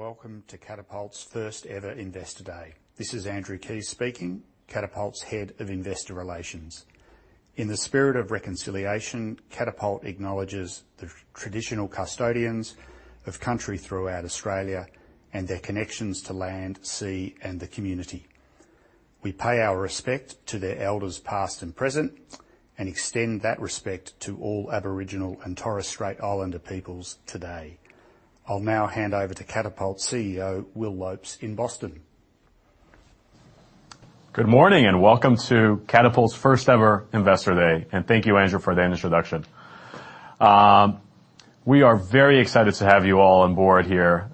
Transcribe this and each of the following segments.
Welcome to Catapult's first-ever Investor Day. This is Andrew Keys speaking, Catapult's Head of Investor Relations. In the spirit of reconciliation, Catapult acknowledges the traditional custodians of country throughout Australia and their connections to land, sea, and the community. We pay our respect to their elders past and present, and extend that respect to all Aboriginal and Torres Strait Islander peoples today. I'll now hand over to Catapult CEO, Will Lopes in Boston. Good morning, welcome to Catapult's first-ever Investor Day. Thank you, Andrew, for that introduction. We are very excited to have you all on board here,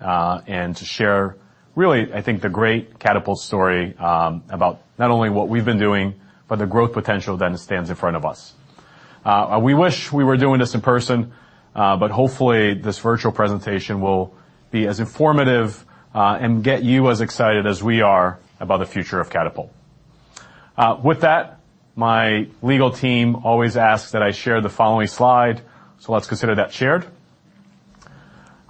and to share really, I think the great Catapult story, about not only what we've been doing, but the growth potential that stands in front of us. We wish we were doing this in person, but hopefully, this virtual presentation will be as informative, and get you as excited as we are about the future of Catapult. With that, my legal team always asks that I share the following slide, so let's consider that shared.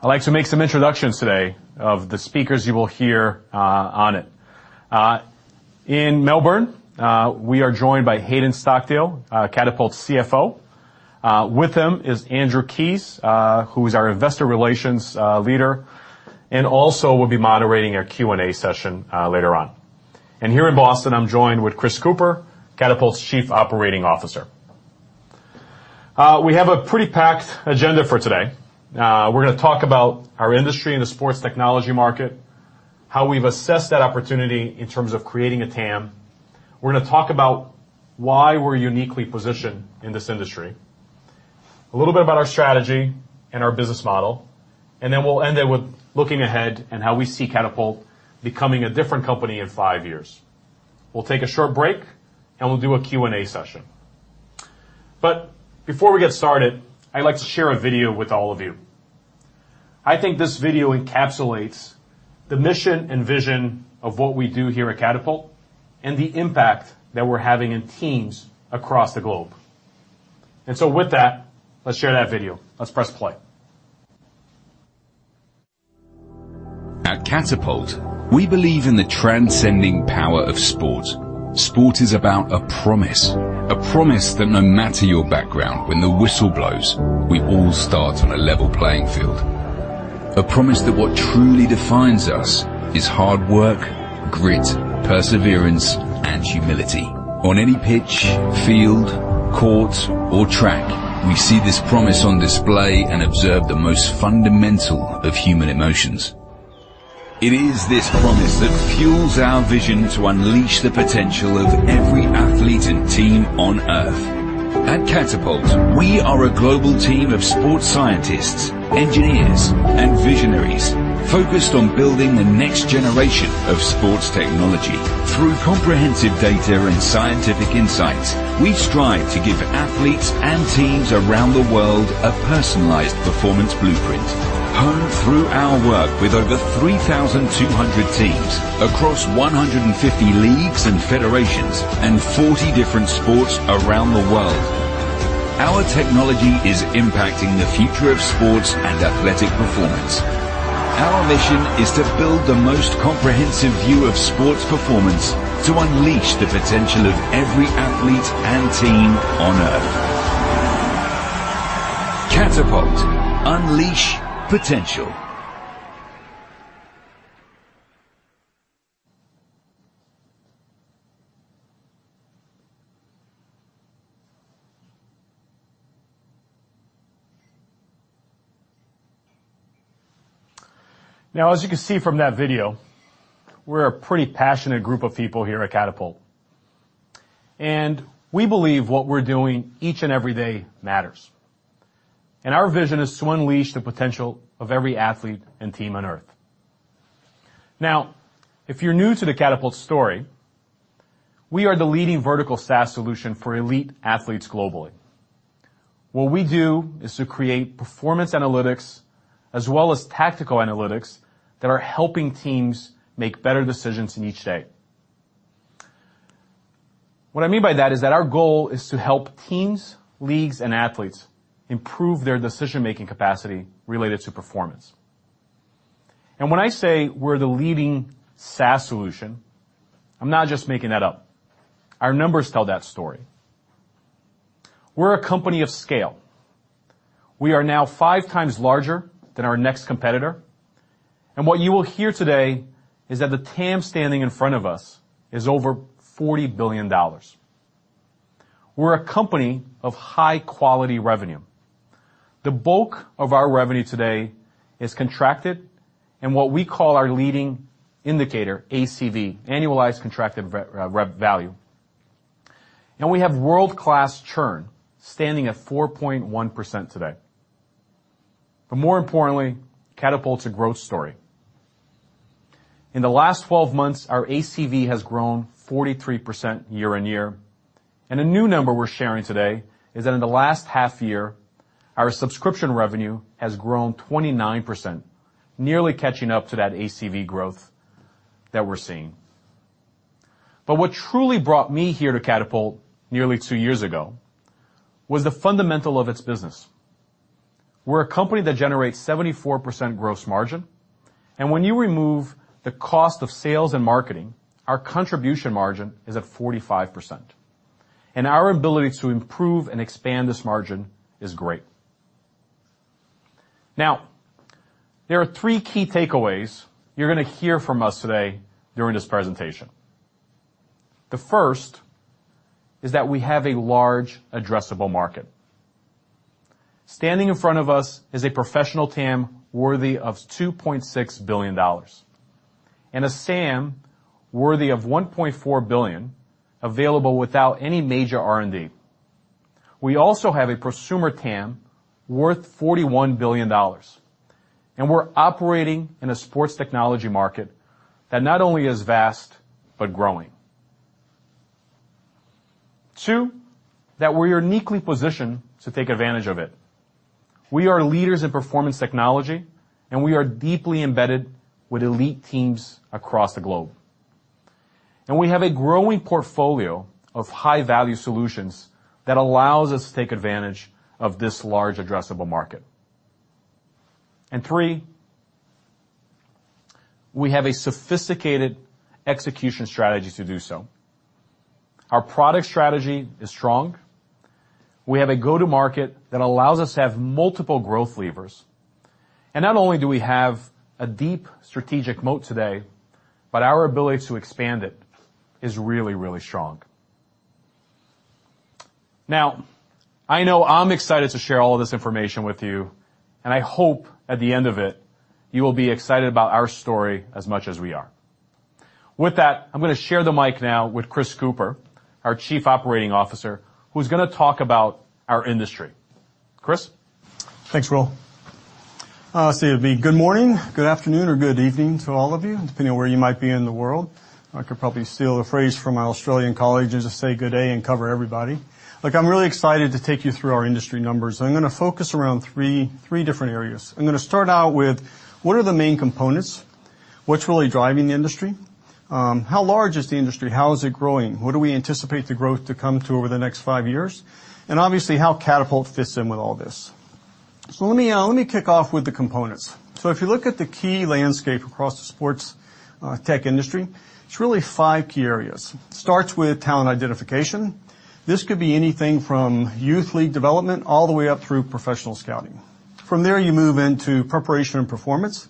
I'd like to make some introductions today of the speakers you will hear, on it. In Melbourne, we are joined by Hayden Stockdale, Catapult's CFO. With him is Andrew Keys, who is our investor relations leader, and also will be moderating our Q&A session later on. Here in Boston, I'm joined with Chris Cooper, Catapult's Chief Operating Officer. We have a pretty packed agenda for today. We're gonna talk about our industry and the sports technology market, how we've assessed that opportunity in terms of creating a TAM. We're gonna talk about why we're uniquely positioned in this industry. A little bit about our strategy and our business model, and then we'll end it with looking ahead and how we see Catapult becoming a different company in five years. We'll take a short break, and we'll do a Q&A session. Before we get started, I'd like to share a video with all of you. I think this video encapsulates the mission and vision of what we do here at Catapult and the impact that we're having in teams across the globe. With that, let's share that video. Let's press play. At Catapult, we believe in the transcending power of sport. Sport is about a promise, a promise that no matter your background, when the whistle blows, we all start on a level playing field. A promise that what truly defines us is hard work, grit, perseverance, and humility. On any pitch, field, court, or track, we see this promise on display and observe the most fundamental of human emotions. It is this promise that fuels our vision to unleash the potential of every athlete and team on Earth. At Catapult, we are a global team of sports scientists, engineers, and visionaries focused on building the next generation of sports technology. Through comprehensive data and scientific insights, we strive to give athletes and teams around the world a personalized performance blueprint. Honed through our work with over 3,200 teams across 150 leagues and federations and 40 different sports around the world, our technology is impacting the future of sports and athletic performance. Our mission is to build the most comprehensive view of sports performance to unleash the potential of every athlete and team on Earth. Catapult. Unleash potential. Now, as you can see from that video, we're a pretty passionate group of people here at Catapult, and we believe what we're doing each and every day matters. Our vision is to unleash the potential of every athlete and team on Earth. Now, if you're new to the Catapult story, we are the leading vertical SaaS solution for elite athletes globally. What we do is to create performance analytics as well as tactical analytics that are helping teams make better decisions in each day. What I mean by that is that our goal is to help teams, leagues, and athletes improve their decision-making capacity related to performance. When I say we're the leading SaaS solution, I'm not just making that up. Our numbers tell that story. We're a company of scale. We are now 5 times larger than our next competitor, and what you will hear today is that the TAM standing in front of us is over $40 billion. We're a company of high-quality revenue. The bulk of our revenue today is contracted in what we call our leading indicator, ACV, Annualized Contract Value. We have world-class churn standing at 4.1% today. More importantly, Catapult's a growth story. In the last 12 months, our ACV has grown 43% year-on-year, and a new number we're sharing today is that in the last half year, our subscription revenue has grown 29%, nearly catching up to that ACV growth that we're seeing. What truly brought me here to Catapult nearly 2 years ago was the fundamental of its business. We're a company that generates 74% gross margin, and when you remove the cost of sales and marketing, our contribution margin is at 45%, and our ability to improve and expand this margin is great. Now, there are three key takeaways you're gonna hear from us today during this presentation. The first is that we have a large addressable market. Standing in front of us is a professional TAM worthy of $2.6 billion, and a SAM worthy of $1.4 billion available without any major R&D. We also have a prosumer TAM worth $41 billion, and we're operating in a sports technology market that not only is vast, but growing. Two, that we're uniquely positioned to take advantage of it. We are leaders in performance technology, and we are deeply embedded with elite teams across the globe. We have a growing portfolio of high-value solutions that allows us to take advantage of this large addressable market. Three, we have a sophisticated execution strategy to do so. Our product strategy is strong. We have a go-to-market that allows us to have multiple growth levers, and not only do we have a deep strategic moat today, but our ability to expand it is really, really strong. Now, I know I'm excited to share all of this information with you, and I hope at the end of it you will be excited about our story as much as we are. With that, I'm gonna share the mic now with Chris Cooper, our Chief Operating Officer, who's gonna talk about our industry. Chris? Thanks, Will. It'd be good morning, good afternoon, or good evening to all of you, depending on where you might be in the world. I could probably steal a phrase from my Australian colleagues and just say good day and cover everybody. Look, I'm really excited to take you through our industry numbers. I'm gonna focus around three different areas. I'm gonna start out with what are the main components, what's really driving the industry, how large is the industry, how is it growing? What do we anticipate the growth to come to over the next five years? Obviously, how Catapult fits in with all this. Let me kick off with the components. If you look at the key landscape across the sports tech industry, it's really five key areas. Starts with talent identification. This could be anything from youth league development all the way up through professional scouting. From there, you move into preparation and performance.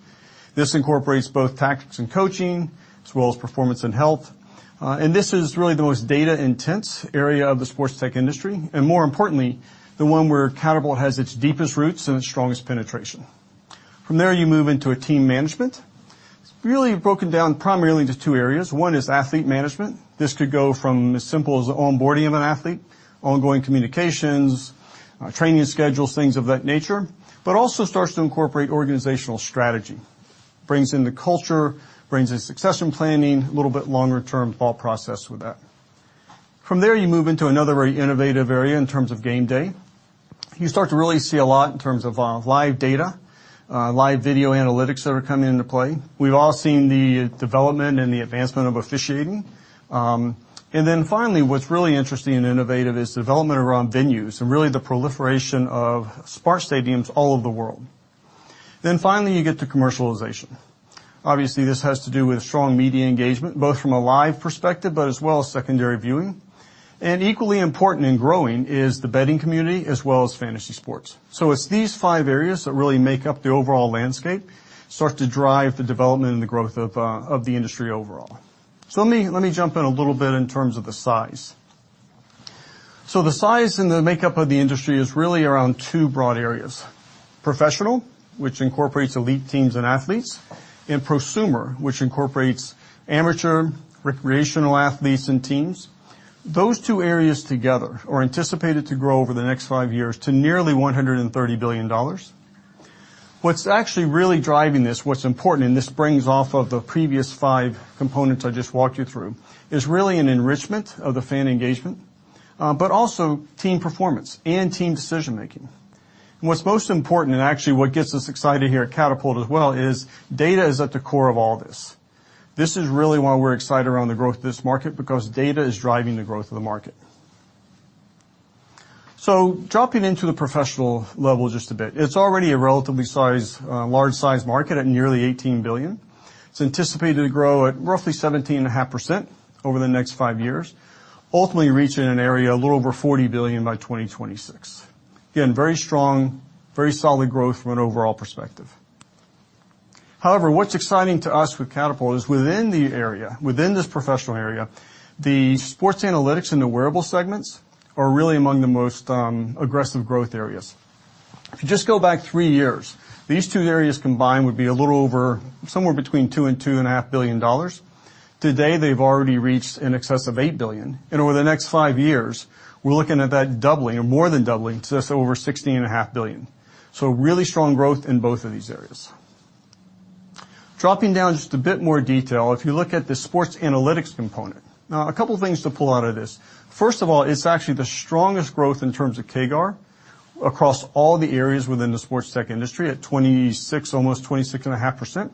This incorporates both tactics and coaching, as well as performance and health. and this is really the most data intense area of the sports tech industry, and more importantly, the one where Catapult has its deepest roots and its strongest penetration. From there, you move into a team management. It's really broken down primarily into two areas. One is athlete management. This could go from as simple as onboarding of an athlete, ongoing communications, training schedules, things of that nature, but also starts to incorporate organizational strategy. Brings in the culture, brings in succession planning, a little bit longer term thought process with that. From there, you move into another very innovative area in terms of game day. You start to really see a lot in terms of live data, live video analytics that are coming into play. We've all seen the development and the advancement of officiating. Then finally, what's really interesting and innovative is development around venues and really the proliferation of smart stadiums all over the world. Finally, you get to commercialization. Obviously, this has to do with strong media engagement, both from a live perspective, but as well as secondary viewing. Equally important in growing is the betting community as well as fantasy sports. It's these five areas that really make up the overall landscape, start to drive the development and the growth of the industry overall. Let me jump in a little bit in terms of the size. The size and the makeup of the industry is really around two broad areas. Professional, which incorporates elite teams and athletes, and prosumer, which incorporates amateur, recreational athletes and teams. Those two areas together are anticipated to grow over the next five years to nearly $130 billion. What's actually really driving this, what's important, and this brings off of the previous five components I just walked you through, is really an enrichment of the fan engagement, but also team performance and team decision-making. What's most important, and actually what gets us excited here at Catapult as well, is data is at the core of all this. This is really why we're excited around the growth of this market, because data is driving the growth of the market. Dropping into the professional level just a bit. It's already a relatively sized, large size market at nearly $18 billion. It's anticipated to grow at roughly 17.5% over the next 5 years, ultimately reaching an area a little over $40 billion by 2026. Again, very strong, very solid growth from an overall perspective. However, what's exciting to us with Catapult is within the area, within this professional area, the sports analytics and the wearable segments are really among the most, aggressive growth areas. If you just go back 3 years, these two areas combined would be a little over somewhere between $2 billion and $2.5 billion. Today, they've already reached in excess of $8 billion, and over the next 5 years, we're looking at that doubling or more than doubling to just over $16.5 billion. Really strong growth in both of these areas. Dropping down just a bit more detail, if you look at the sports analytics component. Now, a couple of things to pull out of this. First of all, it's actually the strongest growth in terms of CAGR. Across all the areas within the sports tech industry at 26, almost 26.5%.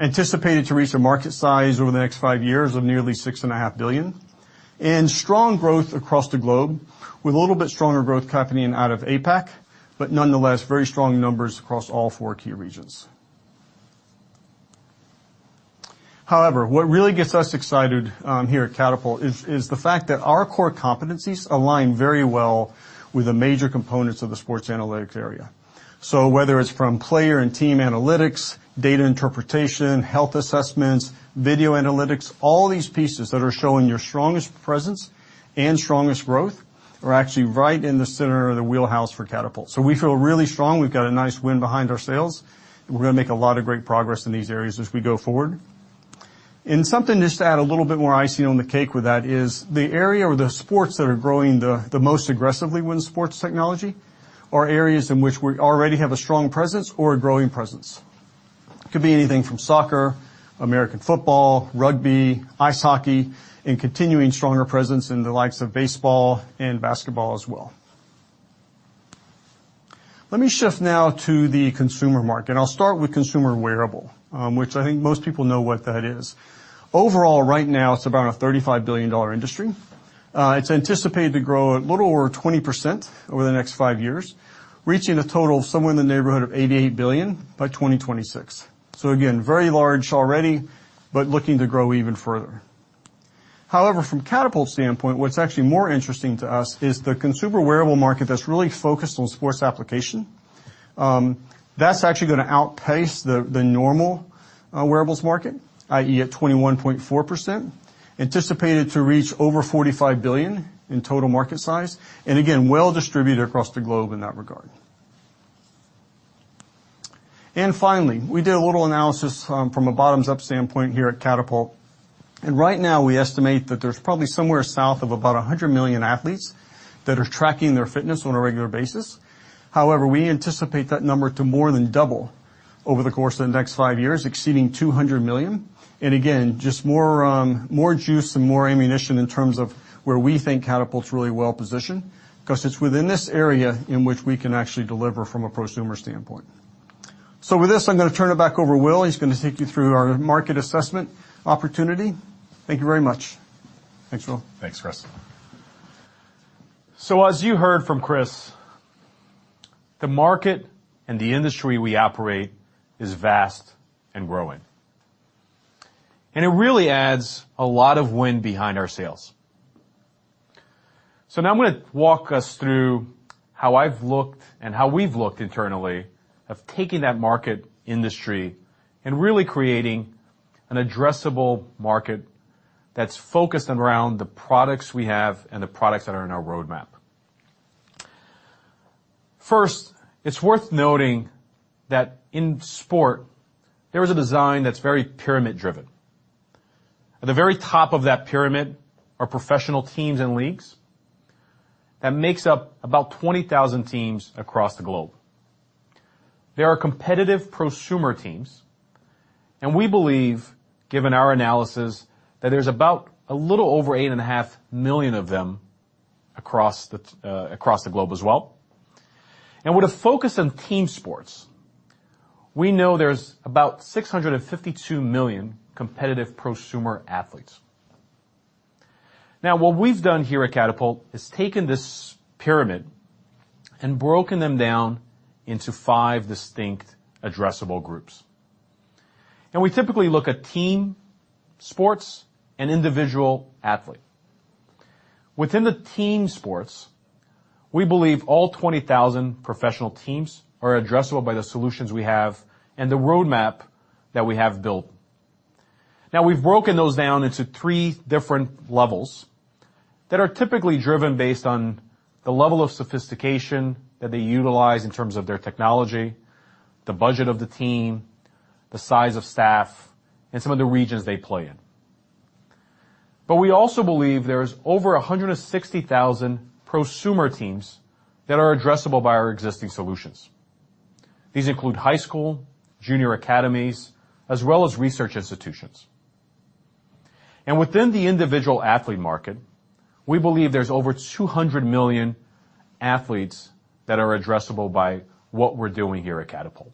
Anticipated to reach a market size over the next 5 years of nearly $6.5 billion. Strong growth across the globe, with a little bit stronger growth happening out of APAC, but nonetheless, very strong numbers across all 4 key regions. However, what really gets us excited here at Catapult is the fact that our core competencies align very well with the major components of the sports analytics area. Whether it's from player and team analytics, data interpretation, health assessments, video analytics, all these pieces that are showing your strongest presence and strongest growth are actually right in the center of the wheelhouse for Catapult. We feel really strong. We've got a nice wind behind our sails, and we're gonna make a lot of great progress in these areas as we go forward. Something just to add a little bit more icing on the cake with that is the area or the sports that are growing the most aggressively within sports technology are areas in which we already have a strong presence or a growing presence. It could be anything from soccer, American football, rugby, ice hockey, and continuing stronger presence in the likes of baseball and basketball as well. Let me shift now to the consumer market. I'll start with consumer wearable, which I think most people know what that is. Overall, right now, it's about a $35 billion industry. It's anticipated to grow a little over 20% over the next 5 years, reaching a total of somewhere in the neighborhood of $88 billion by 2026. Again, very large already, but looking to grow even further. However, from Catapult's standpoint, what's actually more interesting to us is the consumer wearable market that's really focused on sports application. That's actually gonna outpace the normal wearables market, i.e., at 21.4%. Anticipated to reach over $45 billion in total market size, and again, well distributed across the globe in that regard. Finally, we did a little analysis from a bottoms-up standpoint here at Catapult, and right now, we estimate that there's probably somewhere south of about 100 million athletes that are tracking their fitness on a regular basis. However, we anticipate that number to more than double over the course of the next five years, exceeding 200 million. Again, just more juice and more ammunition in terms of where we think Catapult's really well-positioned 'cause it's within this area in which we can actually deliver from a prosumer standpoint. So with this, I'm gonna turn it back over to Will. He's gonna take you through our market assessment opportunity. Thank you very much. Thanks, Will. Thanks, Chris. As you heard from Chris, the market and the industry we operate is vast and growing. It really adds a lot of wind behind our sails. Now I'm gonna walk us through how I've looked and how we've looked internally of taking that market industry and really creating an addressable market that's focused around the products we have and the products that are in our roadmap. First, it's worth noting that in sport, there is a design that's very pyramid-driven. At the very top of that pyramid are professional teams and leagues. That makes up about 20,000 teams across the globe. There are competitive prosumer teams, and we believe, given our analysis, that there's about a little over 8.5 million of them across the globe as well. With a focus on team sports, we know there's about 652 million competitive prosumer athletes. Now, what we've done here at Catapult is taken this pyramid and broken them down into five distinct addressable groups. We typically look at team, sports, and individual athlete. Within the team sports, we believe all 20,000 professional teams are addressable by the solutions we have and the roadmap that we have built. Now, we've broken those down into three different levels that are typically driven based on the level of sophistication that they utilize in terms of their technology, the budget of the team, the size of staff, and some of the regions they play in. We also believe there's over 160,000 prosumer teams that are addressable by our existing solutions. These include high school, junior academies, as well as research institutions. Within the individual athlete market, we believe there's over 200 million athletes that are addressable by what we're doing here at Catapult.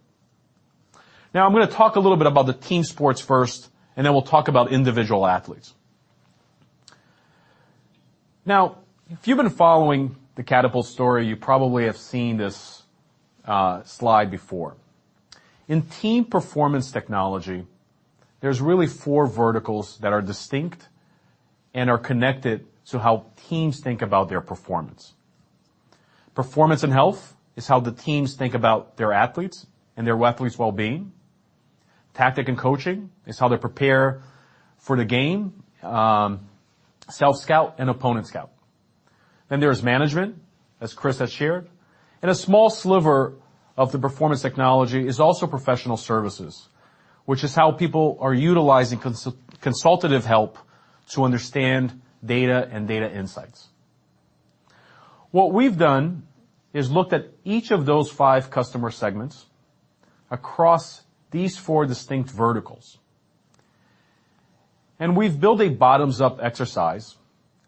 Now, I'm gonna talk a little bit about the team sports first, and then we'll talk about individual athletes. Now, if you've been following the Catapult story, you probably have seen this slide before. In team performance technology, there's really four verticals that are distinct and are connected to how teams think about their performance. Performance and health is how the teams think about their athletes and their athletes' wellbeing. Tactic and coaching is how they prepare for the game, self-scout and opponent scout. Then there's management, as Chris has shared, and a small sliver of the performance technology is also professional services, which is how people are utilizing consultative help to understand data and data insights. What we've done is looked at each of those five customer segments across these four distinct verticals. We've built a bottoms-up exercise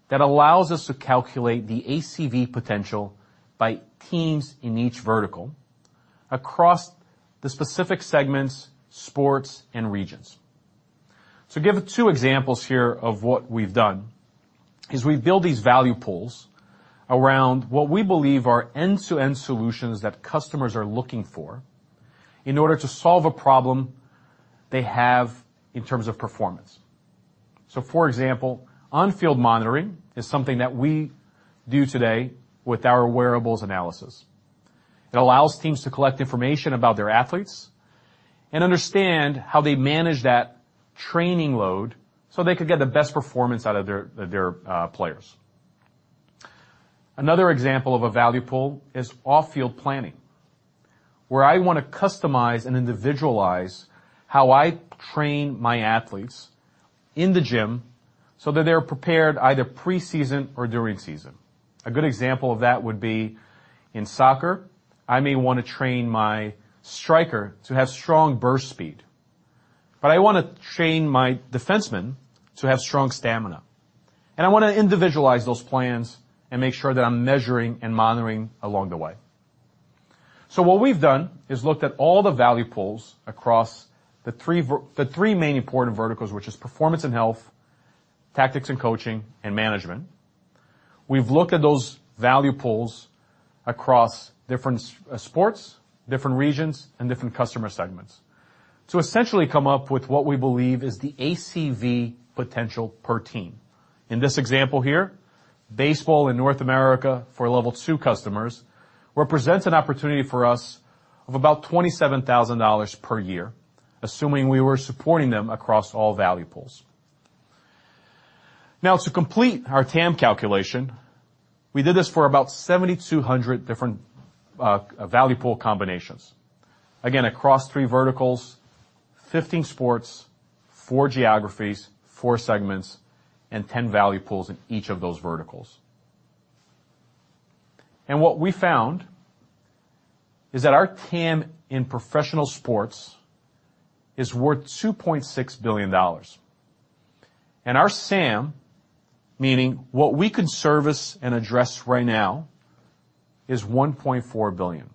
that allows us to calculate the ACV potential by teams in each vertical across the specific segments, sports, and regions. To give two examples here of what we've done is we build these value pools around what we believe are end-to-end solutions that customers are looking for in order to solve a problem they have in terms of performance. For example, on-field monitoring is something that we do today with our wearables analysis. It allows teams to collect information about their athletes and understand how they manage that training load so they could get the best performance out of their players. Another example of a value pool is off-field planning, where I wanna customize and individualize how I train my athletes in the gym so that they're prepared either preseason or during season. A good example of that would be in soccer, I may wanna train my striker to have strong burst speed, but I wanna train my defenseman to have strong stamina. I wanna individualize those plans and make sure that I'm measuring and monitoring along the way. What we've done is looked at all the value pools across the three main important verticals, which is performance and health, tactics and coaching, and management. We've looked at those value pools across different sports, different regions, and different customer segments to essentially come up with what we believe is the ACV potential per team. In this example here, baseball in North America for level 2 customers represents an opportunity for us of about $27,000 per year, assuming we were supporting them across all value pools. Now to complete our TAM calculation, we did this for about 7,200 different value pool combinations. Again, across three verticals, 15 sports, four geographies, four segments, and 10 value pools in each of those verticals. What we found is that our TAM in professional sports is worth $2.6 billion. Our SAM, meaning what we can service and address right now, is $1.4 billion.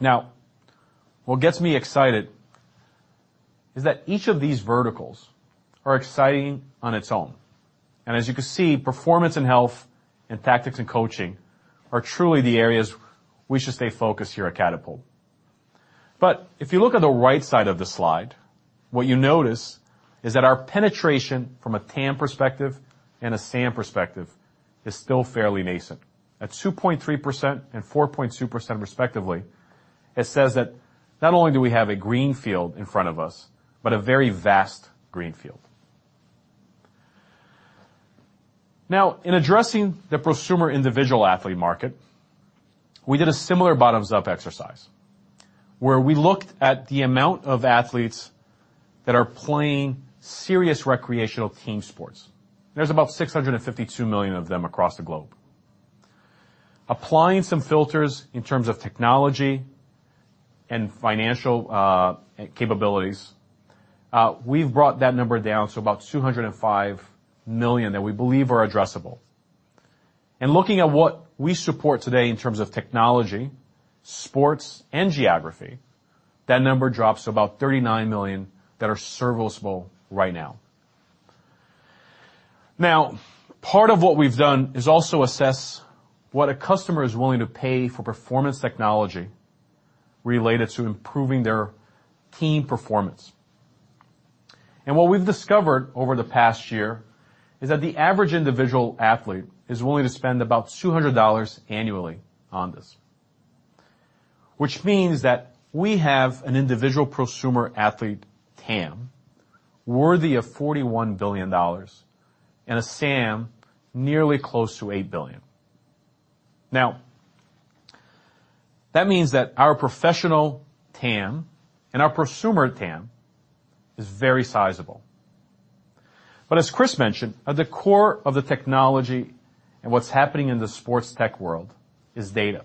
Now, what gets me excited is that each of these verticals are exciting on its own. As you can see, performance and health and tactics and coaching are truly the areas we should stay focused here at Catapult. If you look at the right side of the slide, what you notice is that our penetration from a TAM perspective and a SAM perspective is still fairly nascent. At 2.3% and 4.2% respectively, it says that not only do we have a green field in front of us, but a very vast green field. Now, in addressing the prosumer individual athlete market, we did a similar bottoms-up exercise where we looked at the amount of athletes that are playing serious recreational team sports. There's about 652 million of them across the globe. Applying some filters in terms of technology and financial capabilities, we've brought that number down to about 205 million that we believe are addressable. Looking at what we support today in terms of technology, sports, and geography, that number drops to about 39 million that are serviceable right now. Now, part of what we've done is also assess what a customer is willing to pay for performance technology related to improving their team performance. What we've discovered over the past year is that the average individual athlete is willing to spend about $200 annually on this. Which means that we have an individual prosumer athlete TAM worthy of $41 billion and a SAM nearly close to $8 billion. Now, that means that our professional TAM and our prosumer TAM is very sizable. As Chris mentioned, at the core of the technology and what's happening in the sports tech world is data.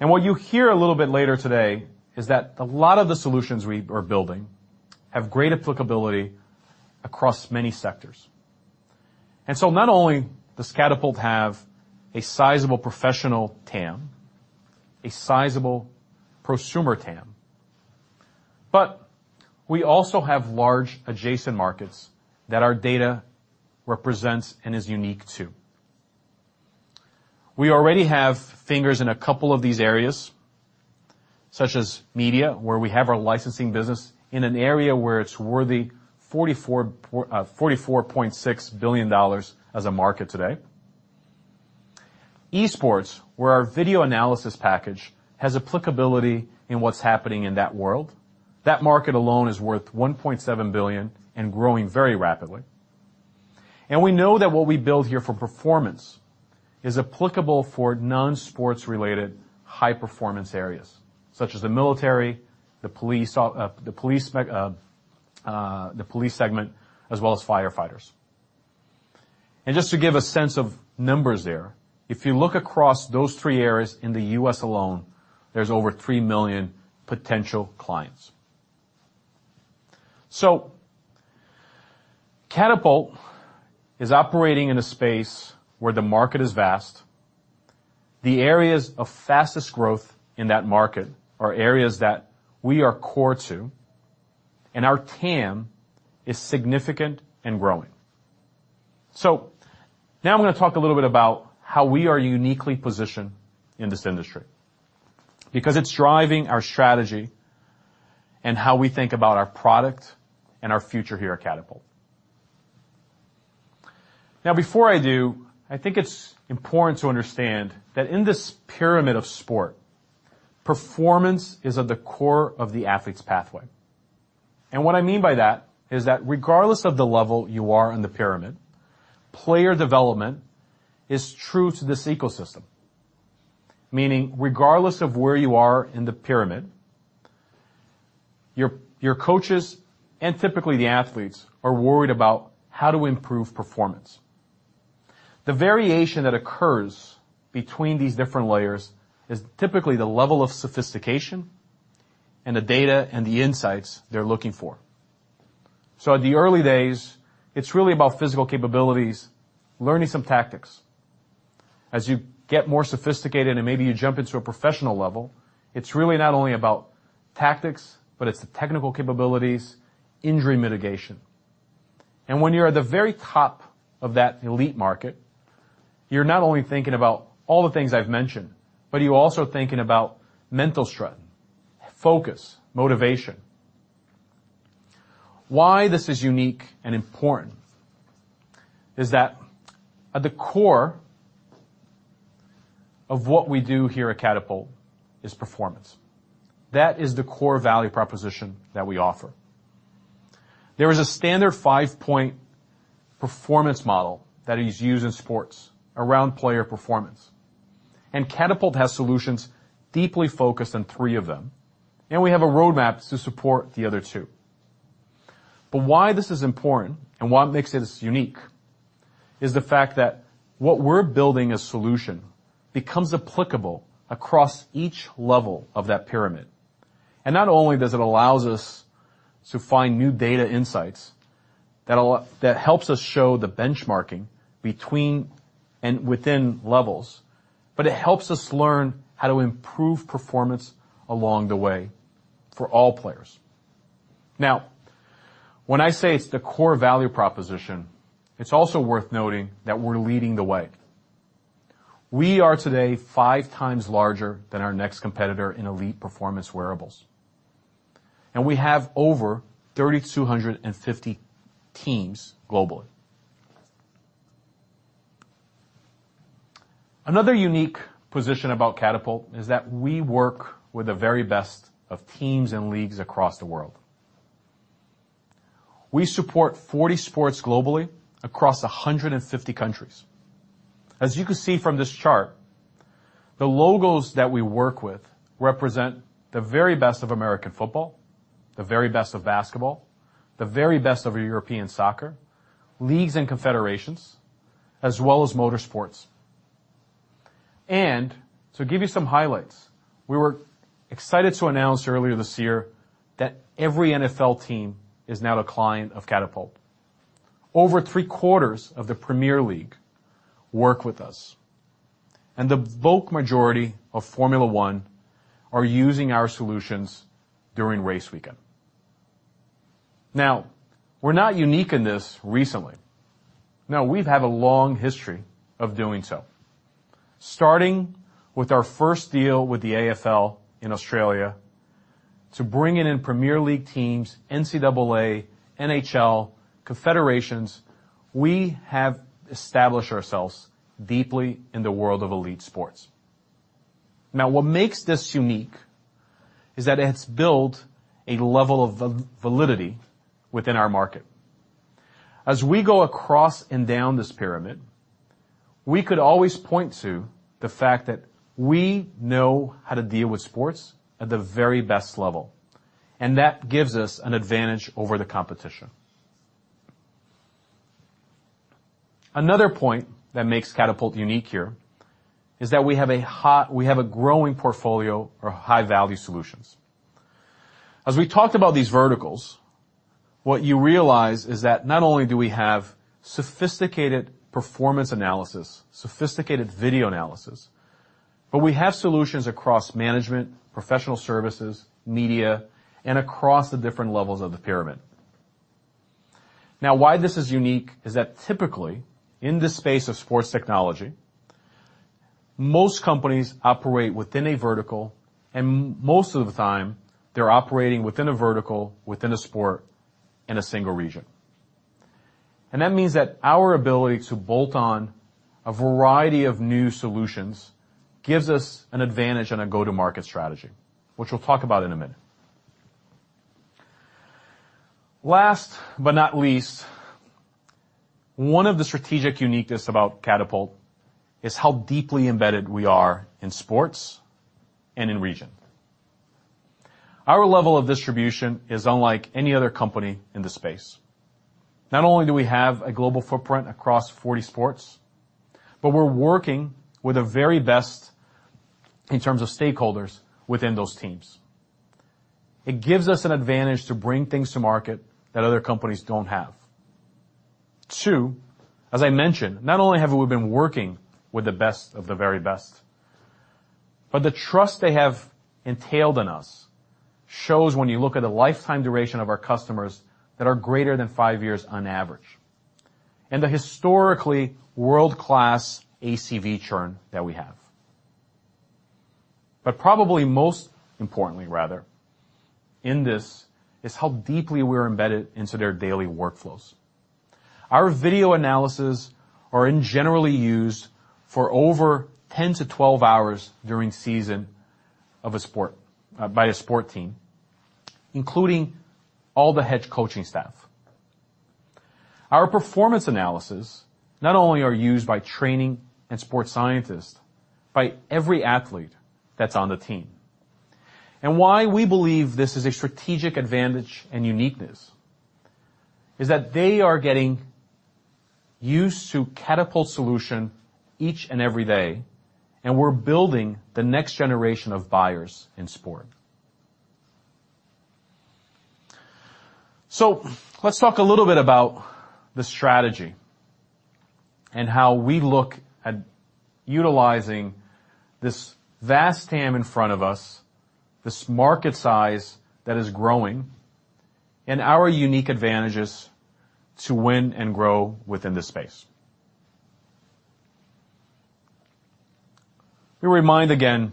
What you'll hear a little bit later today is that a lot of the solutions we are building have great applicability across many sectors. Not only does Catapult have a sizable professional TAM, a sizable prosumer TAM, but we also have large adjacent markets that our data represents and is unique to. We already have fingers in a couple of these areas, such as media, where we have our licensing business in an area where it's worth $44.6 billion as a market today. Esports, where our video analysis package has applicability in what's happening in that world. That market alone is worth $1.7 billion and growing very rapidly. We know that what we build here for performance is applicable for non-sports related high-performance areas, such as the military, the police segment, as well as firefighters. Just to give a sense of numbers there, if you look across those three areas in the U.S. alone, there's over three million potential clients. Catapult is operating in a space where the market is vast. The areas of fastest growth in that market are areas that we are core to, and our TAM is significant and growing. Now I'm gonna talk a little bit about how we are uniquely positioned in this industry because it's driving our strategy and how we think about our product and our future here at Catapult. Now, before I do, I think it's important to understand that in this pyramid of sport, performance is at the core of the athlete's pathway. What I mean by that is that regardless of the level you are in the pyramid, player development is true to this ecosystem. Meaning regardless of where you are in the pyramid, your coaches and typically the athletes are worried about how to improve performance. The variation that occurs between these different layers is typically the level of sophistication and the data and the insights they're looking for. At the early days, it's really about physical capabilities, learning some tactics. As you get more sophisticated and maybe you jump into a professional level, it's really not only about tactics, but it's the technical capabilities, injury mitigation. When you're at the very top of that elite market, you're not only thinking about all the things I've mentioned, but you're also thinking about mental strength, focus, motivation. Why this is unique and important is that at the core of what we do here at Catapult is performance. That is the core value proposition that we offer. There is a standard five-point performance model that is used in sports around player performance, and Catapult has solutions deeply focused on three of them, and we have a roadmap to support the other two. Why this is important and what makes this unique is the fact that what we're building a solution becomes applicable across each level of that pyramid. Not only does it allows us to find new data insights that helps us show the benchmarking between and within levels, but it helps us learn how to improve performance along the way for all players. Now, when I say it's the core value proposition, it's also worth noting that we're leading the way. We are today five times larger than our next competitor in elite performance wearables, and we have over 3,250 teams globally. Another unique position about Catapult is that we work with the very best of teams and leagues across the world. We support 40 sports globally across 150 countries. As you can see from this chart, the logos that we work with represent the very best of American football, the very best of basketball, the very best of European soccer, leagues and confederations, as well as motorsports. To give you some highlights, we were excited to announce earlier this year that every NFL team is now a client of Catapult. Over three-quarters of the Premier League work with us, and the bulk majority of Formula One are using our solutions during race weekend. Now, we're not unique in this recently. No, we've had a long history of doing so. Starting with our first deal with the AFL in Australia to bring in Premier League teams, NCAA, NHL, confederations, we have established ourselves deeply in the world of elite sports. Now, what makes this unique is that it's built a level of validity within our market. As we go across and down this pyramid, we could always point to the fact that we know how to deal with sports at the very best level, and that gives us an advantage over the competition. Another point that makes Catapult unique here is that we have a growing portfolio for high-value solutions. As we talked about these verticals, what you realize is that not only do we have sophisticated performance analysis, sophisticated video analysis, but we have solutions across management, professional services, media, and across the different levels of the pyramid. Now, why this is unique is that typically, in this space of sports technology, most companies operate within a vertical, and most of the time, they're operating within a vertical, within a sport, in a single region. That means that our ability to bolt on a variety of new solutions gives us an advantage and a go-to-market strategy, which we'll talk about in a minute. Last but not least, one of the strategic uniqueness about Catapult is how deeply embedded we are in sports and in region. Our level of distribution is unlike any other company in the space. Not only do we have a global footprint across 40 sports, but we're working with the very best in terms of stakeholders within those teams. It gives us an advantage to bring things to market that other companies don't have. Two, as I mentioned, not only have we been working with the best of the very best, but the trust they have entrusted in us shows when you look at the lifetime duration of our customers that are greater than five years on average, and the historically world-class ACV churn that we have. Probably most importantly in this is how deeply we're embedded into their daily workflows. Our video analyses are generally used for over 10-12 hours during the season of a sport by a sport team, including all the head coaching staff. Our performance analyses not only are used by training and sports scientists, by every athlete that's on the team. Why we believe this is a strategic advantage and uniqueness is that they are getting used to Catapult solution each and every day, and we're building the next generation of buyers in sport. Let's talk a little bit about the strategy and how we look at utilizing this vast TAM in front of us, this market size that is growing, and our unique advantages to win and grow within this space. We remind again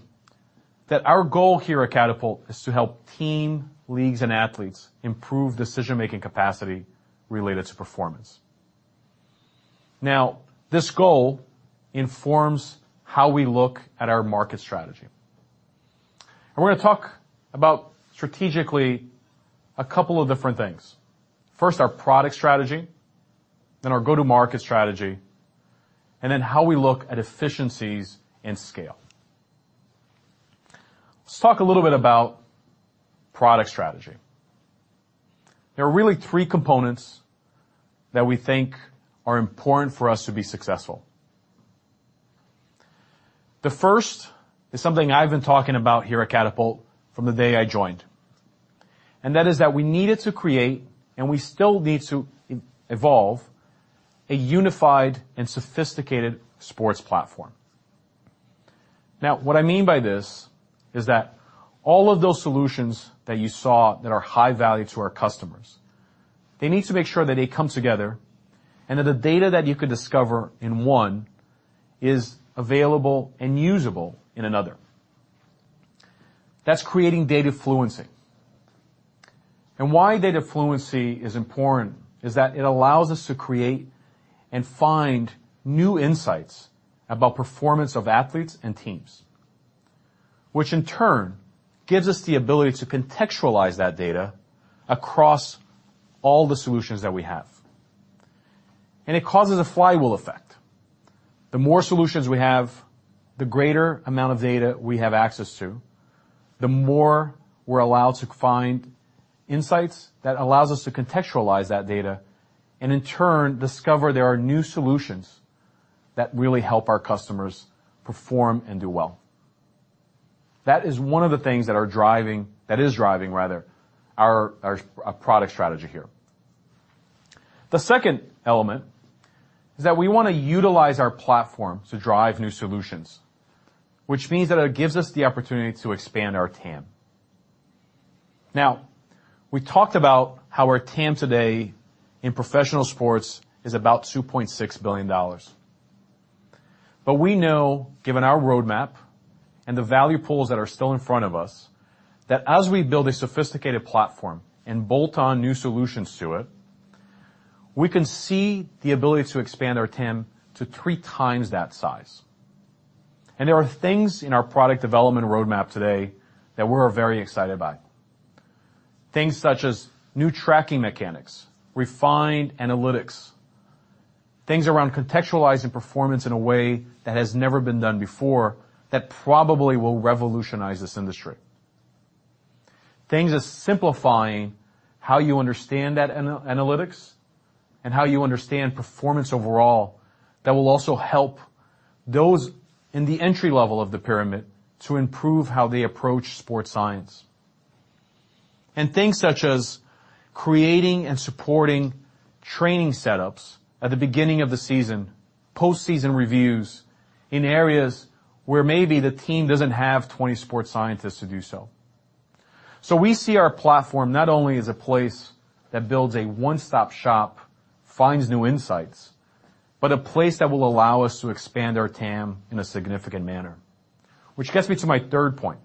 that our goal here at Catapult is to help team, leagues, and athletes improve decision-making capacity related to performance. Now, this goal informs how we look at our market strategy. We're gonna talk about strategically a couple of different things. First, our product strategy, then our go-to-market strategy, and then how we look at efficiencies and scale. Let's talk a little bit about product strategy. There are really three components that we think are important for us to be successful. The first is something I've been talking about here at Catapult from the day I joined, and that is that we needed to create, and we still need to evolve a unified and sophisticated sports platform. Now, what I mean by this is that all of those solutions that you saw that are high value to our customers, they need to make sure that they come together and that the data that you could discover in one is available and usable in another. That's creating data fluency. Why data fluency is important is that it allows us to create and find new insights about performance of athletes and teams, which in turn gives us the ability to contextualize that data across all the solutions that we have. It causes a flywheel effect. The more solutions we have, the greater amount of data we have access to, the more we're allowed to find insights that allows us to contextualize that data and in turn discover there are new solutions that really help our customers perform and do well. That is one of the things that is driving rather our product strategy here. The second element is that we wanna utilize our platform to drive new solutions, which means that it gives us the opportunity to expand our TAM. Now, we talked about how our TAM today in professional sports is about $2.6 billion. We know given our roadmap and the value pools that are still in front of us, that as we build a sophisticated platform and bolt on new solutions to it, we can see the ability to expand our TAM to three times that size. There are things in our product development roadmap today that we're very excited about. Things such as new tracking mechanics, refined analytics, things around contextualizing performance in a way that has never been done before that probably will revolutionize this industry. Things such as simplifying how you understand that analytics and how you understand performance overall that will also help those in the entry level of the pyramid to improve how they approach sports science. Things such as creating and supporting training setups at the beginning of the season, post-season reviews in areas where maybe the team doesn't have 20 sports scientists to do so. We see our platform not only as a place that builds a one-stop shop, finds new insights, but a place that will allow us to expand our TAM in a significant manner. Which gets me to my third point.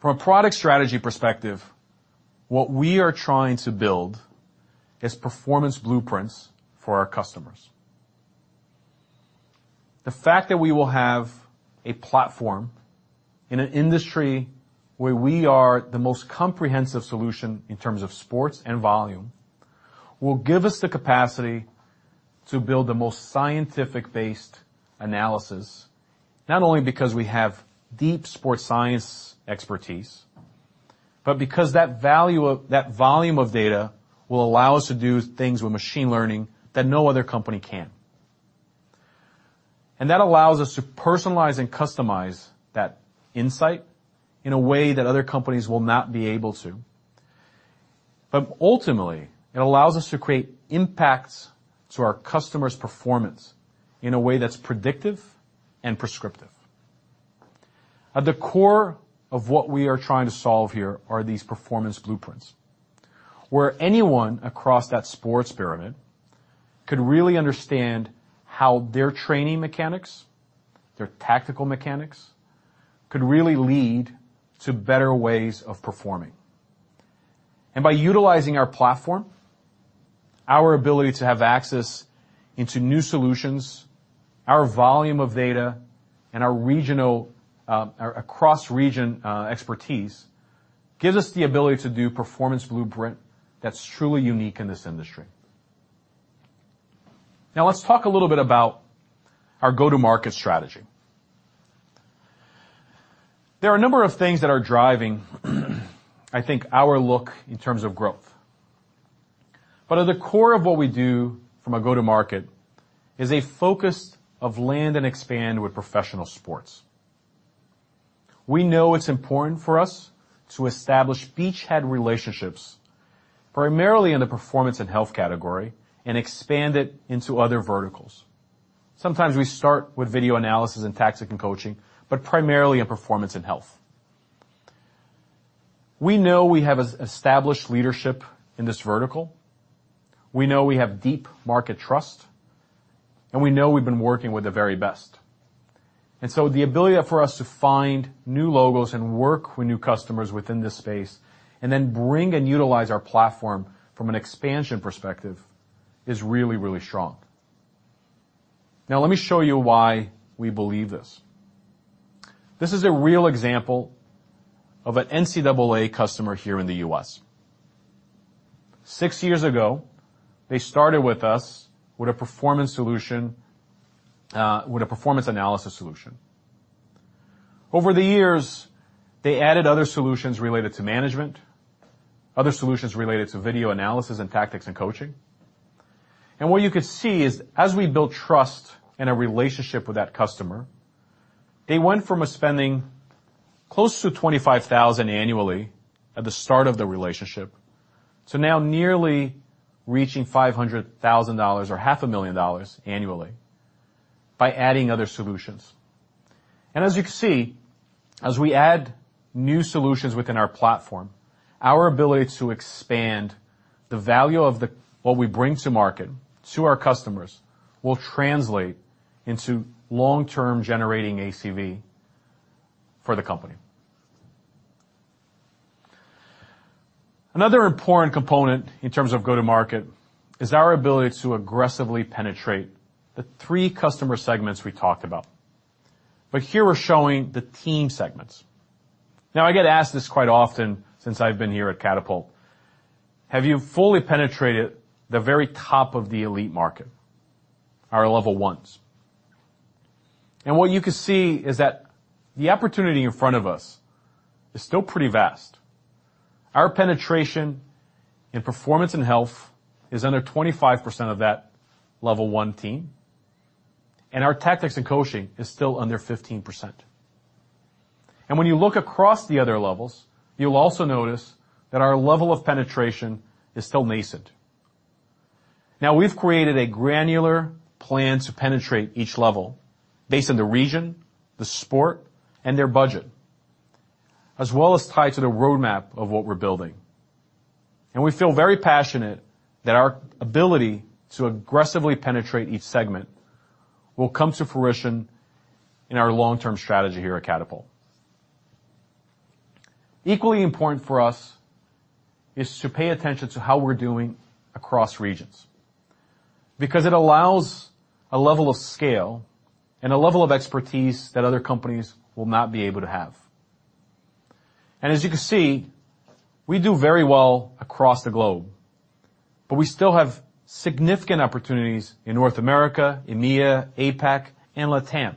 From a product strategy perspective, what we are trying to build is performance blueprints for our customers. The fact that we will have a platform in an industry where we are the most comprehensive solution in terms of sports and volume will give us the capacity to build the most scientific-based analysis, not only because we have deep sports science expertise, but because that volume of data will allow us to do things with machine learning that no other company can. That allows us to personalize and customize that insight in a way that other companies will not be able to. Ultimately, it allows us to create impacts to our customer's performance in a way that's predictive and prescriptive. At the core of what we are trying to solve here are these performance blueprints, where anyone across that sports pyramid could really understand how their training mechanics, their tactical mechanics, could really lead to better ways of performing. By utilizing our platform, our ability to have access into new solutions, our volume of data and our across region expertise gives us the ability to do performance blueprint that's truly unique in this industry. Now let's talk a little bit about our go-to-market strategy. There are a number of things that are driving, I think, our look in terms of growth. At the core of what we do from a go-to-market is a focus of land and expand with professional sports. We know it's important for us to establish beachhead relationships primarily in the performance and health category and expand it into other verticals. Sometimes we start with video analysis and tactics and coaching, but primarily in performance and health. We know we have established leadership in this vertical. We know we have deep market trust, and we know we've been working with the very best. The ability for us to find new logos and work with new customers within this space and then bring and utilize our platform from an expansion perspective is really, really strong. Now let me show you why we believe this. This is a real example of an NCAA customer here in the U.S. Six years ago, they started with us with a performance analysis solution. Over the years, they added other solutions related to management, other solutions related to video analysis and tactics and coaching. What you could see is as we built trust and a relationship with that customer, they went from spending close to $25,000 annually at the start of the relationship to now nearly reaching $500,000 or half a million dollars annually by adding other solutions. As you can see, as we add new solutions within our platform, our ability to expand the value of what we bring to market to our customers will translate into long-term generating ACV for the company. Another important component in terms of go-to-market is our ability to aggressively penetrate the three customer segments we talked about. Here we're showing the team segments. Now I get asked this quite often since I've been here at Catapult: Have you fully penetrated the very top of the elite market, our level ones? What you can see is that the opportunity in front of us is still pretty vast. Our penetration in performance and health is under 25% of that level one team, and our tactics and coaching is still under 15%. When you look across the other levels, you'll also notice that our level of penetration is still nascent. Now we've created a granular plan to penetrate each level based on the region, the sport, and their budget, as well as tied to the roadmap of what we're building. We feel very passionate that our ability to aggressively penetrate each segment will come to fruition in our long-term strategy here at Catapult. Equally important for us is to pay attention to how we're doing across regions because it allows a level of scale and a level of expertise that other companies will not be able to have. As you can see, we do very well across the globe, but we still have significant opportunities in North America, EMEA, APAC, and LATAM.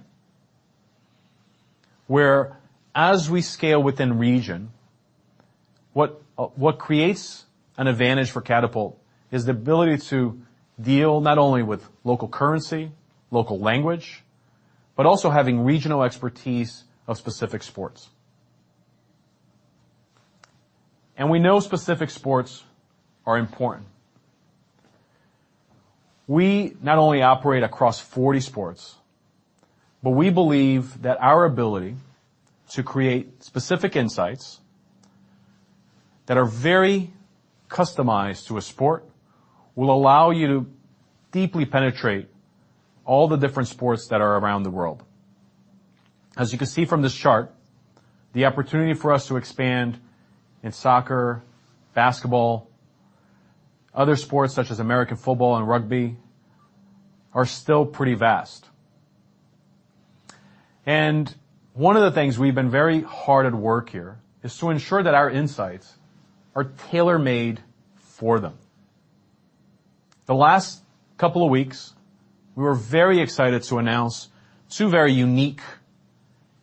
Whereas we scale within region, what creates an advantage for Catapult is the ability to deal not only with local currency, local language, but also having regional expertise of specific sports. We know specific sports are important. We not only operate across 40 sports, but we believe that our ability to create specific insights that are very customized to a sport will allow you to deeply penetrate all the different sports that are around the world. As you can see from this chart, the opportunity for us to expand in soccer, basketball, other sports such as American football and rugby, are still pretty vast. One of the things we've been very hard at work here is to ensure that our insights are tailor-made for them. The last couple of weeks, we were very excited to announce two very unique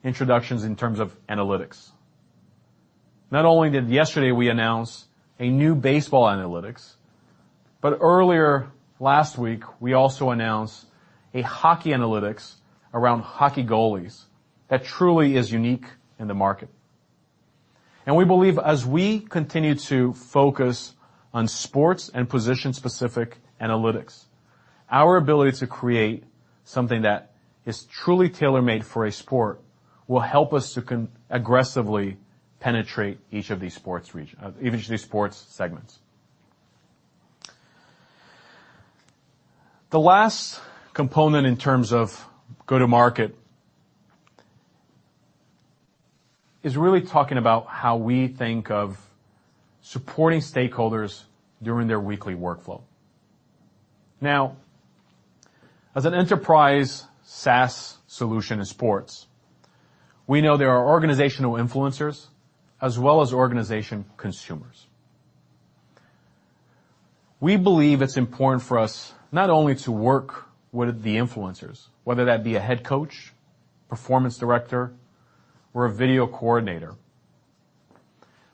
introductions in terms of analytics. Not only did we announce yesterday a new baseball analytics, but earlier last week, we also announced a hockey analytics around hockey goalies that truly is unique in the market. We believe as we continue to focus on sports and position-specific analytics, our ability to create something that is truly tailor-made for a sport will help us to aggressively penetrate each of these sports segments. The last component in terms of go-to-market is really talking about how we think of supporting stakeholders during their weekly workflow. Now, as an enterprise SaaS solution in sports, we know there are organizational influencers as well as organization consumers. We believe it's important for us not only to work with the influencers, whether that be a head coach, performance director, or a video coordinator,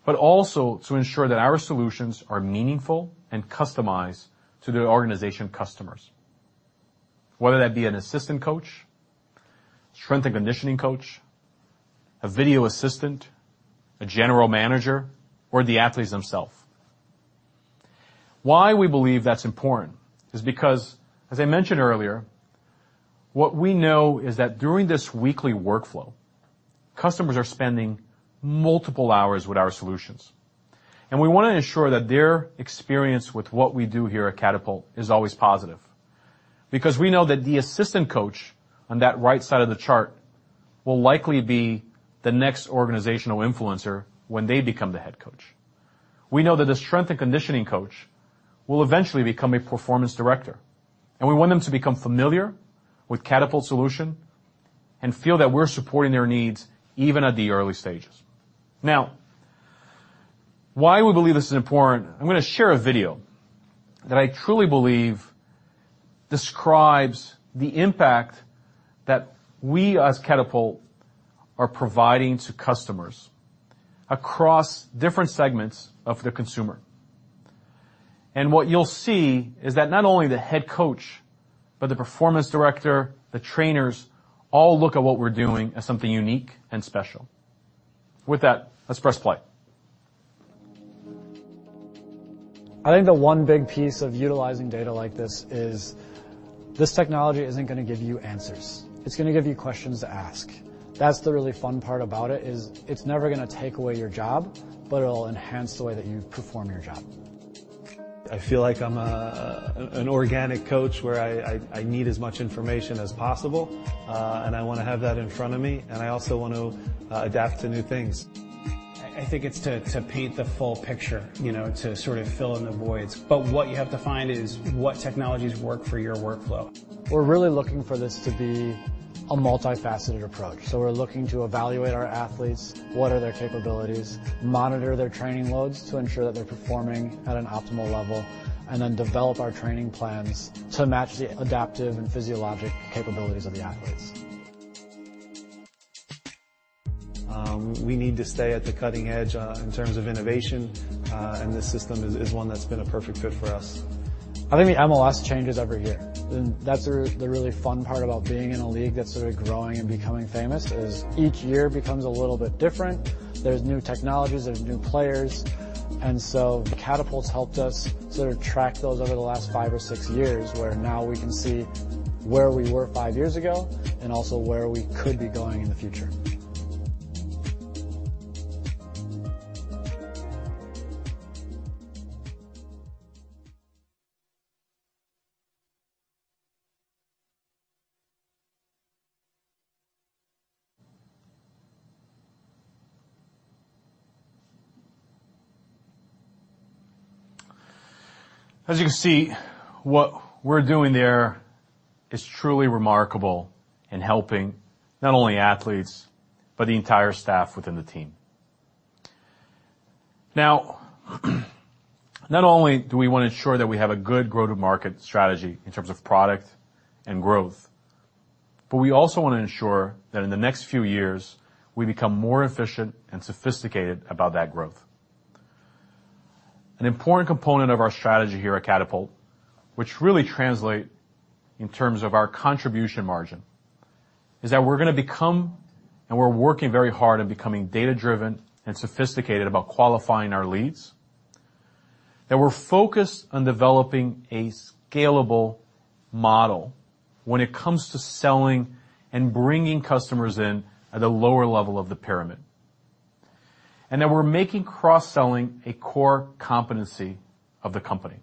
but also to ensure that our solutions are meaningful and customized to the organization customers, whether that be an assistant coach, strength and conditioning coach, a video assistant, a general manager, or the athletes themselves. Why we believe that's important is because, as I mentioned earlier, what we know is that during this weekly workflow, customers are spending multiple hours with our solutions, and we wanna ensure that their experience with what we do here at Catapult is always positive because we know that the assistant coach on that right side of the chart will likely be the next organizational influencer when they become the head coach. We know that the strength and conditioning coach will eventually become a performance director, and we want them to become familiar with Catapult solution and feel that we're supporting their needs even at the early stages. Now, why we believe this is important, I'm gonna share a video that I truly believe describes the impact that we as Catapult are providing to customers across different segments of the consumer. What you'll see is that not only the head coach, but the performance director, the trainers, all look at what we're doing as something unique and special. With that, let's press play. I think the one big piece of utilizing data like this is this technology isn't gonna give you answers. It's gonna give you questions to ask. That's the really fun part about it, is it's never gonna take away your job, but it'll enhance the way that you perform your job. I feel like I'm an organic coach where I need as much information as possible, and I wanna have that in front of me, and I also want to adapt to new things. I think it's to paint the full picture to sort of fill in the voids. What you have to find is what technologies work for your workflow. We're really looking for this to be a multifaceted approach. We're looking to evaluate our athletes, what are their capabilities, monitor their training loads to ensure that they're performing at an optimal level, and then develop our training plans to match the adaptive and physiologic capabilities of the athletes. We need to stay at the cutting edge in terms of innovation, and this system is one that's been a perfect fit for us. I think the MLS changes every year. That's the really fun part about being in a league that's sort of growing and becoming famous, is each year becomes a little bit different. There's new technologies, there's new players, and so Catapult's helped us sort of track those over the last five or six years, where now we can see where we were five years ago and also where we could be going in the future. As you can see, what we're doing there is truly remarkable in helping not only athletes but the entire staff within the team. Now not only do we wanna ensure that we have a good go-to-market strategy in terms of product and growth, but we also wanna ensure that in the next few years, we become more efficient and sophisticated about that growth. An important component of our strategy here at Catapult, which really translate in terms of our contribution margin, is that we're gonna become, and we're working very hard at becoming data-driven and sophisticated about qualifying our leads, that we're focused on developing a scalable model when it comes to selling and bringing customers in at a lower level of the pyramid, and that we're making cross-selling a core competency of the company.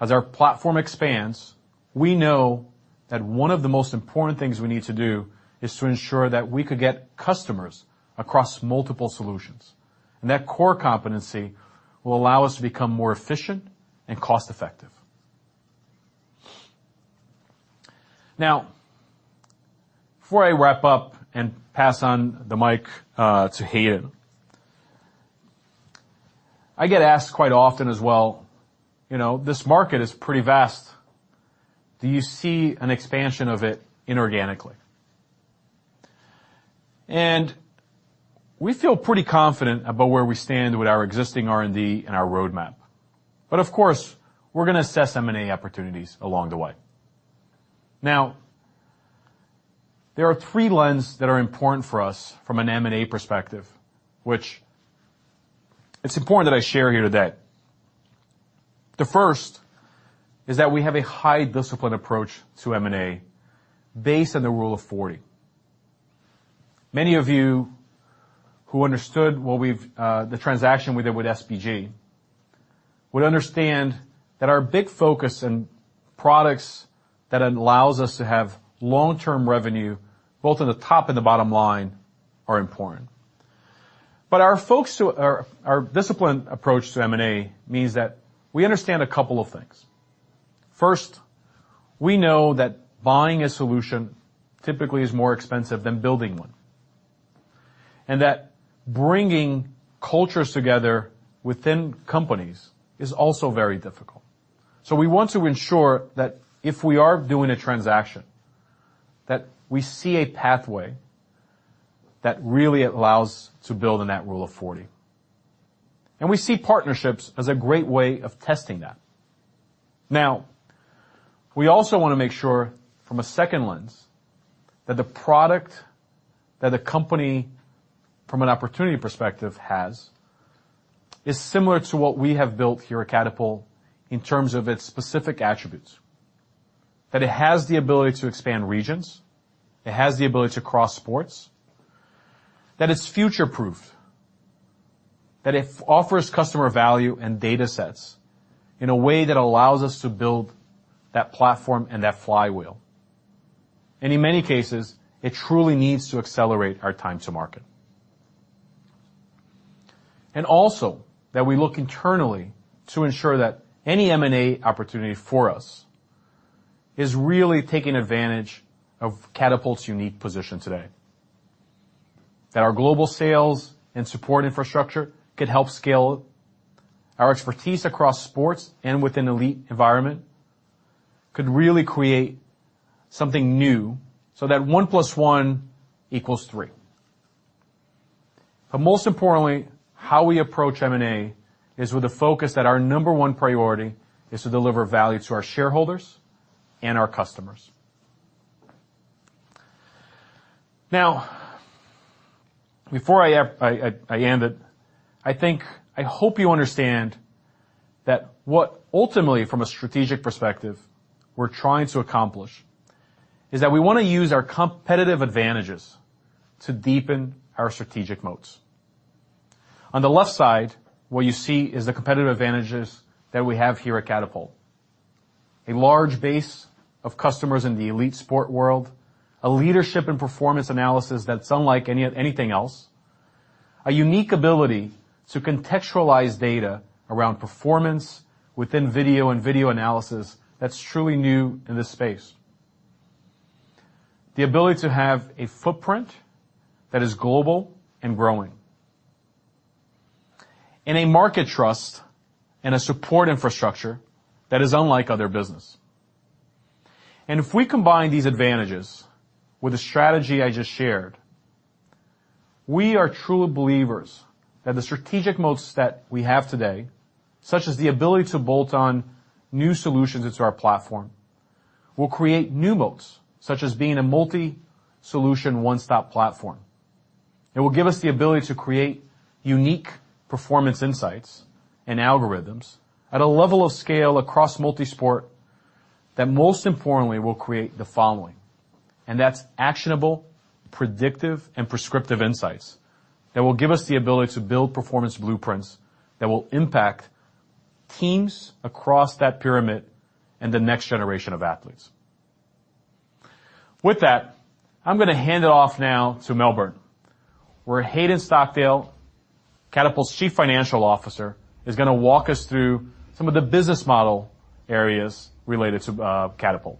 As our platform expands, we know that one of the most important things we need to do is to ensure that we could get customers across multiple solutions, and that core competency will allow us to become more efficient and cost-effective. Now, before I wrap up and pass on the mic to Hayden. I get asked quite often as well this market is pretty vast. Do you see an expansion of it inorganically? We feel pretty confident about where we stand with our existing R&D and our roadmap. Of course, we're gonna assess M&A opportunities along the way. Now, there are three lens that are important for us from an M&A perspective, which it's important that I share here today. The first is that we have a high discipline approach to M&A based on the Rule of 40. Many of you who understood the transaction we did with SBG would understand that our big focus in products that allows us to have long-term revenue, both in the top and the bottom line, are important. Our disciplined approach to M&A means that we understand a couple of things. First, we know that buying a solution typically is more expensive than building one, and that bringing cultures together within companies is also very difficult. We want to ensure that if we are doing a transaction, that we see a pathway that really allows to build in that Rule of 40. We see partnerships as a great way of testing that. Now, we also wanna make sure from a second lens that the product that a company from an opportunity perspective has is similar to what we have built here at Catapult in terms of its specific attributes. That it has the ability to expand regions, it has the ability to cross sports. That it's future-proofed. That it offers customer value and datasets in a way that allows us to build that platform and that flywheel. In many cases, it truly needs to accelerate our time to market. We look internally to ensure that any M&A opportunity for us is really taking advantage of Catapult's unique position today. Our global sales and support infrastructure could help scale. Our expertise across sports and within elite environment could really create something new, so that 1 + 1 equals three. Most importantly, how we approach M&A is with a focus that our number one priority is to deliver value to our shareholders and our customers. Now, before I end it, I think, I hope you understand that what ultimately from a strategic perspective we're trying to accomplish is that we wanna use our competitive advantages to deepen our strategic moats. On the left side, what you see is the competitive advantages that we have here at Catapult. A large base of customers in the elite sport world. A leadership and performance analysis that's unlike anything else. A unique ability to contextualize data around performance within video and video analysis that's truly new in this space. The ability to have a footprint that is global and growing. And a market trust and a support infrastructure that is unlike other business. If we combine these advantages with the strategy I just shared, we are true believers that the strategic moats that we have today, such as the ability to bolt on new solutions into our platform, will create new moats, such as being a multi-solution one-stop platform. It will give us the ability to create unique performance insights and algorithms at a level of scale across multi-sport that most importantly will create the following. That's actionable, predictive, and prescriptive insights that will give us the ability to build performance blueprints that will impact teams across that pyramid and the next generation of athletes. With that, I'm gonna hand it off now to Melbourne, where Hayden Stockdale, Catapult's Chief Financial Officer, is gonna walk us through some of the business model areas related to Catapult.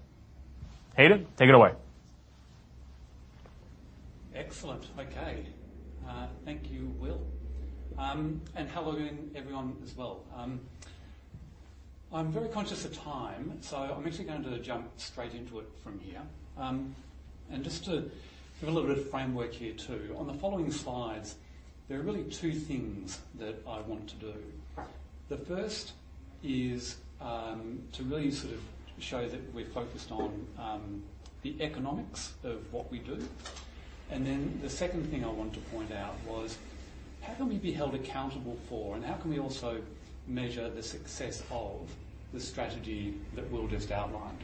Hayden, take it away. Excellent. Okay. Thank you, Will. Hello again, everyone as well. I'm very conscious of time, so I'm actually going to jump straight into it from here. Just to give a little bit of framework here too. On the following slides, there are really two things that I want to do. The first is, to really sort of show that we're focused on, the economics of what we do. Then the second thing I want to point out was, how can we be held accountable for, and how can we also measure the success of the strategy that Will just outlined?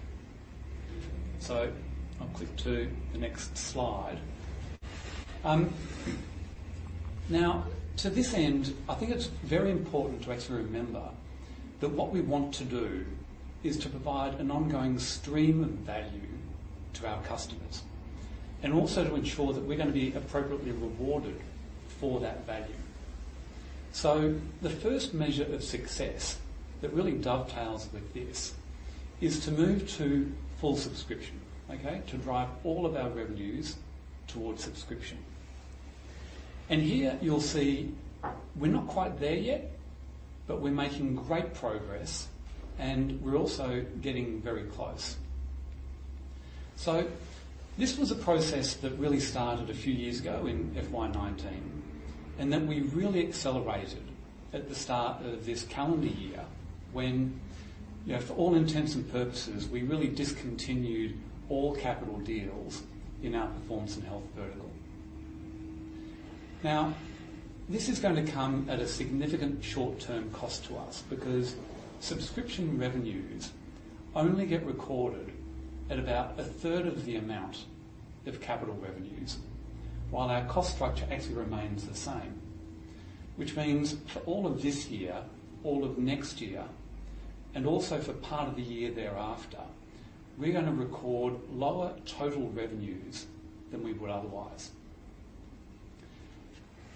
I'll click to the next slide. Now to this end, I think it's very important to actually remember that what we want to do is to provide an ongoing stream of value to our customers, and also to ensure that we're gonna be appropriately rewarded for that value. The first measure of success that really dovetails with this is to move to full subscription, okay? To drive all of our revenues towards subscription. Here you'll see we're not quite there yet, but we're making great progress, and we're also getting very close. This was a process that really started a few years ago in FY 2019, and that we really accelerated at the start of this calendar year when for all intents and purposes, we really discontinued all capital deals in our performance and health vertical. Now, this is gonna come at a significant short-term cost to us because subscription revenues only get recorded at about a third of the amount of capital revenues, while our cost structure actually remains the same. Which means for all of this year, all of next year, and also for part of the year thereafter, we're gonna record lower total revenues than we would otherwise.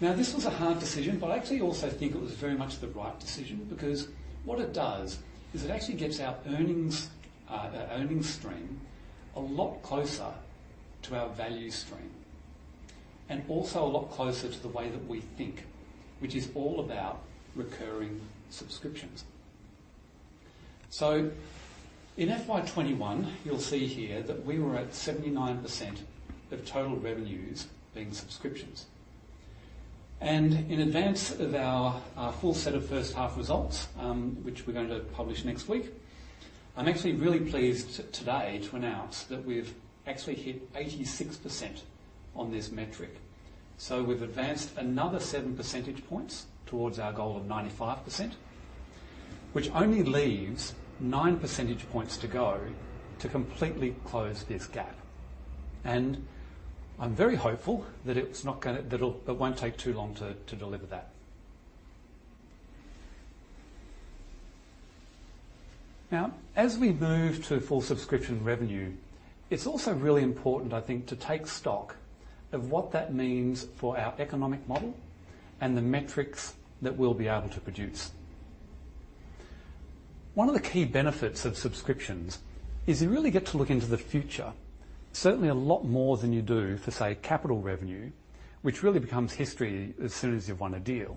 Now, this was a hard decision, but I actually also think it was very much the right decision because what it does is it actually gets our earnings, our earnings stream a lot closer to our value stream, and also a lot closer to the way that we think, which is all about recurring subscriptions. In FY 2021, you'll see here that we were at 79% of total revenues being subscriptions. In advance of our full set of H1 results, which we're going to publish next week, I'm actually really pleased today to announce that we've actually hit 86% on this metric. We've advanced another seven percentage points towards our goal of 95%, which only leaves nine percentage points to go to completely close this gap. I'm very hopeful that it won't take too long to deliver that. Now, as we move to full subscription revenue, it's also really important, I think, to take stock of what that means for our economic model and the metrics that we'll be able to produce. One of the key benefits of subscriptions is you really get to look into the future, certainly a lot more than you do for, say, capital revenue, which really becomes history as soon as you've won a deal.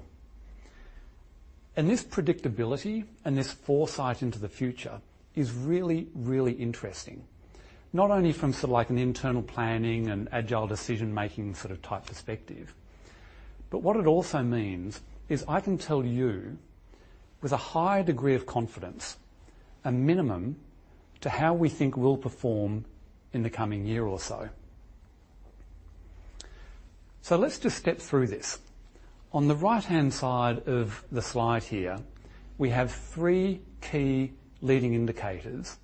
This predictability and this foresight into the future is really, really interesting, not only from sort of like an internal planning and agile decision-making sort of type perspective, but what it also means is I can tell you with a high degree of confidence a minimum to how we think we'll perform in the coming year or so. Let's just step through this. On the right-hand side of the slide here, we have three key leading indicators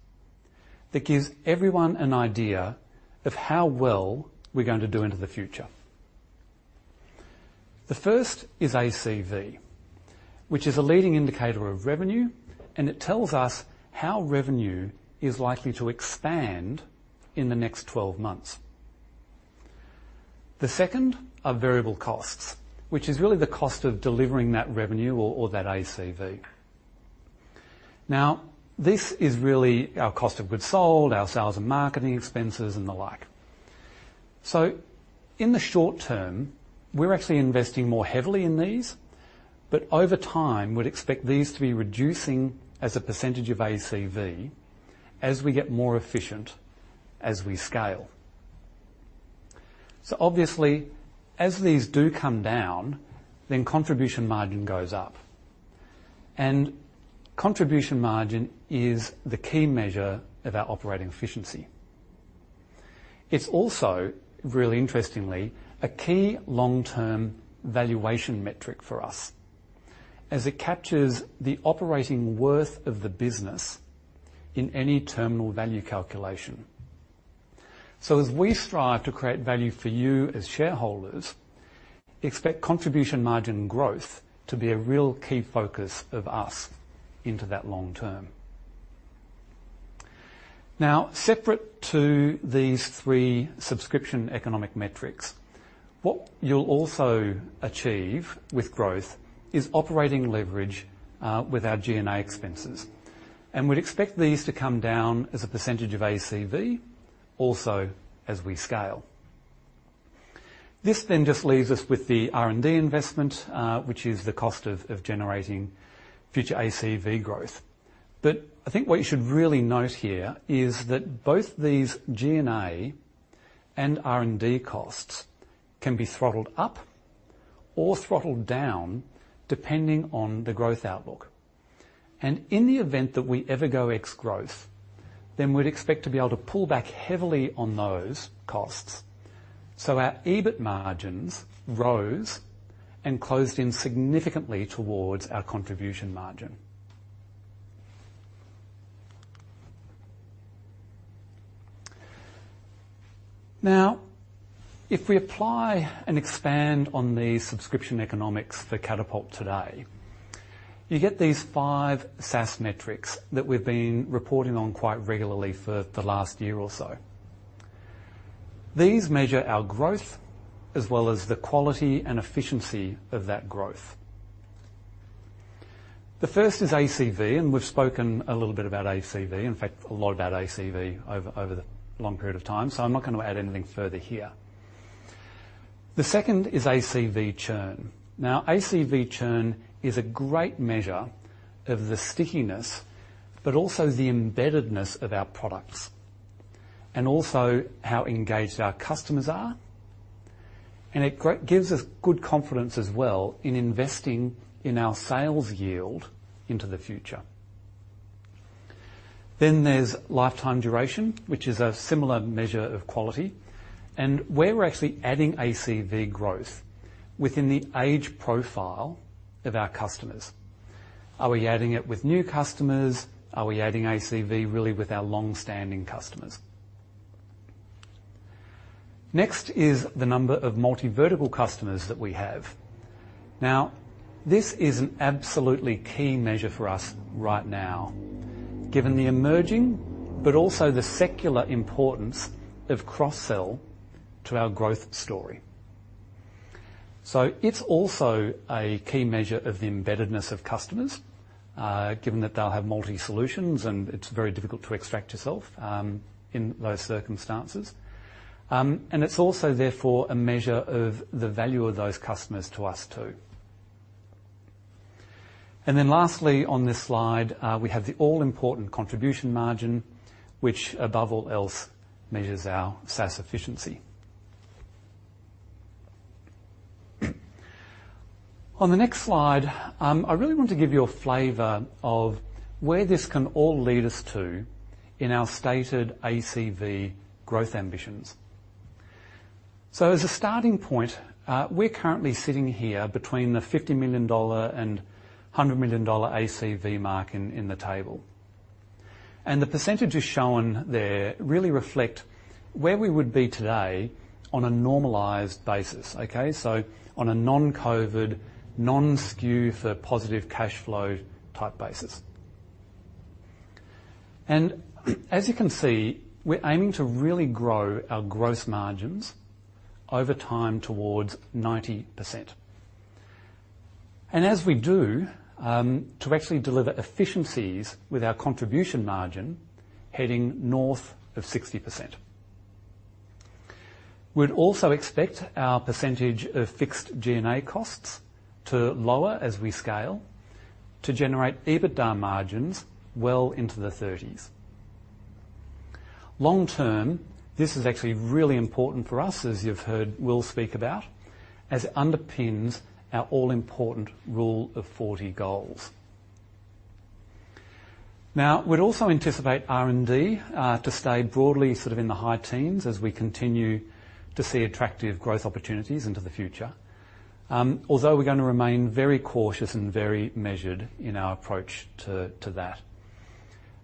that gives everyone an idea of how well we're going to do into the future. The first is ACV, which is a leading indicator of revenue, and it tells us how revenue is likely to expand in the next twelve months. The second are variable costs, which is really the cost of delivering that revenue or that ACV. Now, this is really our cost of goods sold, our sales and marketing expenses, and the like. In the short term, we're actually investing more heavily in these, but over time, we'd expect these to be reducing as a percentage of ACV as we get more efficient as we scale. Obviously, as these do come down, then contribution margin goes up, and contribution margin is the key measure of our operating efficiency. It's also, really interestingly, a key long-term valuation metric for us as it captures the operating worth of the business in any terminal value calculation. As we strive to create value for you as shareholders, expect contribution margin growth to be a real key focus of us into that long term. Separate to these three subscription economic metrics, what you'll also achieve with growth is operating leverage with our G&A expenses. We'd expect these to come down as a percentage of ACV also as we scale. This just leaves us with the R&D investment, which is the cost of generating future ACV growth. I think what you should really note here is that both these G&A and R&D costs can be throttled up or throttled down depending on the growth outlook. In the event that we ever go ex-growth, we'd expect to be able to pull back heavily on those costs. Our EBIT margins rose and closed in significantly towards our contribution margin. Now, if we apply and expand on the subscription economics for Catapult today, you get these five SaaS metrics that we've been reporting on quite regularly for the last year or so. These measure our growth, as well as the quality and efficiency of that growth. The first is ACV, and we've spoken a little bit about ACV. In fact, a lot about ACV over the long period of time, so I'm not gonna add anything further here. The second is ACV churn. Now, ACV churn is a great measure of the stickiness, but also the embeddedness of our products and also how engaged our customers are. It gives us good confidence as well in investing in our sales yield into the future. Then there's lifetime duration, which is a similar measure of quality. Where we're actually adding ACV growth within the age profile of our customers. Are we adding it with new customers? Are we adding ACV really with our long-standing customers? Next is the number of multi-vertical customers that we have. Now, this is an absolutely key measure for us right now, given the emerging, but also the secular importance of cross-sell to our growth story. It's also a key measure of the embeddedness of customers, given that they'll have multi solutions and it's very difficult to extract yourself in those circumstances. It's also therefore a measure of the value of those customers to us too. Lastly on this slide, we have the all-important contribution margin, which above all else measures our SaaS efficiency. On the next slide, I really want to give you a flavor of where this can all lead us to in our stated ACV growth ambitions. As a starting point, we're currently sitting here between the 50 million dollar and 100 million dollar ACV mark in the table. The percentages shown there really reflect where we would be today on a normalized basis. Okay? On a non-COVID, non-skew for positive cash flow type basis. As you can see, we're aiming to really grow our gross margins over time towards 90%. As we do, to actually deliver efficiencies with our contribution margin heading north of 60%. We'd also expect our percentage of fixed G&A costs to lower as we scale to generate EBITDA margins well into the 30s. Long-term, this is actually really important for us, as you've heard Will speak about, as it underpins our all-important rule of 40 goals. Now, we'd also anticipate R&D to stay broadly sort of in the high teens as we continue to see attractive growth opportunities into the future. Although we're gonna remain very cautious and very measured in our approach to that.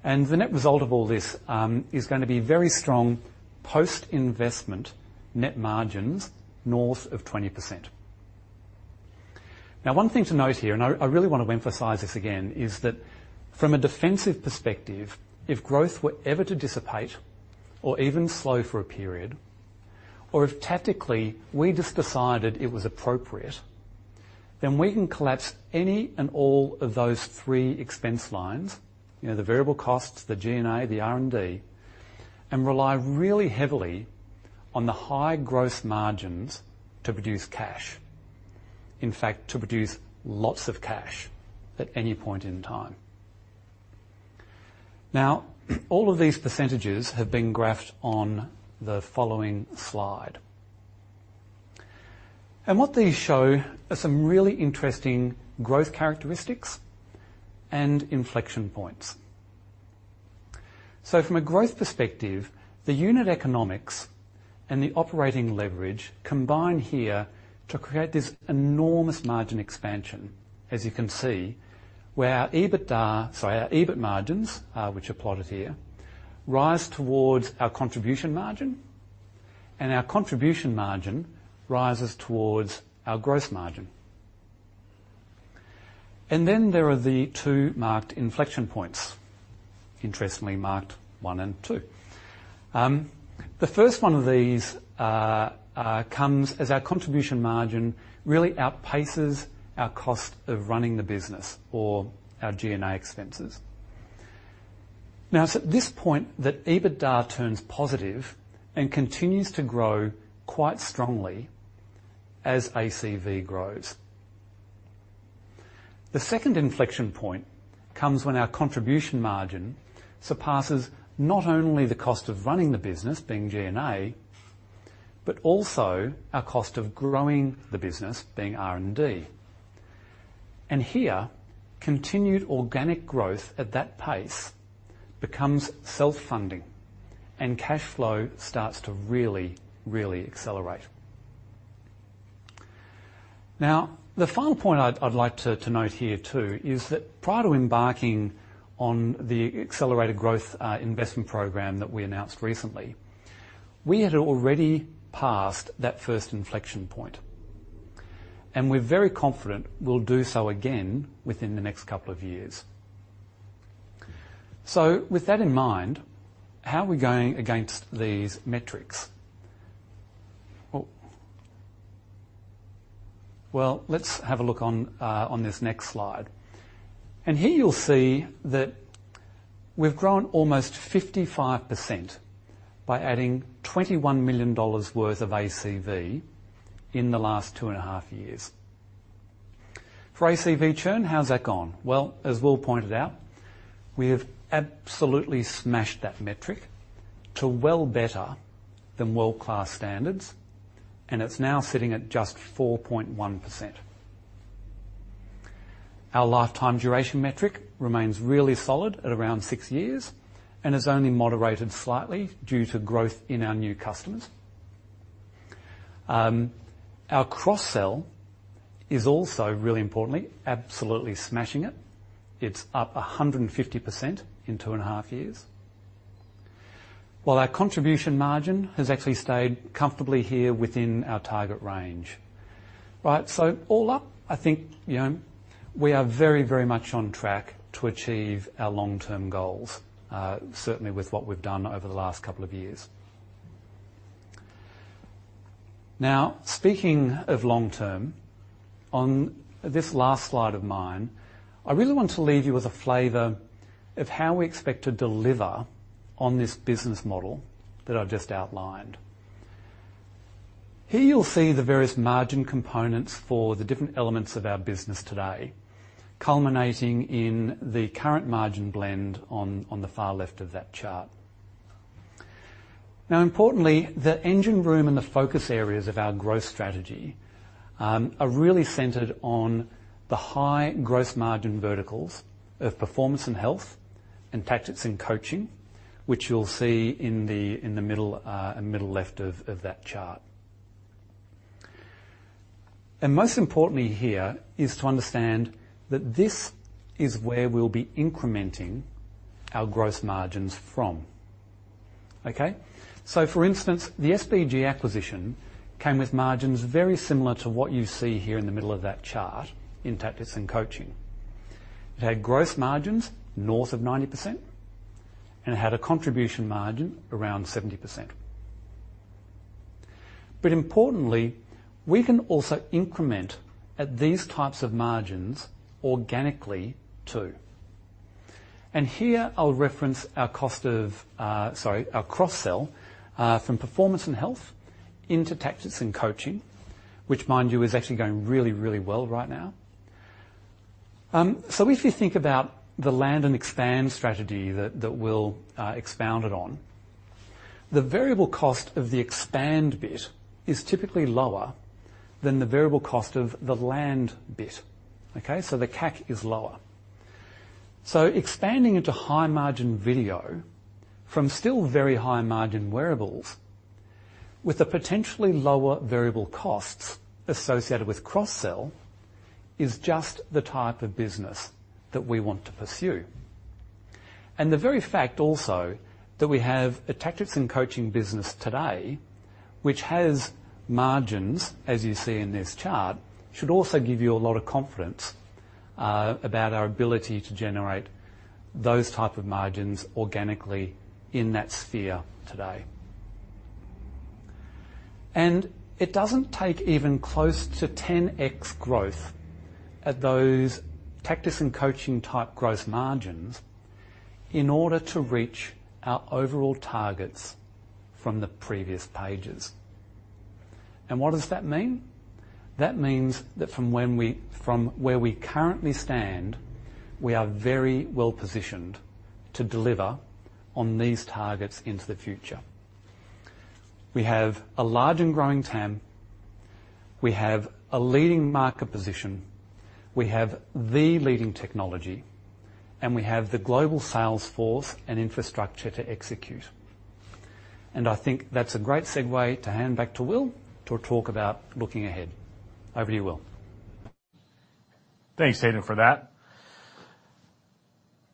The net result of all this is gonna be very strong post-investment net margins north of 20%. Now, one thing to note here, and I really want to emphasize this again, is that from a defensive perspective, if growth were ever to dissipate or even slow for a period, or if tactically we just decided it was appropriate, then we can collapse any and all of those three expense lines the variable costs, the G&A, the R&D, and rely really heavily on the high gross margins to produce cash. In fact, to produce lots of cash at any point in time. Now, all of these percentages have been graphed on the following slide. What these show are some really interesting growth characteristics and inflection points. From a growth perspective, the unit economics and the operating leverage combine here to create this enormous margin expansion, as you can see, where our EBITDA, sorry, our EBIT margins, which are plotted here, rise towards our contribution margin, and our contribution margin rises towards our gross margin. Then there are the two marked inflection points, interestingly marked one and two. The first one of these comes as our contribution margin really outpaces our cost of running the business or our G&A expenses. Now, it's at this point that EBITDA turns positive and continues to grow quite strongly as ACV grows. The second inflection point comes when our contribution margin surpasses not only the cost of running the business, being G&A, but also our cost of growing the business, being R&D. Here, continued organic growth at that pace becomes self-funding and cash flow starts to really, really accelerate. Now, the final point I'd like to note here too is that prior to embarking on the accelerated growth, investment program that we announced recently, we had already passed that first inflection point, and we're very confident we'll do so again within the next couple of years. With that in mind, how are we going against these metrics? Well, let's have a look on this next slide. Here you'll see that we've grown almost 55% by adding 21 million dollars worth of ACV in the last two and a half years. For ACV churn, how's that gone? Well, as Will pointed out, we have absolutely smashed that metric to well better than world-class standards, and it's now sitting at just 4.1%. Our lifetime duration metric remains really solid at around 6 years and has only moderated slightly due to growth in our new customers. Our cross-sell is also, really importantly, absolutely smashing it. It's up 150% in 2.5 years, while our contribution margin has actually stayed comfortably here within our target range. Right? All up, I think we are very, very much on track to achieve our long-term goals, certainly with what we've done over the last couple of years. Now, speaking of long-term, on this last slide of mine, I really want to leave you with a flavor of how we expect to deliver on this business model that I've just outlined. Here you'll see the various margin components for the different elements of our business today, culminating in the current margin blend on the far left of that chart. Now importantly, the engine room and the focus areas of our growth strategy are really centered on the high gross margin verticals of performance and health and tactics and coaching, which you'll see in the middle left of that chart. Most importantly here is to understand that this is where we'll be incrementing our gross margins from. Okay? For instance, the SBG acquisition came with margins very similar to what you see here in the middle of that chart in tactics and coaching. It had gross margins north of 90%, and it had a contribution margin around 70%. Importantly, we can also incur at these types of margins organically too. Here I'll reference our cross-sell from performance and health into tactics and coaching, which mind you, is actually going really well right now. If you think about the land and expand strategy that Will expounded on, the variable cost of the expand bit is typically lower than the variable cost of the land bit. Okay? The CAC is lower. Expanding into high-margin video from still very high-margin wearables with the potentially lower variable costs associated with cross-sell is just the type of business that we want to pursue. The very fact also that we have a tactics and coaching business today, which has margins, as you see in this chart, should also give you a lot of confidence about our ability to generate those type of margins organically in that sphere today. It doesn't take even close to 10x growth at those tactics and coaching type gross margins in order to reach our overall targets from the previous pages. What does that mean? That means that from where we currently stand, we are very well-positioned to deliver on these targets into the future. We have a large and growing TAM. We have a leading market position. We have the leading technology, and we have the global sales force and infrastructure to execute. I think that's a great segue to hand back to Will to talk about looking ahead. Over to you, Will. Thanks, Hayden for that.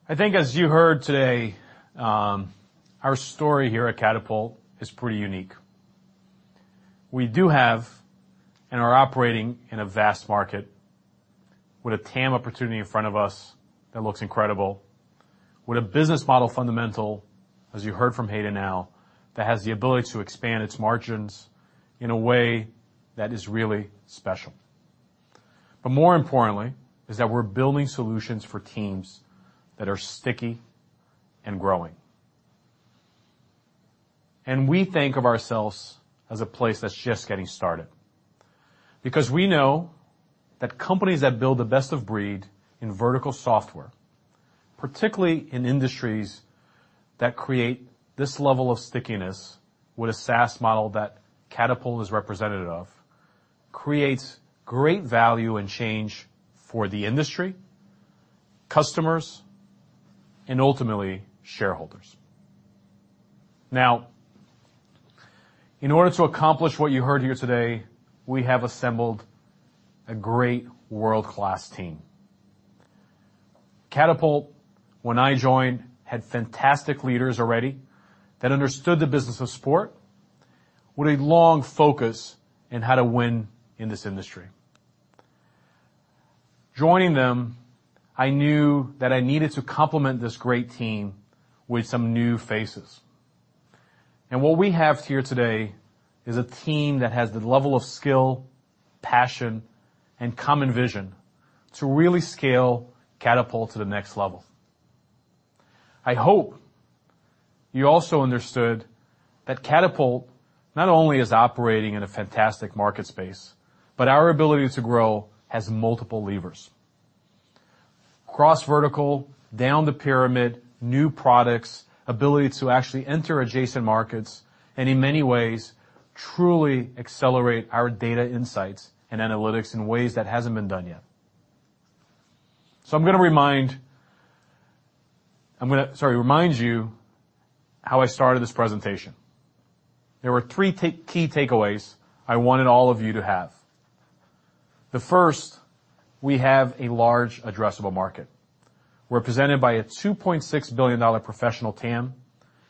I think as you heard today, our story here at Catapult is pretty unique. We do have and are operating in a vast market with a TAM opportunity in front of us that looks incredible. With a business model fundamental, as you heard from Hayden now, that has the ability to expand its margins in a way that is really special. More importantly is that we're building solutions for teams that are sticky and growing. We think of ourselves as a place that's just getting started because we know that companies that build the best of breed in vertical software, particularly in industries that create this level of stickiness with a SaaS model that Catapult is representative of, creates great value and change for the industry, customers, and ultimately shareholders. Now, in order to accomplish what you heard here today, we have assembled a great world-class team. Catapult, when I joined, had fantastic leaders already that understood the business of sport with a long focus on how to win in this industry. Joining them, I knew that I needed to complement this great team with some new faces. What we have here today is a team that has the level of skill, passion, and common vision to really scale Catapult to the next level. I hope you also understood that Catapult not only is operating in a fantastic market space, but our ability to grow has multiple levers, cross vertical, down the pyramid, new products, ability to actually enter adjacent markets, and in many ways, truly accelerate our data insights and analytics in ways that hasn't been done yet. I'm gonna remind you how I started this presentation. There were three key takeaways I wanted all of you to have. The first, we have a large addressable market. Represented by a $2.6 billion professional TAM,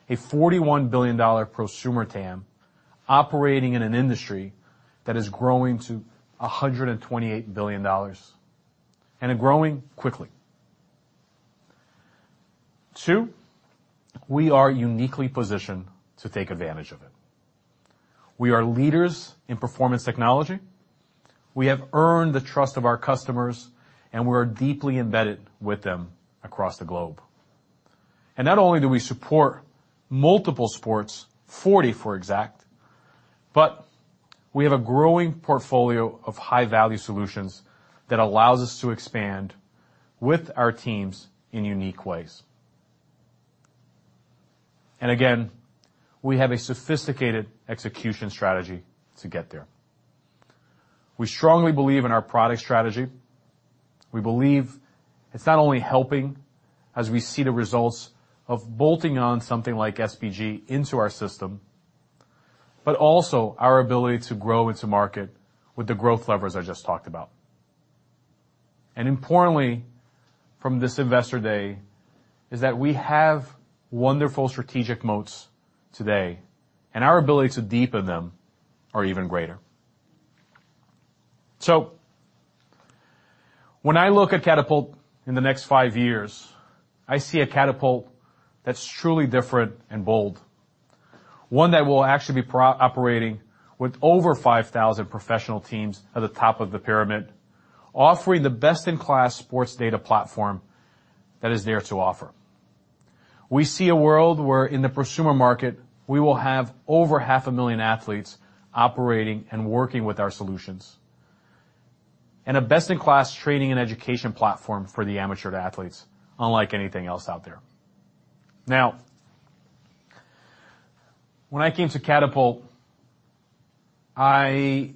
a $41 billion prosumer TAM, operating in an industry that is growing to a $128 billion, and growing quickly. Two, we are uniquely positioned to take advantage of it. We are leaders in performance technology. We have earned the trust of our customers, and we are deeply embedded with them across the globe. Not only do we support multiple sports, 44 exactly, but we have a growing portfolio of high-value solutions that allows us to expand with our teams in unique ways. Again, we have a sophisticated execution strategy to get there. We strongly believe in our product strategy. We believe it's not only helping as we see the results of bolting on something like SBG into our system, but also our ability to grow into market with the growth levers I just talked about. Importantly, from this investor day, is that we have wonderful strategic moats today, and our ability to deepen them are even greater. When I look at Catapult in the next five years, I see a Catapult that's truly different and bold. One that will actually be operating with over 5,000 professional teams at the top of the pyramid, offering the best-in-class sports data platform that is there to offer. We see a world where in the prosumer market, we will have over 500,000 athletes operating and working with our solutions. A best-in-class training and education platform for the amateur athletes, unlike anything else out there. Now, when I came to Catapult, I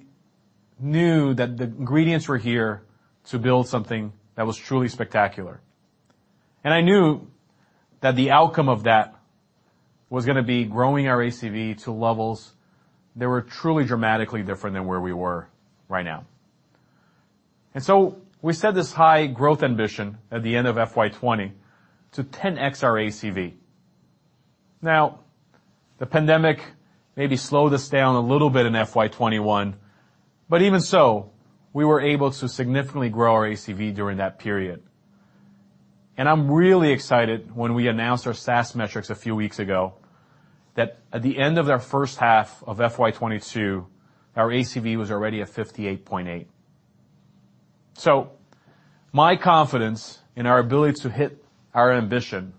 knew that the ingredients were here to build something that was truly spectacular. I knew that the outcome of that was gonna be growing our ACV to levels that were truly dramatically different than where we were right now. We set this high growth ambition at the end of FY 2020 to 10x our ACV. Now, the pandemic maybe slowed us down a little bit in FY 2021, but even so, we were able to significantly grow our ACV during that period. I'm really excited when we announced our SaaS metrics a few weeks ago, that at the end of our H1 of FY 2022, our ACV was already at 58.8. My confidence in our ability to hit our ambition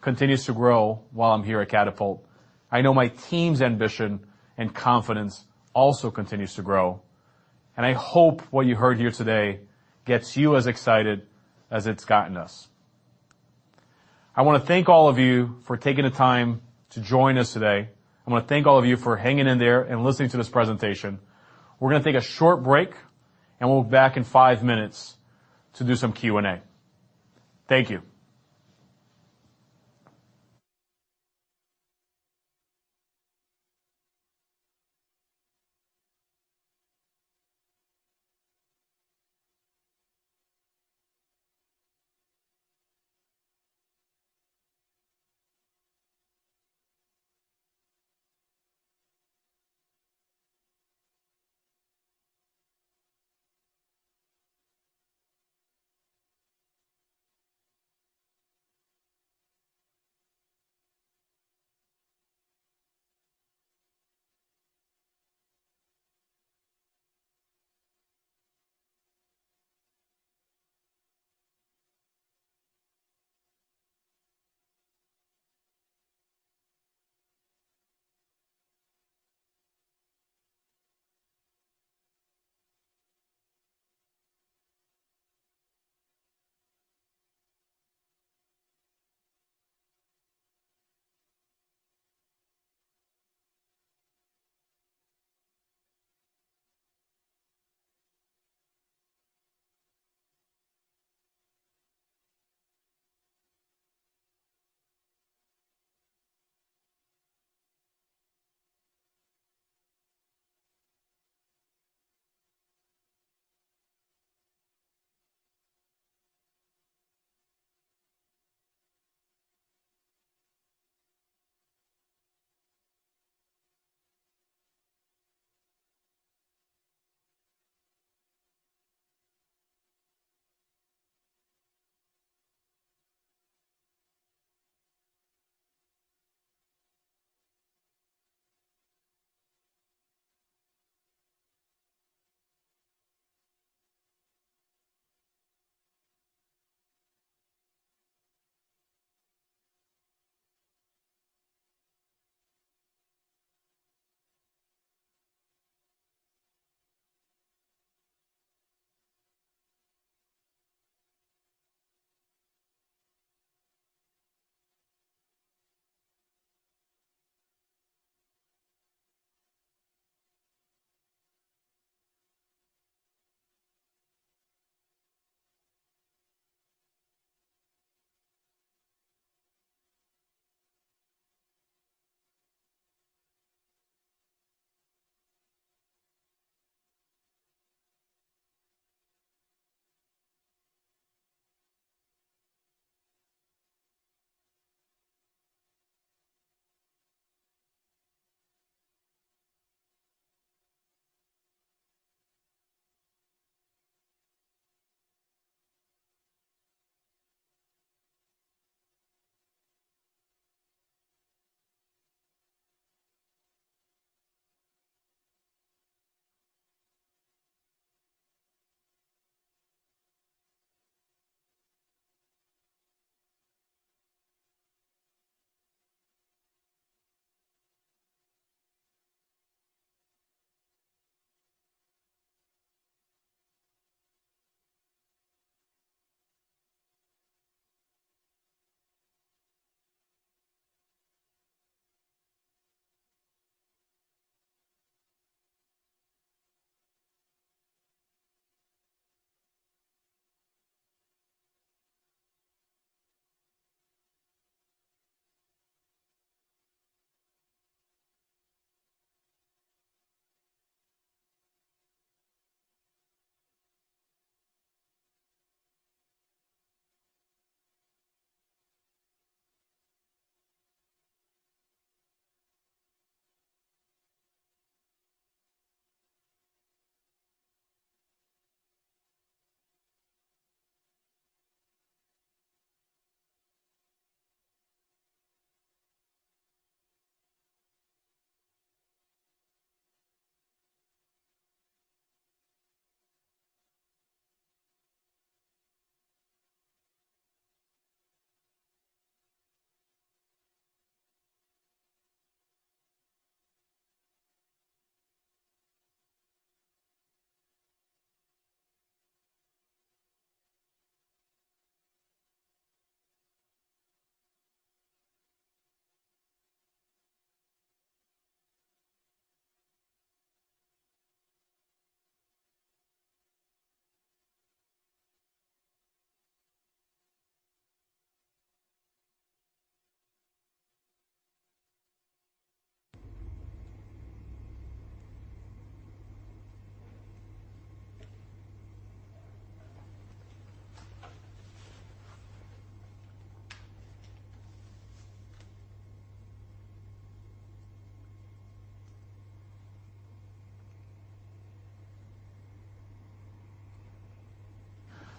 continues to grow while I'm here at Catapult. I know my team's ambition and confidence also continues to grow, and I hope what you heard here today gets you as excited as it's gotten us. I wanna thank all of you for taking the time to join us today. I wanna thank all of you for hanging in there and listening to this presentation. We're gonna take a short break, and we'll be back in five minutes to do some Q&A. Thank you.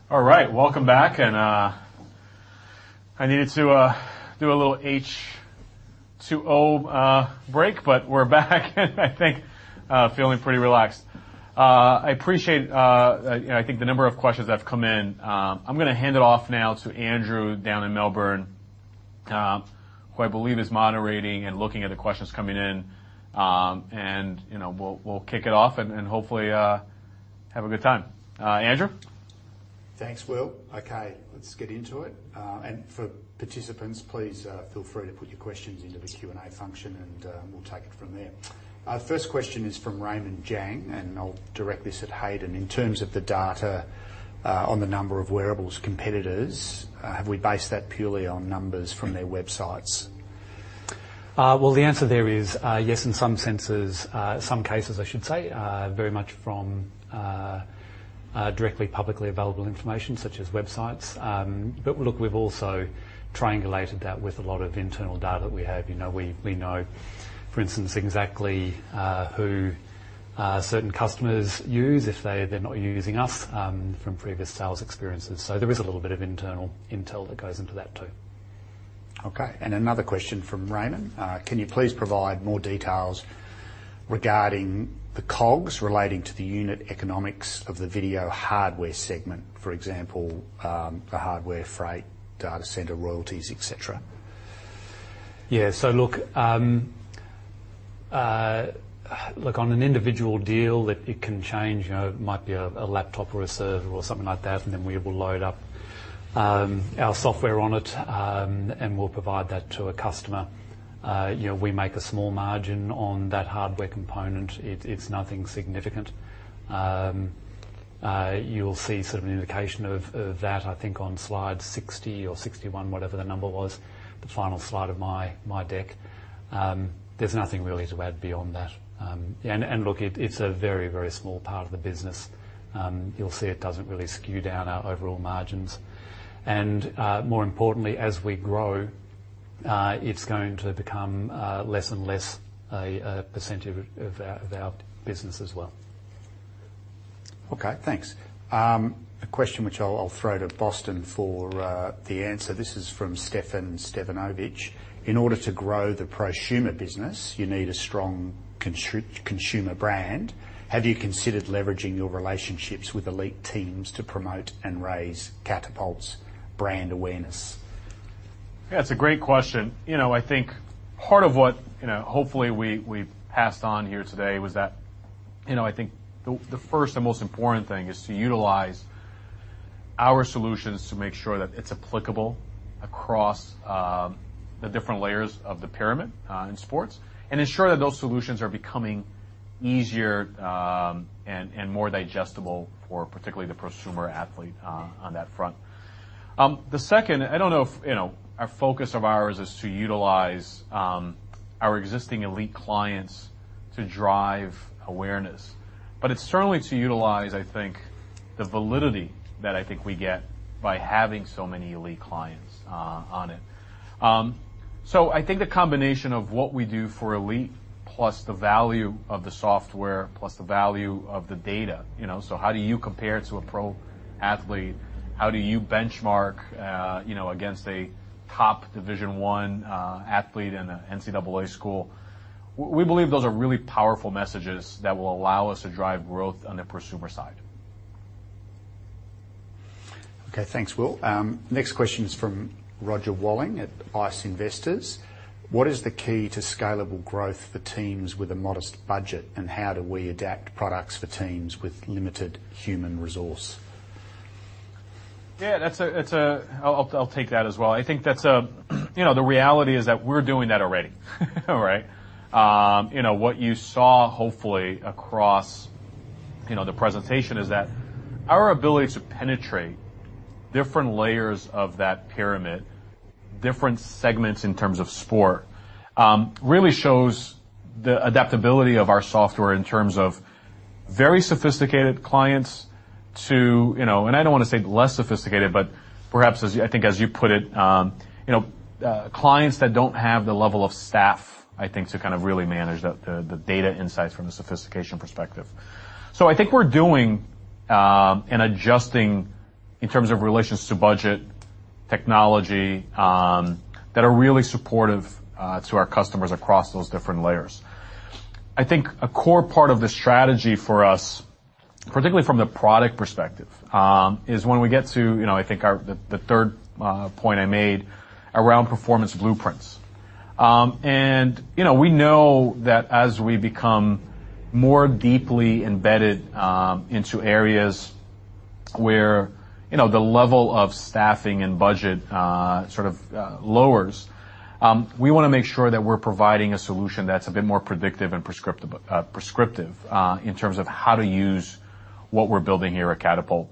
All right. Welcome back. I needed to do a little H2O break, but we're back and I think feeling pretty relaxed. I appreciate you know, I think the number of questions that have come in. I'm gonna hand it off now to Andrew down in Melbourne, who I believe is moderating and looking at the questions coming in. You know, we'll kick it off and hopefully have a good time. Andrew. Thanks, Will. Okay, let's get into it. For participants, please, feel free to put your questions into the Q&A function, and we'll take it from there. Our first question is from Raymond Jiang, and I'll direct this at Hayden. In terms of the data, on the number of wearables competitors, have we based that purely on numbers from their websites? Well, the answer there is yes, in some cases, I should say, very much from directly publicly available information such as websites. Look, we've also triangulated that with a lot of internal data that we have. You know, we know, for instance, exactly who certain customers use if they're not using us from previous sales experiences. There is a little bit of internal intel that goes into that too. Okay. Another question from Raymond. Can you please provide more details regarding the COGS relating to the unit economics of the video hardware segment? For example, the hardware freight, data center royalties, et cetera. Look, on an individual deal that it can change it might be a laptop or a server or something like that, and then we will load up our software on it, and we'll provide that to a customer. You know, we make a small margin on that hardware component. It's nothing significant. You'll see sort of an indication of that, I think, on slide 60 or 61, whatever the number was, the final slide of my deck. There's nothing really to add beyond that. Look, it's a very, very small part of the business. You'll see it doesn't really skew down our overall margins. More importantly, as we grow- It's going to become less and less a percent of our business as well. Okay. Thanks. A question which I'll throw to Boris for the answer. This is from Stefan Stevanovic. "In order to grow the prosumer business, you need a strong consumer brand. Have you considered leveraging your relationships with elite teams to promote and raise Catapult's brand awareness? Yeah, it's a great question. You know, I think part of what hopefully we passed on here today was that I think the first and most important thing is to utilize our solutions to make sure that it's applicable across the different layers of the pyramid in sports, and ensure that those solutions are becoming easier and more digestible for particularly the prosumer athlete on that front. The second, I don't know if our focus of ours is to utilize our existing elite clients to drive awareness, but it's certainly to utilize, I think, the validity that I think we get by having so many elite clients on it. I think the combination of what we do for elite plus the value of the software plus the value of the data, you know. How do you compare to a pro athlete? How do you benchmark against a top Division I athlete in an NCAA school? We believe those are really powerful messages that will allow us to drive growth on the prosumer side. Okay, thanks, Will. Next question is from Roger Walling at ICE Investors: "What is the key to scalable growth for teams with a modest budget, and how do we adapt products for teams with limited human resource? Yeah, I'll take that as well. I think that's. You know, the reality is that we're doing that already. All right? You know, what you saw, hopefully, across the presentation is that our ability to penetrate different layers of that pyramid, different segments in terms of sport, really shows the adaptability of our software in terms of very sophisticated clients to, you know. I don't wanna say less sophisticated, but perhaps as, I think as you put it clients that don't have the level of staff, I think, to kind of really manage the data insights from a sophistication perspective. I think we're doing and adjusting in terms of relations to budget, technology, that are really supportive to our customers across those different layers. I think a core part of the strategy for us, particularly from the product perspective, is when we get to I think the third point I made around performance blueprints. You know, we know that as we become more deeply embedded into areas where the level of staffing and budget sort of lowers, we wanna make sure that we're providing a solution that's a bit more predictive and prescriptive in terms of how to use what we're building here at Catapult.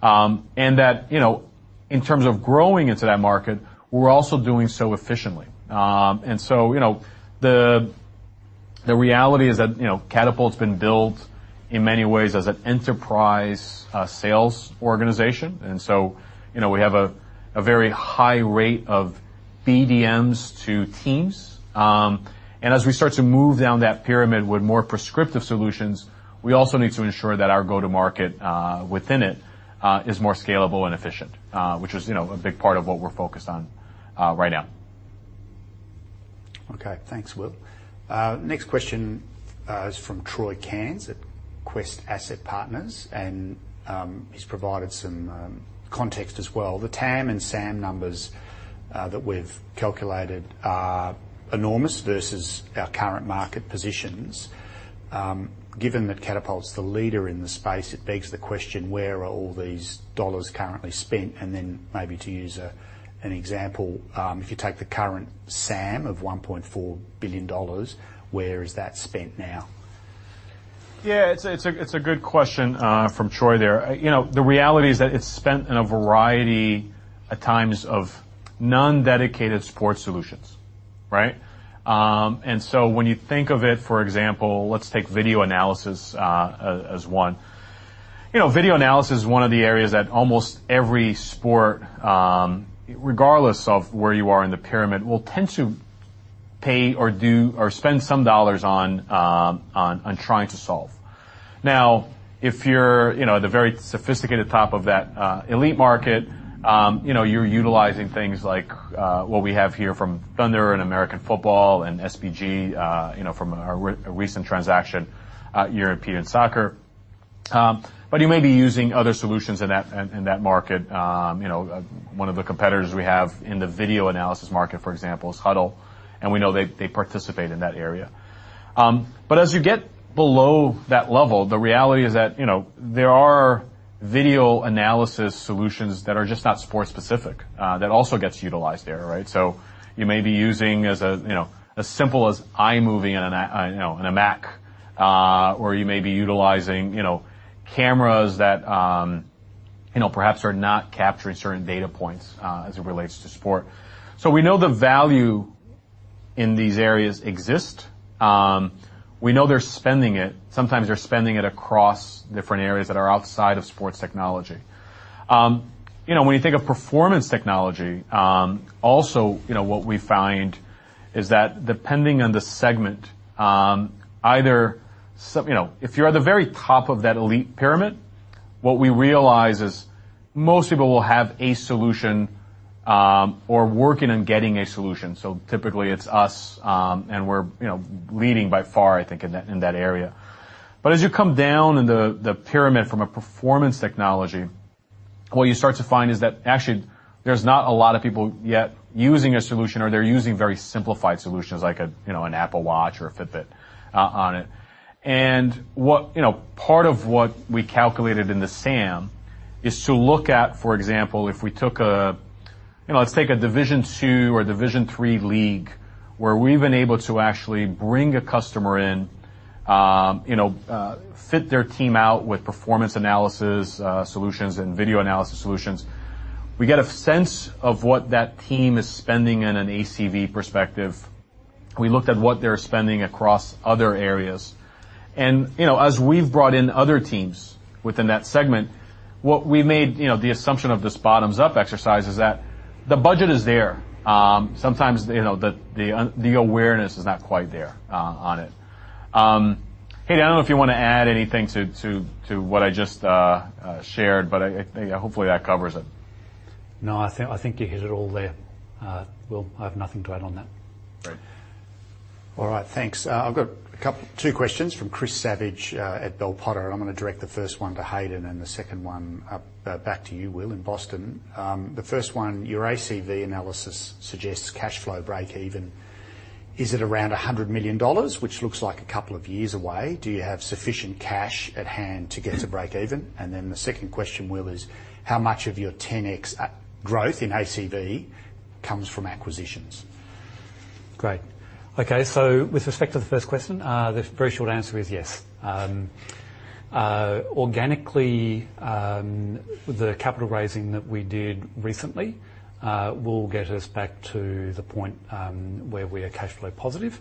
that in terms of growing into that market, we're also doing so efficiently. You know, the reality is that Catapult's been built, in many ways, as an enterprise sales organization. You know, we have a very high rate of BDMs to teams. As we start to move down that pyramid with more prescriptive solutions, we also need to ensure that our go-to-market within it is more scalable and efficient, which is a big part of what we're focused on right now. Okay. Thanks, Will. Next question is from Troy Cairns at Quest Asset Partners, and he's provided some context as well. The TAM and SAM numbers that we've calculated are enormous versus our current market positions. Given that Catapult's the leader in the space, it begs the question, where are all these dollars currently spent? Then maybe to use an example, if you take the current SAM of $1.4 billion, where is that spent now? Yeah, it's a good question from Troy there. You know, the reality is that it's spent in a variety of types of non-dedicated sports solutions, right? When you think of it, for example, let's take video analysis as one. You know, video analysis is one of the areas that almost every sport, regardless of where you are in the pyramid, will tend to pay or do or spend some dollars on trying to solve. Now, if you're at the very sophisticated top of that, elite market you're utilizing things like what we have here from Thunder in American football and sbg from a recent transaction, European soccer. But you may be using other solutions in that market. You know, one of the competitors we have in the video analysis market, for example, is Hudl, and we know they participate in that area. But as you get below that level, the reality is that there are video analysis solutions that are just not sport specific, that also get utilized there, right? So you may be using as simple as iMovie on a Mac. Or you may be utilizing cameras that perhaps are not capturing certain data points, as it relates to sport. So we know the value in these areas exists. We know they're spending it. Sometimes they're spending it across different areas that are outside of sports technology. You know, when you think of performance technology, also what we find is that depending on the segment. You know, if you're at the very top of that elite pyramid, what we realize is most people will have a solution or working on getting a solution. Typically it's us, and we're leading by far, I think, in that area. As you come down in the pyramid from a performance technology, what you start to find is that actually there's not a lot of people yet using a solution or they're using very simplified solutions like a an Apple Watch or a Fitbit on it. what part of what we calculated in the SAM is to look at, for example, if we took a You know, let's take a Division II or Division III league where we've been able to actually bring a customer in, fit their team out with performance analysis solutions and video analysis solutions. We get a sense of what that team is spending in an ACV perspective. We looked at what they're spending across other areas. You know, as we've brought in other teams within that segment, what we made the assumption of this bottoms-up exercise is that the budget is there. sometimes the unawareness is not quite there on it. Hayden, I don't know if you wanna add anything to what I just shared, but I think hopefully that covers it. No, I think you hit it all there. Will, I have nothing to add on that. Great. All right. Thanks. I've got two questions from Chris Savage at Bell Potter. I'm gonna direct the first one to Hayden and the second one back to you, Will, in Boston. The first one, your ACV analysis suggests cash flow break even. Is it around 100 million dollars, which looks like a couple of years away? Do you have sufficient cash at hand to get to break even? The second question, Will, is how much of your 10x growth in ACV comes from acquisitions? Great. Okay, with respect to the first question, the very short answer is yes. Organically, the capital raising that we did recently will get us back to the point where we are cash flow positive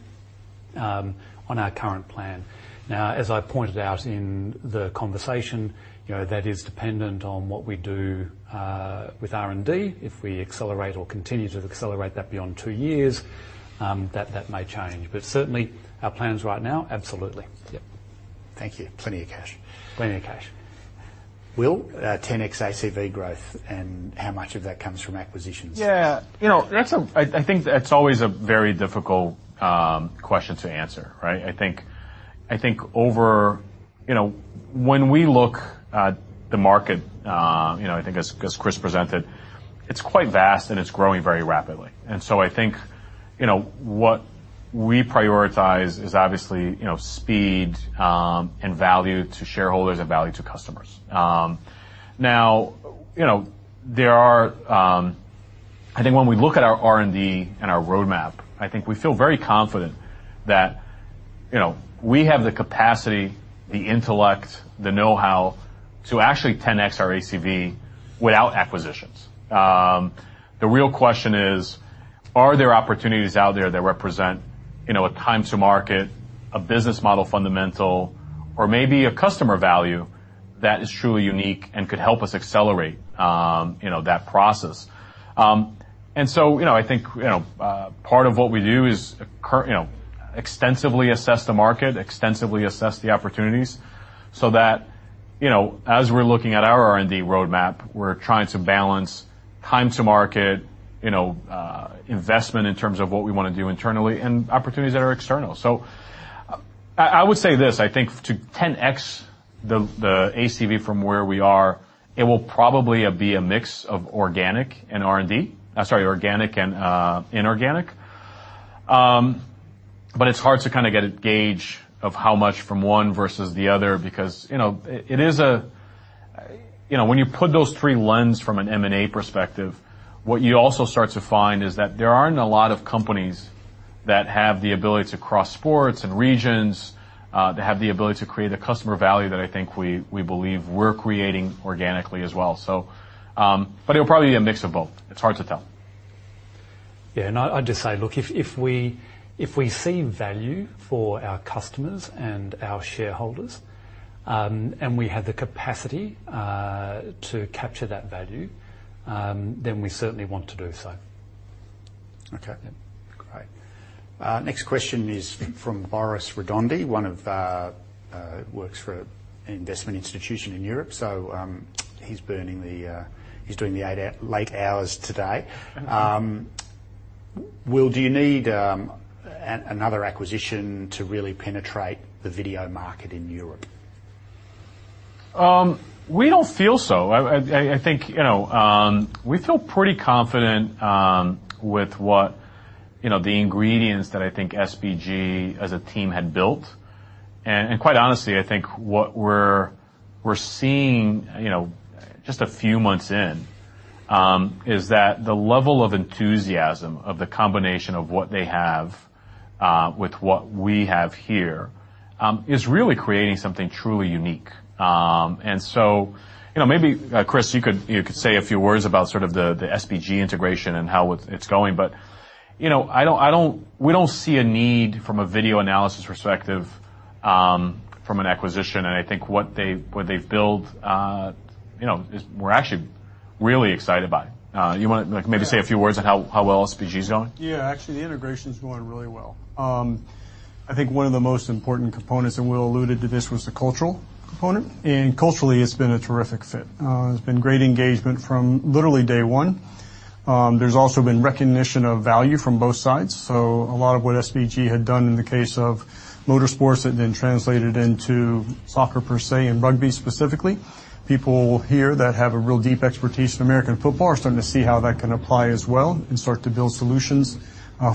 on our current plan. As I pointed out in the conversation that is dependent on what we do with R&D. If we accelerate or continue to accelerate that beyond two years, that may change. Certainly our plans right now, absolutely. Yep. Thank you. Plenty of cash. Plenty of cash. Will, 10x ACV growth and how much of that comes from acquisitions? Yeah. You know, I think that's always a very difficult question to answer, right? I think when we look at the market I think as Chris presented, it's quite vast and it's growing very rapidly. I think what we prioritize is obviously speed and value to shareholders and value to customers. now I think when we look at our R&D and our roadmap, I think we feel very confident that we have the capacity, the intellect, the know-how to actually 10X our ACV without acquisitions. The real question is: Are there opportunities out there that represent a time to market, a business model fundamental, or maybe a customer value that is truly unique and could help us accelerate that process? You know, I think part of what we do is you know, extensively assess the market, extensively assess the opportunities so that as we're looking at our R&D roadmap, we're trying to balance time to market investment in terms of what we wanna do internally and opportunities that are external. I would say this: I think to 10X the ACV from where we are, it will probably be a mix of organic and R&D. Sorry, organic and inorganic. It's hard to kind of get a gauge of how much from one versus the other because when you put those three lenses from an M&A perspective, what you also start to find is that there aren't a lot of companies that have the ability to cross sports and regions that have the ability to create the customer value that I think we believe we're creating organically as well. It'll probably be a mix of both. It's hard to tell. Yeah, I'd just say, look, if we see value for our customers and our shareholders, and we have the capacity to capture that value, then we certainly want to do so. Okay. Yeah. Great. Next question is from Boris Rodondi, who works for an investment institution in Europe. He's doing the late hours today. Will, do you need another acquisition to really penetrate the video market in Europe? We don't feel so. I think we feel pretty confident with what the ingredients that I think SBG as a team had built. Quite honestly, I think what we're seeing just a few months in, is that the level of enthusiasm of the combination of what they have with what we have here is really creating something truly unique. You know, maybe, Chris, you could say a few words about sort of the SBG integration and how it's going. You know, we don't see a need from a video analysis perspective from an acquisition. I think what they've built is. We're actually really excited about it. You wanna like maybe say a few words on how well SBG is going? Yeah. Actually, the integration's going really well. I think one of the most important components, and Will alluded to this, was the cultural component. Culturally, it's been a terrific fit. It's been great engagement from literally day one. There's also been recognition of value from both sides. A lot of what SBG had done in the case of motorsports had been translated into soccer per se, and rugby specifically. People here that have a real deep expertise in American football are starting to see how that can apply as well and start to build solutions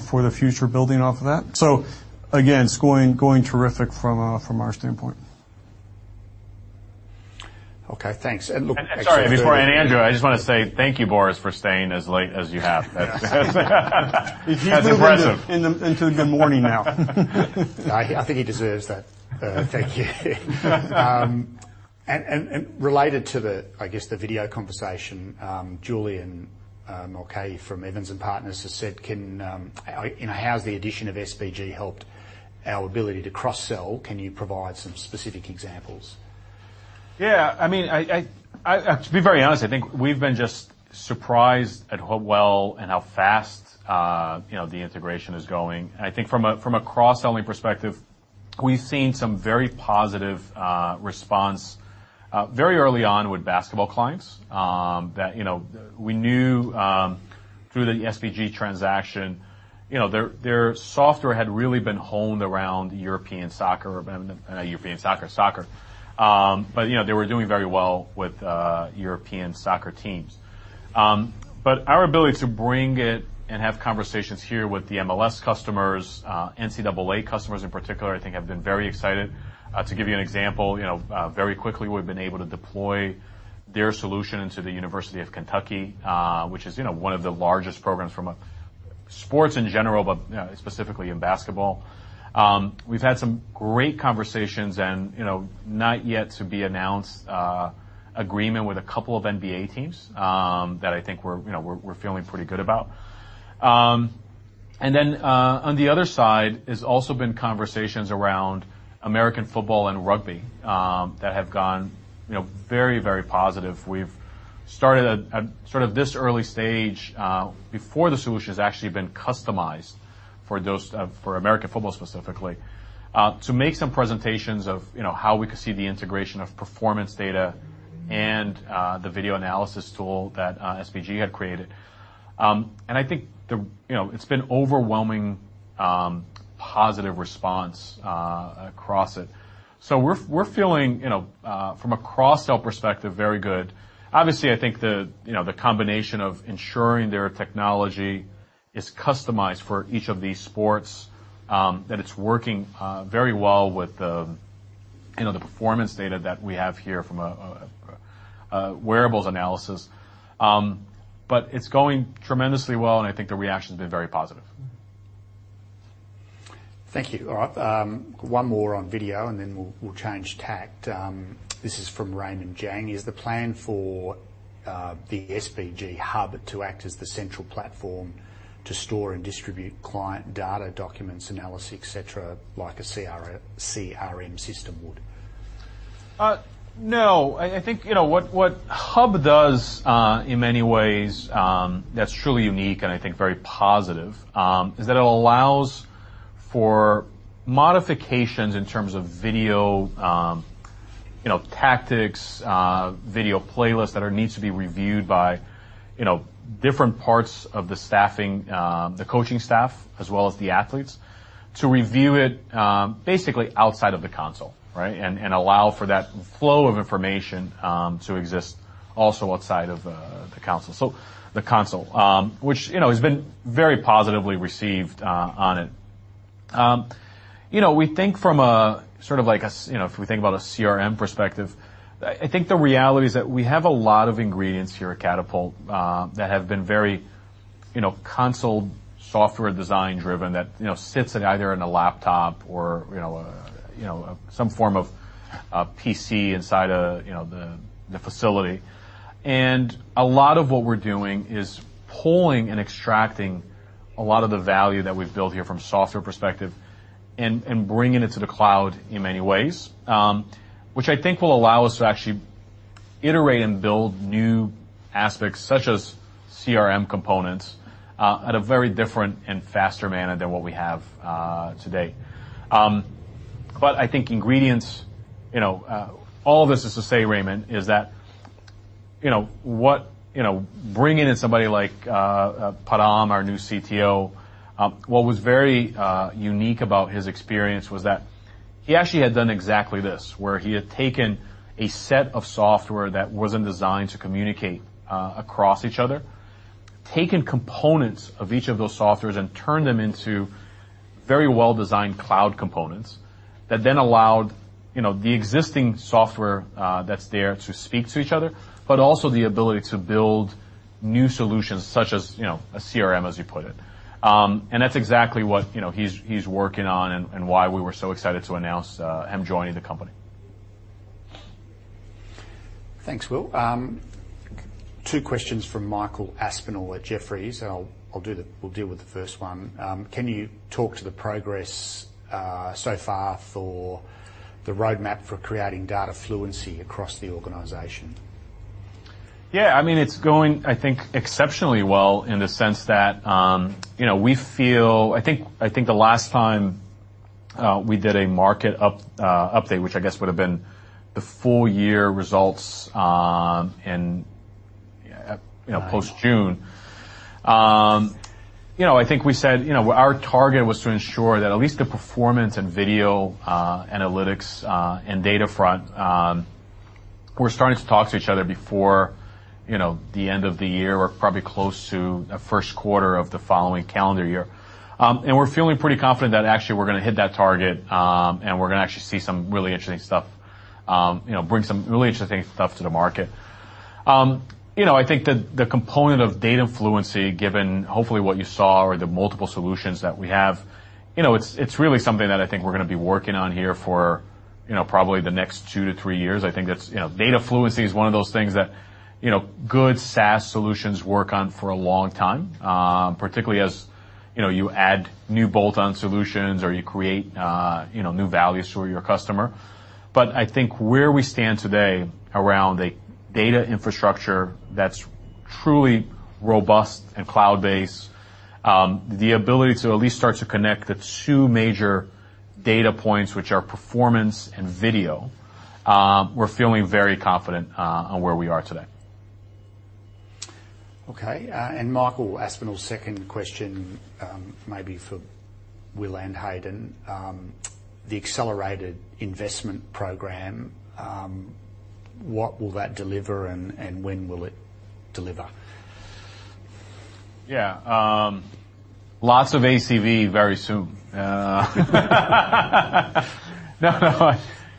for the future building off of that. Again, it's going terrific from our standpoint. Okay, thanks. Sorry, before Andrew, I just wanna say thank you, Boris, for staying as late as you have. Yes. That's impressive. He's moved into the morning now. I think he deserves that. Thank you. Related to the, I guess, the video conversation, Julian, okay, from Evans & Partners has said how's the addition of SBG helped our ability to cross-sell? Can you provide some specific examples? Yeah. I mean, to be very honest, I think we've been just surprised at how well and how fast the integration is going. I think from a cross-selling perspective, we've seen some very positive response very early on with basketball clients, that, you know. We knew through the SBG transaction their software had really been honed around European soccer. Not European soccer. You know, they were doing very well with European soccer teams. Our ability to bring it and have conversations here with the MLS customers, NCAA customers in particular, I think have been very excited. To give you an example very quickly, we've been able to deploy their solution into the University of Kentucky, which is one of the largest programs from a sports in general, but specifically in basketball. We've had some great conversations and not yet to be announced agreement with a couple of NBA teams that I think we're feeling pretty good about. On the other side, there's also been conversations around American football and rugby that have gone very, very positive. We've started at sort of this early stage before the solution has actually been customized for American football specifically to make some presentations of how we could see the integration of performance data and the video analysis tool that SBG had created. I think you know, it's been overwhelming positive response across it. We're feeling from a cross-sell perspective, very good. Obviously, I think you know, the combination of ensuring their technology is customized for each of these sports that it's working very well with you know, the performance data that we have here from wearables analysis. It's going tremendously well, and I think the reaction's been very positive. Thank you. All right, one more on video, and then we'll change tack. This is from Raymond Jiang: Is the plan for the SBG Hub to act as the central platform to store and distribute client data, documents, analysis, et cetera, like a CRM system would? No. I think what Hub does, in many ways, that's truly unique and I think very positive, is that it allows for modifications in terms of video tactics, video playlists that need to be reviewed by different parts of the staffing, the coaching staff as well as the athletes, to review it, basically outside of the console, right? And allow for that flow of information to exist also outside of the console. So the console, which has been very positively received, on it. You know, we think from a sort of like a if we think about a CRM perspective, I think the reality is that we have a lot of ingredients here at Catapult that have been very console software design driven that sits at either in a laptop or some form of PC inside the facility. A lot of what we're doing is pulling and extracting a lot of the value that we've built here from software perspective and bringing it to the cloud in many ways, which I think will allow us to actually iterate and build new aspects such as CRM components at a very different and faster manner than what we have today. I think ingredients all this is to say, Raymond, is that bringing in somebody like Param, our new CTO, what was very unique about his experience was that he actually had done exactly this, where he had taken a set of software that wasn't designed to communicate across each other, taken components of each of those softwares and turned them into very well-designed cloud components that then allowed you know, the existing software that's there to speak to each other, but also the ability to build new solutions such as a CRM, as you put it. That's exactly what he's working on and why we were so excited to announce him joining the company. Thanks, Will. Two questions from Michael Aspinall at Jefferies, and we'll deal with the first one. Can you talk to the progress so far for the roadmap for creating data fluency across the organization? Yeah. I mean, it's going, I think, exceptionally well in the sense that we feel. I think the last time we did a market update, which I guess would've been the full year results, in post-June. You know, I think we said our target was to ensure that at least the performance and video analytics and data front were starting to talk to each other before the end of the year or probably close to the Q1 of the following calendar year. And we're feeling pretty confident that actually we're gonna hit that target, and we're gonna actually see some really interesting stuff bring some really interesting stuff to the market. You know, I think the component of data fluency given, hopefully, what you saw or the multiple solutions that we have it's really something that I think we're gonna be working on here for probably the next two to three years. I think that's data fluency is one of those things that good SaaS solutions work on for a long time, particularly as you add new bolt-on solutions or you create new values for your customer. I think where we stand today around a data infrastructure that's truly robust and cloud-based, the ability to at least start to connect the two major data points which are performance and video, we're feeling very confident on where we are today. Okay. Michael Aspinall's second question may be for Will and Hayden. The accelerated investment program, what will that deliver, and when will it deliver? Yeah. Lots of ACV very soon. No, no.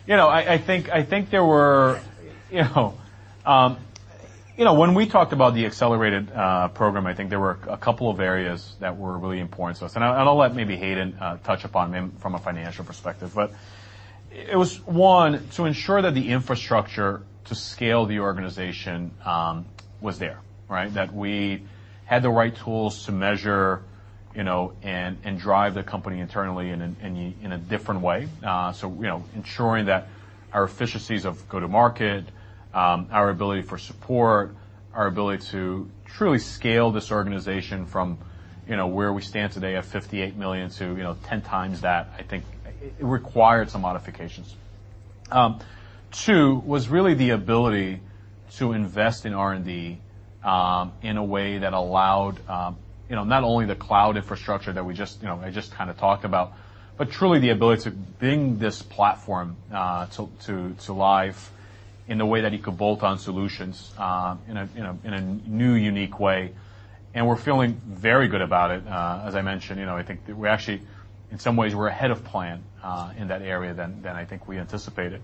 You know, I think there were you know when we talked about the accelerated program, I think there were a couple of areas that were really important to us. I'll let maybe Hayden touch upon them from a financial perspective. It was one, to ensure that the infrastructure to scale the organization was there, right? That we had the right tools to measure you know and drive the company internally in a different way. You know, ensuring that our efficiencies of go-to-market our ability for support, our ability to truly scale this organization from you know where we stand today at 58 million to you know 10 times that, I think it required some modifications. Two was really the ability to invest in R&D, in a way that allowed not only the cloud infrastructure that we just I just kinda talked about, but truly the ability to bring this platform, to life in a way that it could bolt on solutions, in a new, unique way. We're feeling very good about it. As I mentioned I think we actually, in some ways, we're ahead of plan, in that area than I think we anticipated.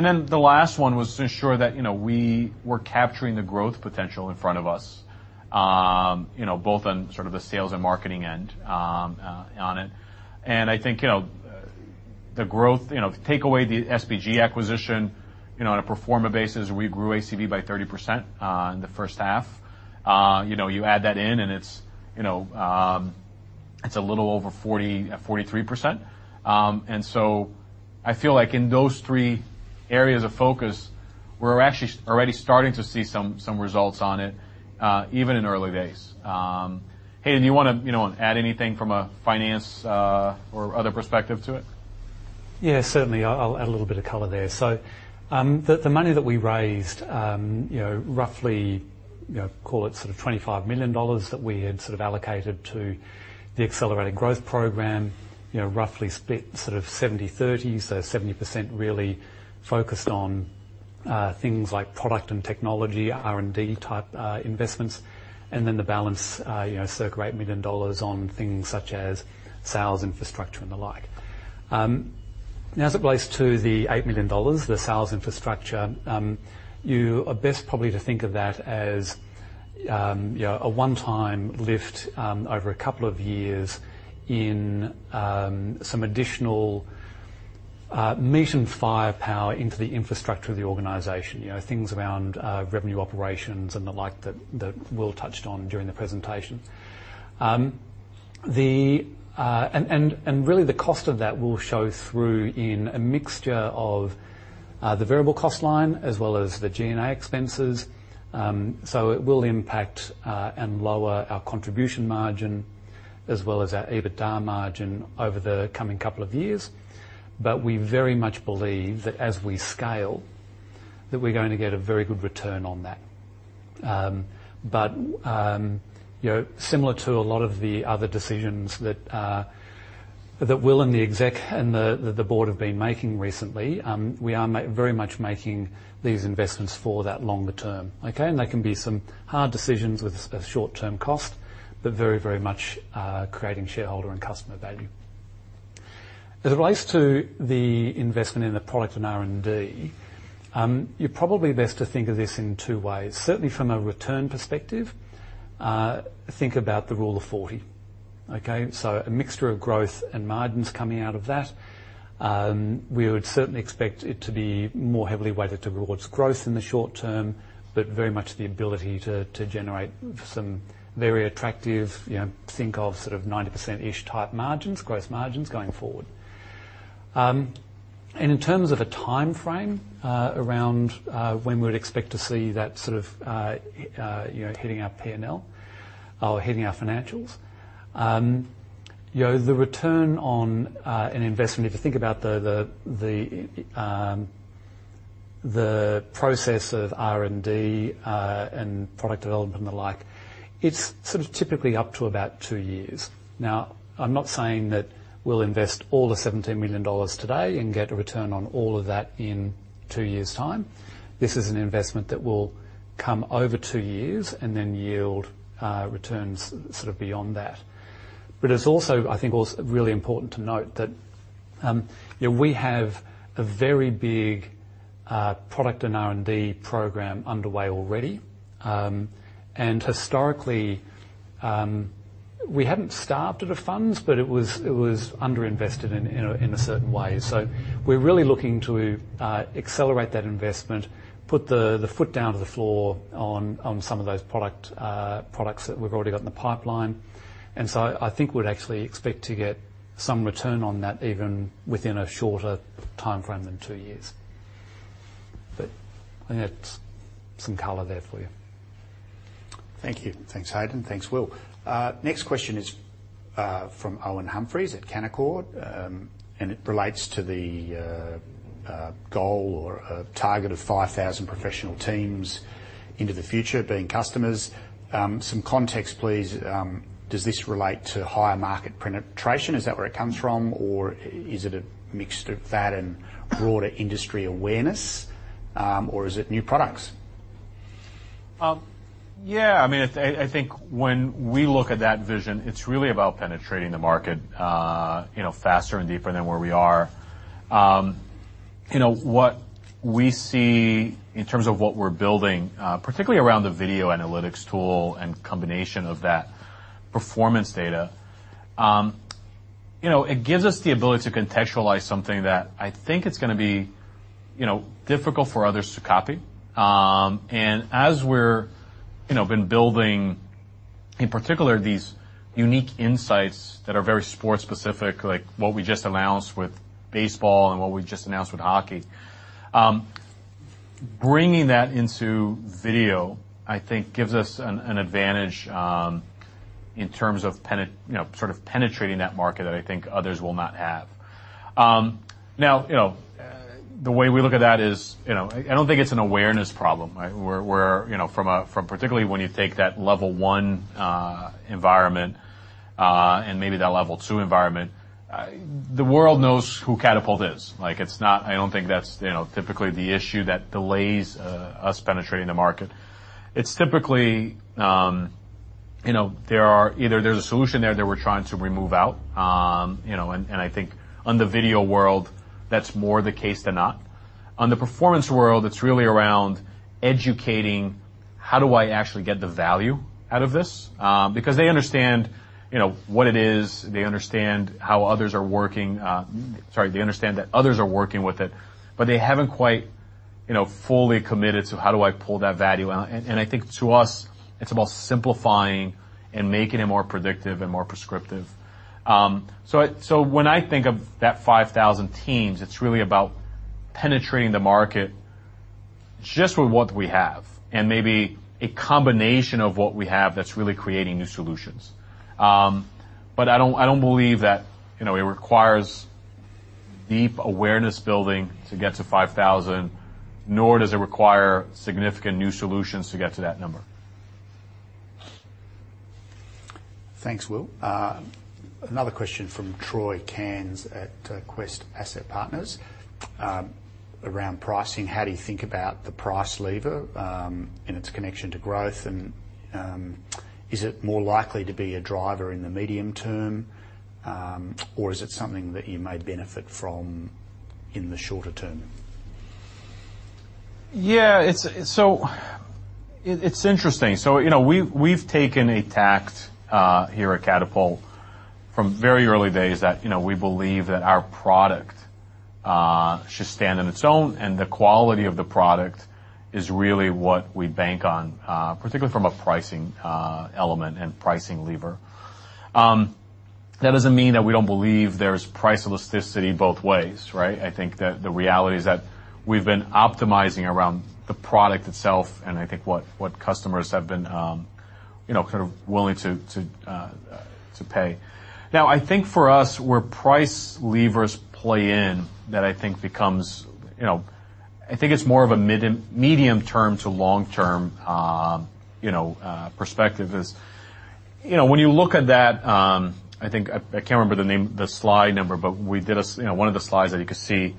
Then the last one was to ensure that we were capturing the growth potential in front of us both on sort of the sales and marketing end, on it. I think the growth take away the SBG acquisition on a pro forma basis, we grew ACV by 30% in the H1. You know, you add that in, and it's it's a little over 43%. I feel like in those three areas of focus, we're actually already starting to see some results on it, even in early days. Hayden, do you wanna add anything from a finance or other perspective to it? Yeah, certainly. I'll add a little bit of color there. The money that we raised roughly, call it sort of 25 million dollars that we had sort of allocated to the accelerated growth program roughly split sort of 70/30. 70% really focused on things like product and technology, R&D type investments, and then the balance eight million dollars on things such as sales infrastructure and the like. As it relates to the 8 million dollars, the sales infrastructure, you are best probably to think of that as a one-time lift over a couple of years in some additional meat and firepower into the infrastructure of the organization. You know, things around revenue operations and the like that Will touched on during the presentation. Really the cost of that will show through in a mixture of the variable cost line as well as the G&A expenses. It will impact and lower our contribution margin as well as our EBITDA margin over the coming couple of years. We very much believe that as we scale, that we're going to get a very good return on that. You know, similar to a lot of the other decisions that Will and the exec and the board have been making recently, we are very much making these investments for that longer term, okay? They can be some hard decisions with a short-term cost, but very, very much creating shareholder and customer value. As it relates to the investment in the product and R&D, you're probably best to think of this in two ways. Certainly from a return perspective, think about the Rule of 40, okay? A mixture of growth and margins coming out of that. We would certainly expect it to be more heavily weighted towards growth in the short term, but very much the ability to generate some very attractive think of sort of 90%-ish type growth margins going forward. In terms of a timeframe, around when we'd expect to see that sort of hitting our P&L or hitting our financials the return on an investment, if you think about the process of R&D and product development and the like, it's sort of typically up to about two years. Now, I'm not saying that we'll invest all the 17 million dollars today and get a return on all of that in two years' time. This is an investment that will come over two years and then yield returns sort of beyond that. It's also, I think also really important to note that we have a very big product and R&D program underway already. Historically, we haven't starved it of funds, but it was under-invested in a certain way. We're really looking to accelerate that investment, put the foot down to the floor on some of those products that we've already got in the pipeline. I think we'd actually expect to get some return on that even within a shorter timeframe than two years. I think that's some color there for you. Thank you. Thanks, Hayden. Thanks, Will. Next question is from Owen Humphries at Canaccord Genuity, and it relates to the goal or target of 5,000 professional teams into the future being customers. Some context, please. Does this relate to higher market penetration? Is that where it comes from? Or is it a mixture of that and broader industry awareness? Or is it new products? Yeah, I mean, I think when we look at that vision, it's really about penetrating the market faster and deeper than where we are. You know, what we see in terms of what we're building, particularly around the video analytics tool and combination of that performance data it gives us the ability to contextualize something that I think it's gonna be difficult for others to copy. As we're been building, in particular, these unique insights that are very sports specific, like what we just announced with baseball and what we just announced with hockey, bringing that into video, I think gives us an advantage, in terms of sort of penetrating that market that I think others will not have. now the way we look at that is I don't think it's an awareness problem, right? We're. You know, from particularly when you take that level one environment, and maybe that level two environment, the world knows who Catapult is. Like it's not. I don't think that's typically the issue that delays us penetrating the market. It's typically there are either there's a solution there that we're trying to remove out and I think on the video world, that's more the case than not. On the performance world, it's really around educating how do I actually get the value out of this? Because they understand what it is. They understand how others are working. Sorry, they understand that others are working with it, but they haven't quite fully committed, so how do I pull that value out? I think to us, it's about simplifying and making it more predictive and more prescriptive. When I think of that 5,000 teams, it's really about penetrating the market just with what we have and maybe a combination of what we have that's really creating new solutions. I don't believe that it requires deep awareness building to get to 5,000, nor does it require significant new solutions to get to that number. Thanks, Will. Another question from Troy Cairns at Quest Asset Partners around pricing. How do you think about the price lever and its connection to growth? Is it more likely to be a driver in the medium term or is it something that you may benefit from in the shorter term? It's interesting. You know, we've taken a tack here at Catapult from very early days that we believe that our product should stand on its own, and the quality of the product is really what we bank on, particularly from a pricing element and pricing lever. That doesn't mean that we don't believe there's price elasticity both ways, right? I think that the reality is that we've been optimizing around the product itself, and I think what customers have been kind of willing to pay. Now, I think for us, where price levers play in that I think becomes I think it's more of a medium term to long term perspective when you look at that, I think. I can't remember the name, the slide number, but we did one of the slides that you could see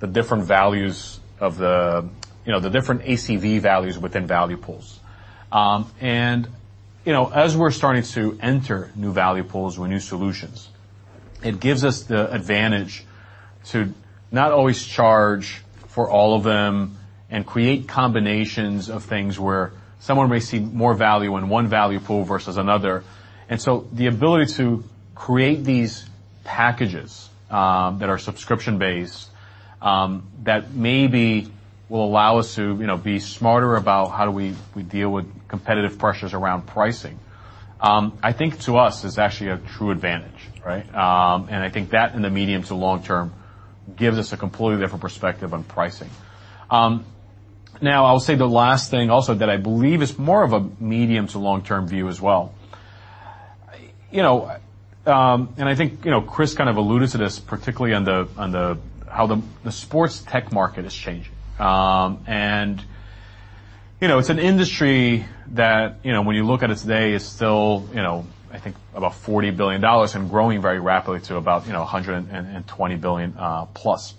the different values of the the different ACV values within value pools. You know, as we're starting to enter new value pools or new solutions, it gives us the advantage to not always charge for all of them and create combinations of things where someone may see more value in one value pool versus another. The ability to create these packages that are subscription-based that maybe will allow us to be smarter about how do we deal with competitive pressures around pricing, I think to us is actually a true advantage, right? I think that in the medium to long term gives us a completely different perspective on pricing. Now I'll say the last thing also that I believe is more of a medium to long-term view as well. You know, and I think Chris kind of alluded to this particularly on how the sports tech market is changing. You know, it's an industry that when you look at it today is still I think about $40 billion and growing very rapidly to about $120 billion plus.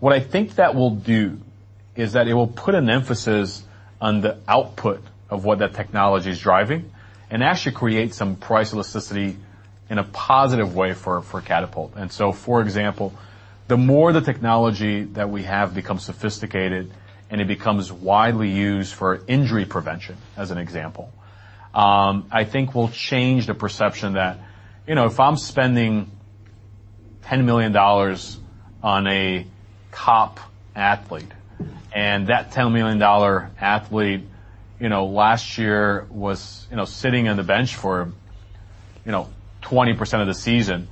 What I think that will do is that it will put an emphasis on the output of what that technology is driving and actually create some price elasticity in a positive way for Catapult. For example, the more the technology that we have becomes sophisticated, and it becomes widely used for injury prevention, as an example, I think will change the perception that if I'm spending $10 million on a top athlete, and that $10 million athlete last year was sitting on the bench for 20% of the season,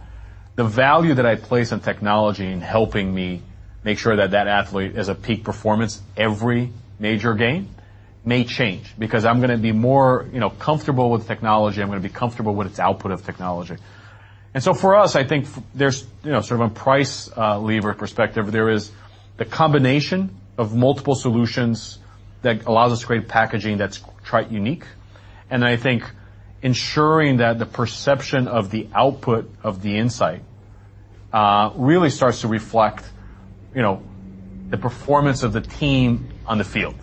the value that I place on technology in helping me make sure that that athlete is at peak performance every major game may change because I'm gonna be more comfortable with technology. I'm gonna be comfortable with its output of technology. For us, I think there's sort of a price lever perspective. There is the combination of multiple solutions that allows us to create packaging that's quite unique. I think ensuring that the perception of the output of the insight really starts to reflect the performance of the team on the field.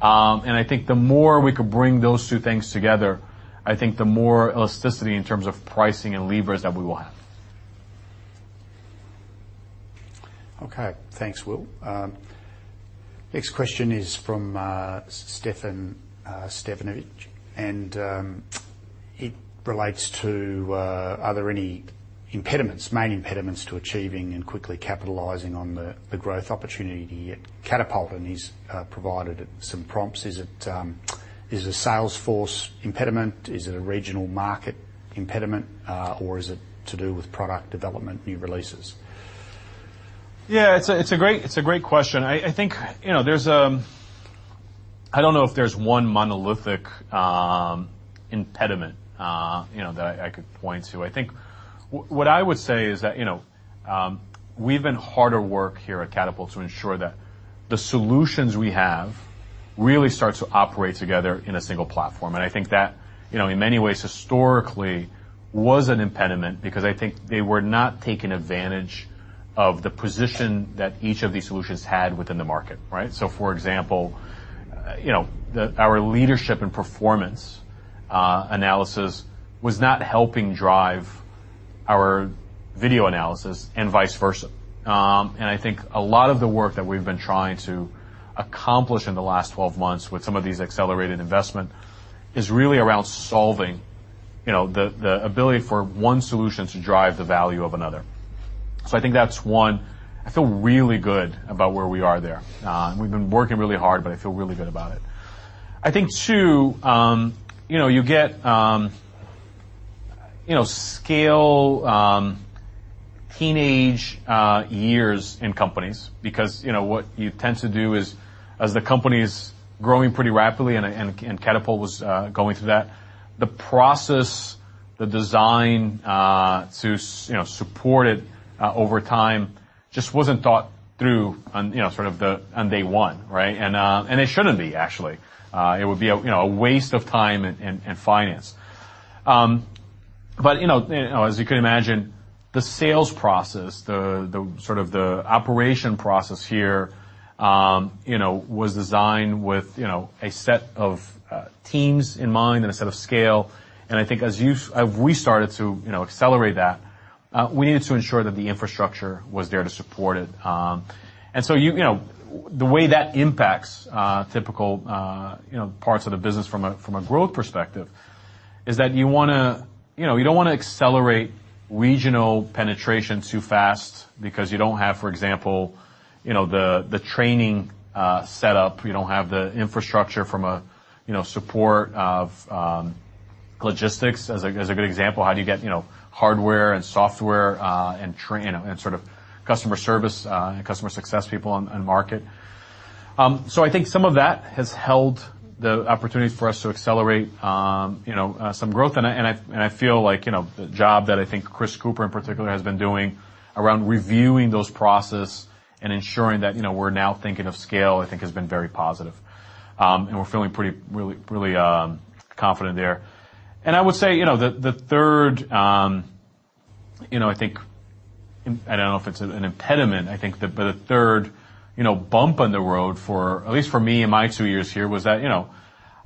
I think the more we could bring those two things together, I think the more elasticity in terms of pricing and levers that we will have. Okay. Thanks, Will. Next question is from Stefan Stevanovic, and it relates to are there any impediments, main impediments to achieving and quickly capitalizing on the growth opportunity at Catapult? He's provided some prompts. Is it the sales force impediment? Is it a regional market impediment? Or is it to do with product development, new releases? Yeah, it's a great question. I think I don't know if there's one monolithic impediment that I could point to. I think what I would say is that we've been hard at work here at Catapult to ensure that the solutions we have really start to operate together in a single platform. I think that in many ways historically was an impediment because I think they were not taking advantage of the position that each of these solutions had within the market, right. For example our leadership and performance analysis was not helping drive our video analysis and vice versa. I think a lot of the work that we've been trying to accomplish in the last 12 months with some of these accelerated investment is really around solving the ability for one solution to drive the value of another. I think that's one. I feel really good about where we are there. We've been working really hard, but I feel really good about it. I think two you get scaling teenage years in companies because what you tend to do is as the company's growing pretty rapidly, and Catapult was going through that, the process, the design to support it over time just wasn't thought through on sort of the on day one, right? It shouldn't be actually. It would be a you know a waste of time and finance. You know, as you can imagine, the sales process, the sort of operation process here was designed with you know a set of teams in mind and a set of scale. I think as we started to you know accelerate that, we needed to ensure that the infrastructure was there to support it. You know, the way that impacts typical you know parts of the business from a growth perspective is that you wanna you know you don't wanna accelerate regional penetration too fast because you don't have, for example the training set up. You don't have the infrastructure from support of logistics as a good example. How do you get hardware and software and train customer service customer success people on market? I think some of that has held the opportunities for us to accelerate some growth. I feel like the job that Chris Cooper in particular has been doing around reviewing those processes and ensuring that we're now thinking of scale has been very positive. We're feeling pretty really confident there. I would say the third. I think I don't know if it's an impediment. I think the third bump on the road for at least for me in my two years here was that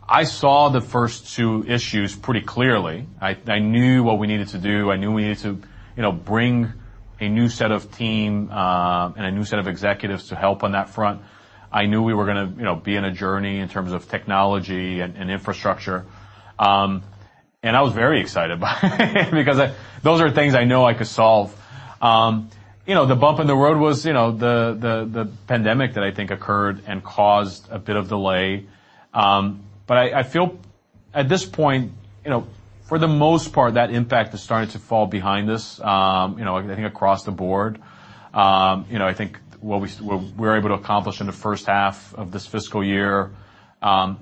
I saw the first two issues pretty clearly. I knew what we needed to do. I knew we needed to bring a new set of team and a new set of executives to help on that front. I knew we were gonna be in a journey in terms of technology and infrastructure. I was very excited by it because those are things I know I could solve. You know, the bump in the road was the pandemic that I think occurred and caused a bit of delay. I feel at this point for the most part, that impact is starting to fall behind us I think across the board. You know, I think what we were able to accomplish in the H1 of this fiscal year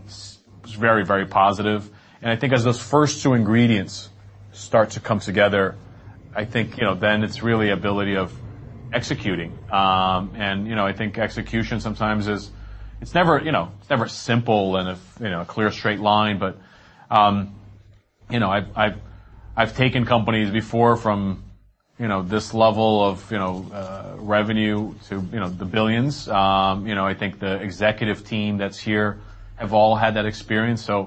is very, very positive. I think as those first two ingredients start to come together, I think then it's really ability of executing. You know, I think execution sometimes is. It's never it's never simple and a clear straight line. You know, I've taken companies before from this level of revenue to the billions. You know, I think the executive team that's here have all had that experience. I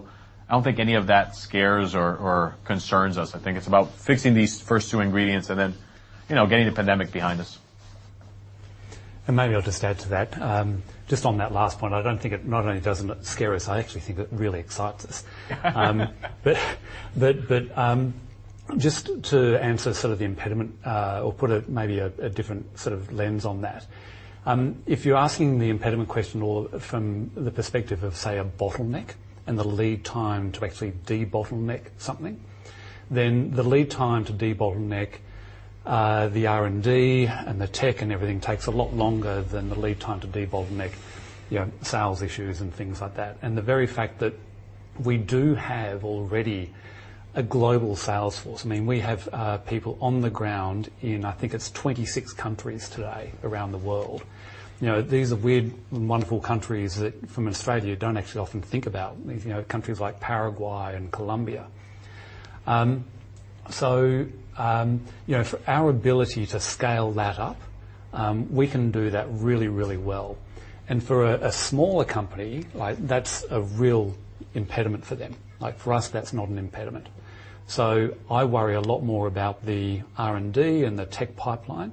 don't think any of that scares or concerns us. I think it's about fixing these first two ingredients and then getting the pandemic behind us. Maybe I'll just add to that. Just on that last point, I don't think it not only doesn't it scare us, I actually think it really excites us. But just to answer sort of the impediment, or put a maybe a different sort of lens on that. If you're asking the impediment question or from the perspective of, say, a bottleneck and the lead time to actually de-bottleneck something, then the lead time to de-bottleneck the R&D and the tech and everything takes a lot longer than the lead time to de-bottleneck sales issues and things like that. The very fact that we do have already a global sales force. I mean, we have people on the ground in, I think it's 26 countries today around the world. You know, these are weird and wonderful countries that from Australia don't actually often think about. these countries like Paraguay and Colombia. You know, for our ability to scale that up, we can do that really, really well. For a smaller company, like that's a real impediment for them. Like, for us, that's not an impediment. I worry a lot more about the R&D and the tech pipeline.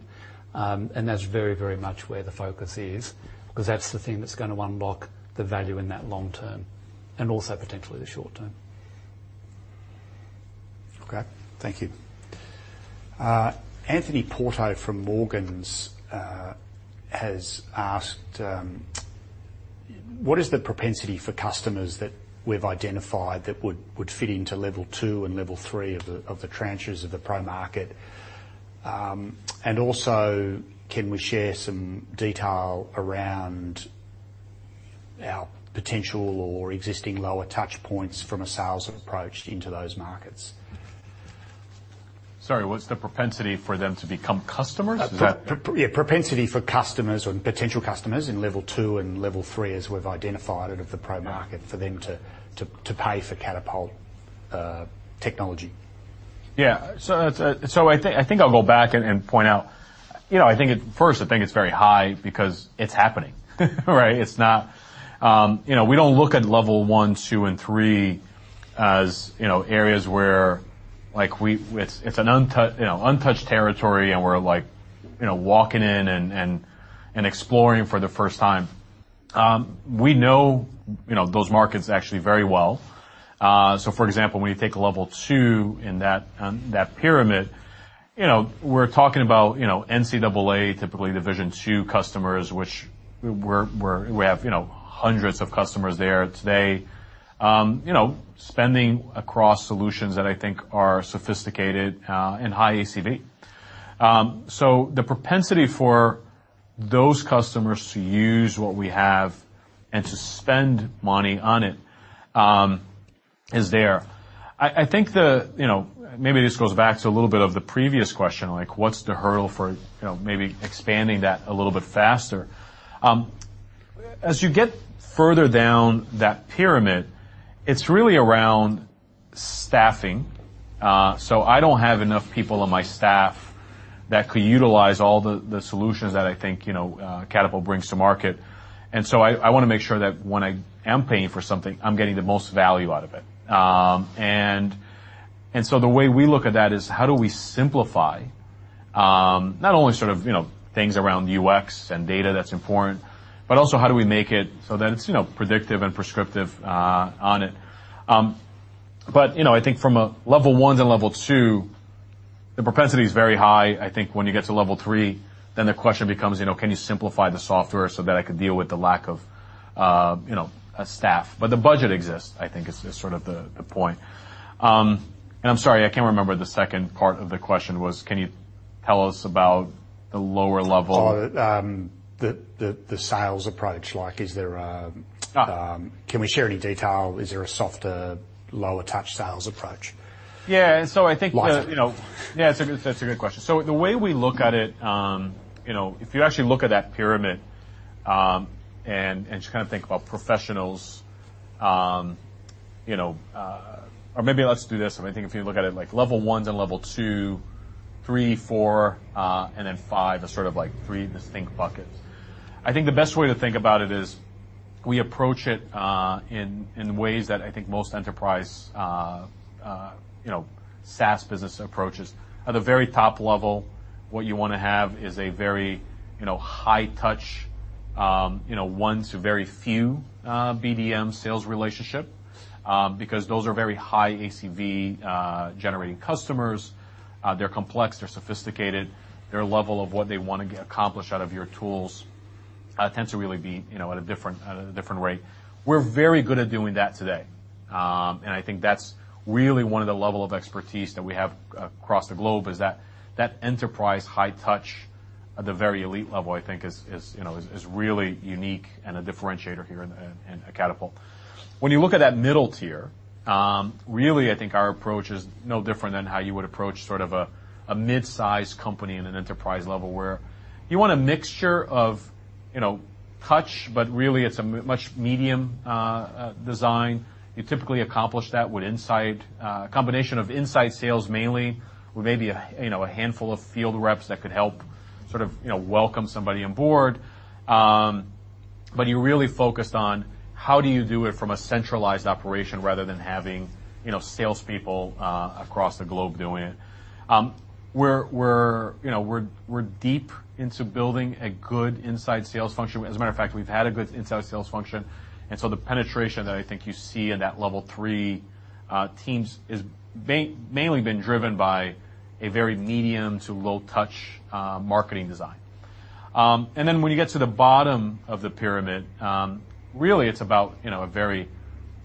That's very, very much where the focus is, 'cause that's the thing that's gonna unlock the value in that long term and also potentially the short term. Okay. Thank you. Anthony Porto from Morgans has asked what is the propensity for customers that we've identified that would fit into level two and level three of the tranches of the pro market? And also, can we share some detail around our potential or existing lower touch points from a sales approach into those markets? Sorry, what's the propensity for them to become customers? Is that- propensity for customers or potential customers in level two and level three, as we've identified it, of the pro market. Yeah... for them to pay for Catapult technology. Yeah, it's. I think I'll go back and point out I think it's very high because it's happening, right? It's not we don't look at level one, two, and three as areas where like it's an untouched territory and we're like walking in and exploring for the first time. We know those markets actually very well. So for example, when you take a level two in that pyramid we're talking about NCAA, typically division two customers, which we have hundreds of customers there today. You know, spending across solutions that I think are sophisticated and high ACV. The propensity for those customers to use what we have and to spend money on it is there. I think the you know, maybe this goes back to a little bit of the previous question, like what's the hurdle for maybe expanding that a little bit faster? As you get further down that pyramid, it's really around staffing. I don't have enough people on my staff that could utilize all the the solutions that I think Catapult brings to market. I wanna make sure that when I am paying for something, I'm getting the most value out of it. The way we look at that is how do we simplify, not only sort of things around UX and data that's important, but also how do we make it so that it's predictive and prescriptive, on it. You know, I think from a level one to level two, the propensity is very high. I think when you get to level three, then the question becomes can you simplify the software so that I could deal with the lack of a staff? The budget exists, I think is sort of the point. I'm sorry, I can't remember the second part of the question was, can you tell us about the lower level- The sales approach, like, is there Ah Can we share any detail? Is there a softer, lower touch sales approach? Yeah. I think Like- You know. Yeah, it's a good question. The way we look at it if you actually look at that pyramid, and just kinda think about professionals, you know. Or maybe let's do this. I think if you look at it like level ones and level two, three, four, and then five are sort of like three distinct buckets. I think the best way to think about it is we approach it in ways that I think most enterprise SaaS business approaches. At the very top level, what you wanna have is a very high touch one to very few, BDM sales relationship. Because those are very high ACV generating customers. They're complex, they're sophisticated. Their level of what they wanna get accomplished out of your tools tends to really be at a different rate. We're very good at doing that today. I think that's really one of the level of expertise that we have across the globe, is that enterprise high touch at the very elite level, I think is really unique and a differentiator here in Catapult. When you look at that middle tier, really I think our approach is no different than how you would approach sort of a mid-size company in an enterprise level, where you want a mixture of touch, but really it's a much medium design. You typically accomplish that with a combination of inside sales mainly, with maybe a handful of field reps that could help welcome somebody on board. You're really focused on how do you do it from a centralized operation rather than having salespeople across the globe doing it. We're deep into building a good inside sales function. As a matter of fact, we've had a good inside sales function, and so the penetration that I think you see in that level three teams is mainly been driven by a very medium to low touch marketing design. When you get to the bottom of the pyramid, really it's about a very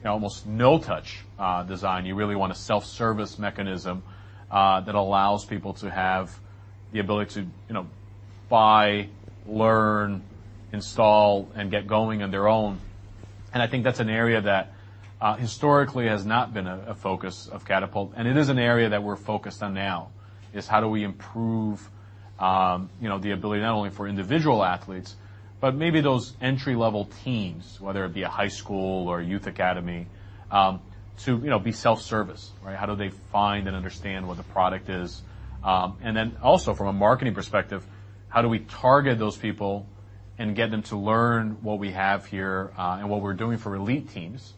almost no touch design. You really want a self-service mechanism that allows people to have the ability to buy, learn, install, and get going on their own. I think that's an area that historically has not been a focus of Catapult, and it is an area that we're focused on now: How do we improve the ability not only for individual athletes, but maybe those entry-level teams, whether it be a high school or a youth academy, to be self-service, right? How do they find and understand what the product is? Then also from a marketing perspective, how do we target those people and get them to learn what we have here, and what we're doing for elite teams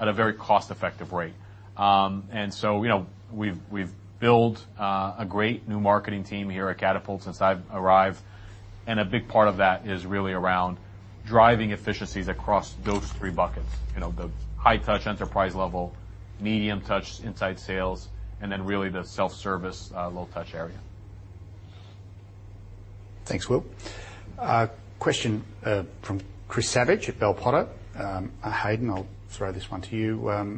at a very cost-effective rate? You know, we've built a great new marketing team here at Catapult since I've arrived, and a big part of that is really around driving efficiencies across those three buckets. You know, the high touch enterprise level, medium touch inside sales, and then really the self-service, low touch area. Thanks, Will. Question from Chris Savage at Bell Potter. Hayden, I'll throw this one to you.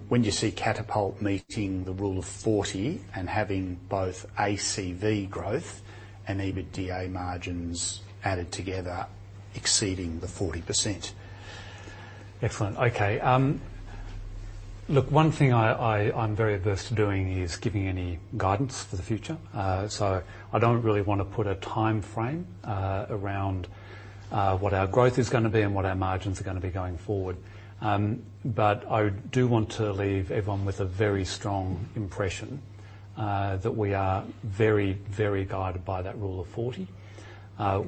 When do you see Catapult meeting the Rule of 40 and having both ACV growth and EBITDA margins added together exceeding the 40%? Excellent. Okay. Look, one thing I'm very averse to doing is giving any guidance for the future. I don't really wanna put a timeframe around what our growth is gonna be and what our margins are gonna be going forward. I do want to leave everyone with a very strong impression that we are very, very guided by that Rule of 40.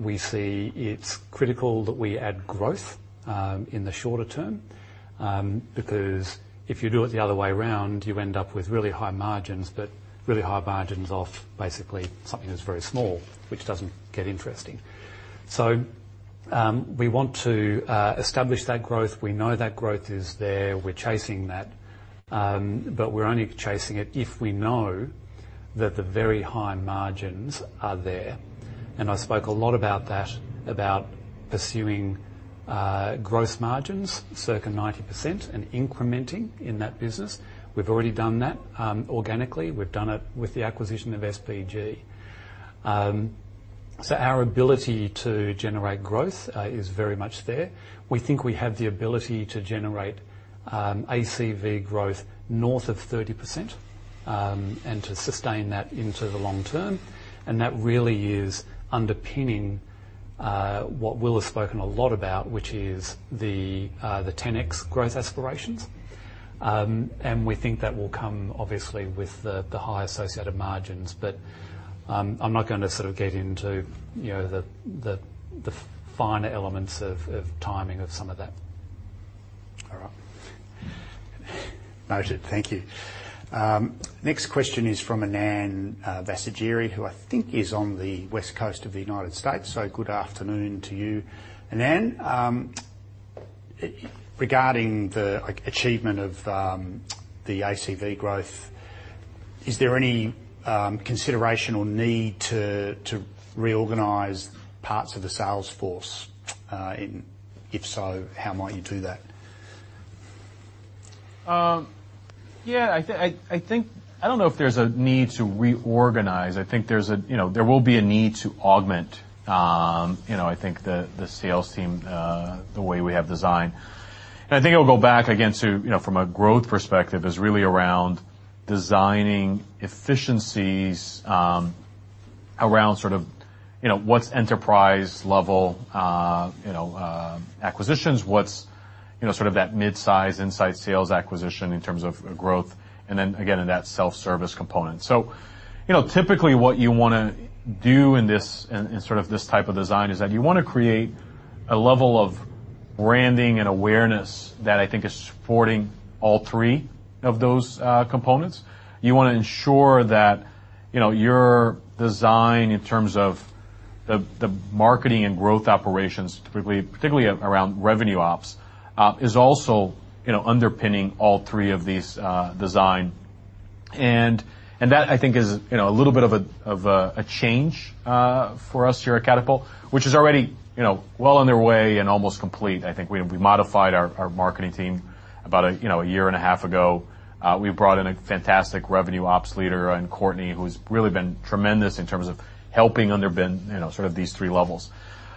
We see it's critical that we add growth in the shorter term because if you do it the other way around, you end up with really high margins, but really high margins off basically something that's very small, which doesn't get interesting. We want to establish that growth. We know that growth is there. We're chasing that. We're only chasing it if we know that the very high margins are there, and I spoke a lot about that, about pursuing gross margins circa 90% and incrementing in that business. We've already done that organically. We've done it with the acquisition of SBG. Our ability to generate growth is very much there. We think we have the ability to generate ACV growth north of 30% and to sustain that into the long term. That really is underpinning what Will has spoken a lot about, which is the 10X growth aspirations. We think that will come obviously with the high associated margins. I'm not gonna sort of get into the finer elements of timing of some of that. All right. Noted. Thank you. Next question is from Anand Vasagiri, who I think is on the West Coast of the United States, so good afternoon to you, Anand. Regarding the achievement of the ACV growth, is there any consideration or need to reorganize parts of the sales force? If so, how might you do that? Yeah. I think I don't know if there's a need to reorganize. I think there's there will be a need to augment I think the sales team the way we have designed. I think it'll go back again to from a growth perspective, is really around designing efficiencies around sort of what's enterprise level acquisitions, what's sort of that mid-size insight sales acquisition in terms of growth, and then again, in that self-service component. You know, typically what you wanna do in sort of this type of design is that you wanna create a level of branding and awareness that I think is supporting all three of those components. You wanna ensure that your design in terms of the marketing and growth operations, typically particularly around revenue ops, is also underpinning all three of these design. That I think is a little bit of a change for us here at Catapult, which is already well on their way and almost complete. I think we modified our marketing team about a year and a half ago. We brought in a fantastic revenue ops leader in Courtney, who's really been tremendous in terms of helping underpin sort of these three levels.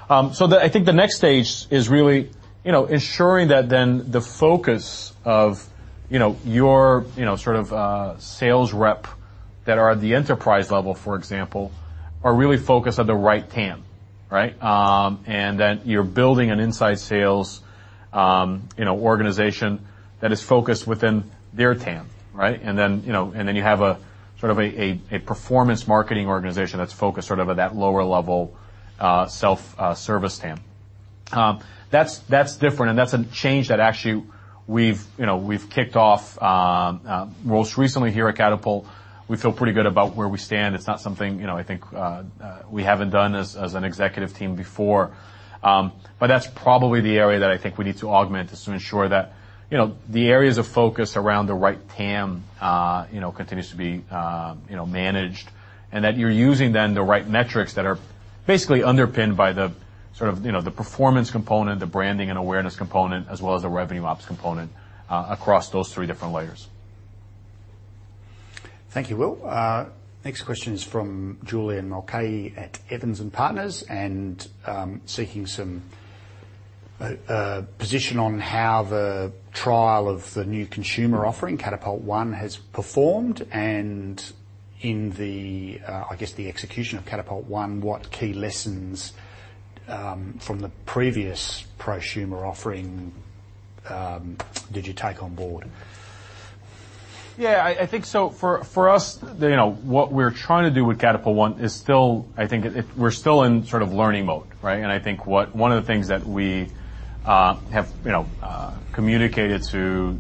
So the I think the next stage is really ensuring that then the focus of your sort of, sales rep that are at the enterprise level, for example, are really focused on the right TAM, right? That you're building an inside sales organization that is focused within their TAM, right? You know, you have a sort of a performance marketing organization that's focused sort of at that lower level self service TAM. That's different, and that's a change that actually we've kicked off most recently here at Catapult. We feel pretty good about where we stand. It's not something I think we haven't done as an executive team before. That's probably the area that I think we need to augment is to ensure that the areas of focus around the right tam continues to be managed and that you're using then the right metrics that are basically underpinned by the sort of the performance component, the branding and awareness component, as well as the revenue ops component, across those three different layers. Thank you, Will. Next question is from Julian Mulcahy at Evans & Partners and seeking some position on how the trial of the new consumer offering, Catapult One, has performed and in the, I guess, the execution of Catapult One, what key lessons from the previous prosumer offering did you take on board? I think so for us what we're trying to do with Catapult One is we're still in sort of learning mode, right? I think one of the things that we have communicated to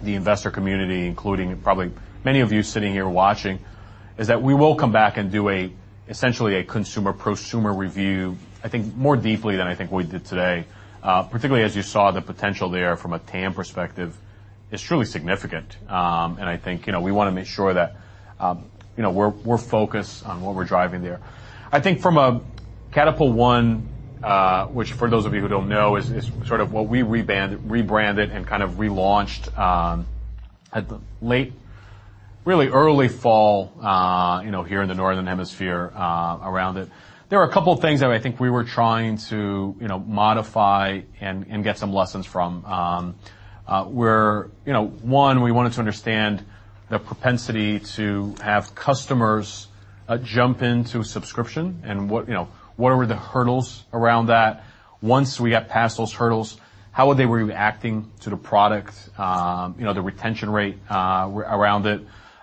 the investor community, including probably many of you sitting here watching, is that we will come back and do essentially a consumer prosumer review, I think more deeply than I think we did today. Particularly as you saw the potential there from a TAM perspective is truly significant. I think we wanna make sure that we're focused on what we're driving there. I think from a Catapult One, which for those of you who don't know, is sort of what we rebranded and kind of relaunched at the late, really early fall here in the northern hemisphere, around it. There are a couple of things that I think we were trying to modify and get some lessons from. where one, we wanted to understand the propensity to have customers jump into subscription and what what were the hurdles around that. Once we got past those hurdles, how were they reacting to the product? You know, the retention rate around it.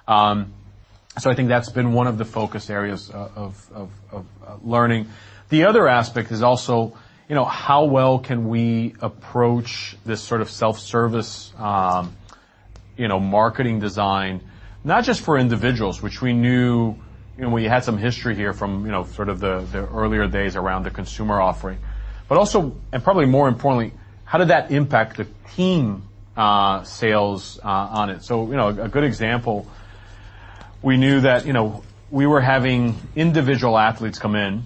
I think that's been one of the focus areas of learning. The other aspect is also how well can we approach this sort of self-service marketing design, not just for individuals, which we knew we had some history here from sort of the earlier days around the consumer offering, but also, and probably more importantly, how did that impact the team sales on it? so a good example, we knew that we were having individual athletes come in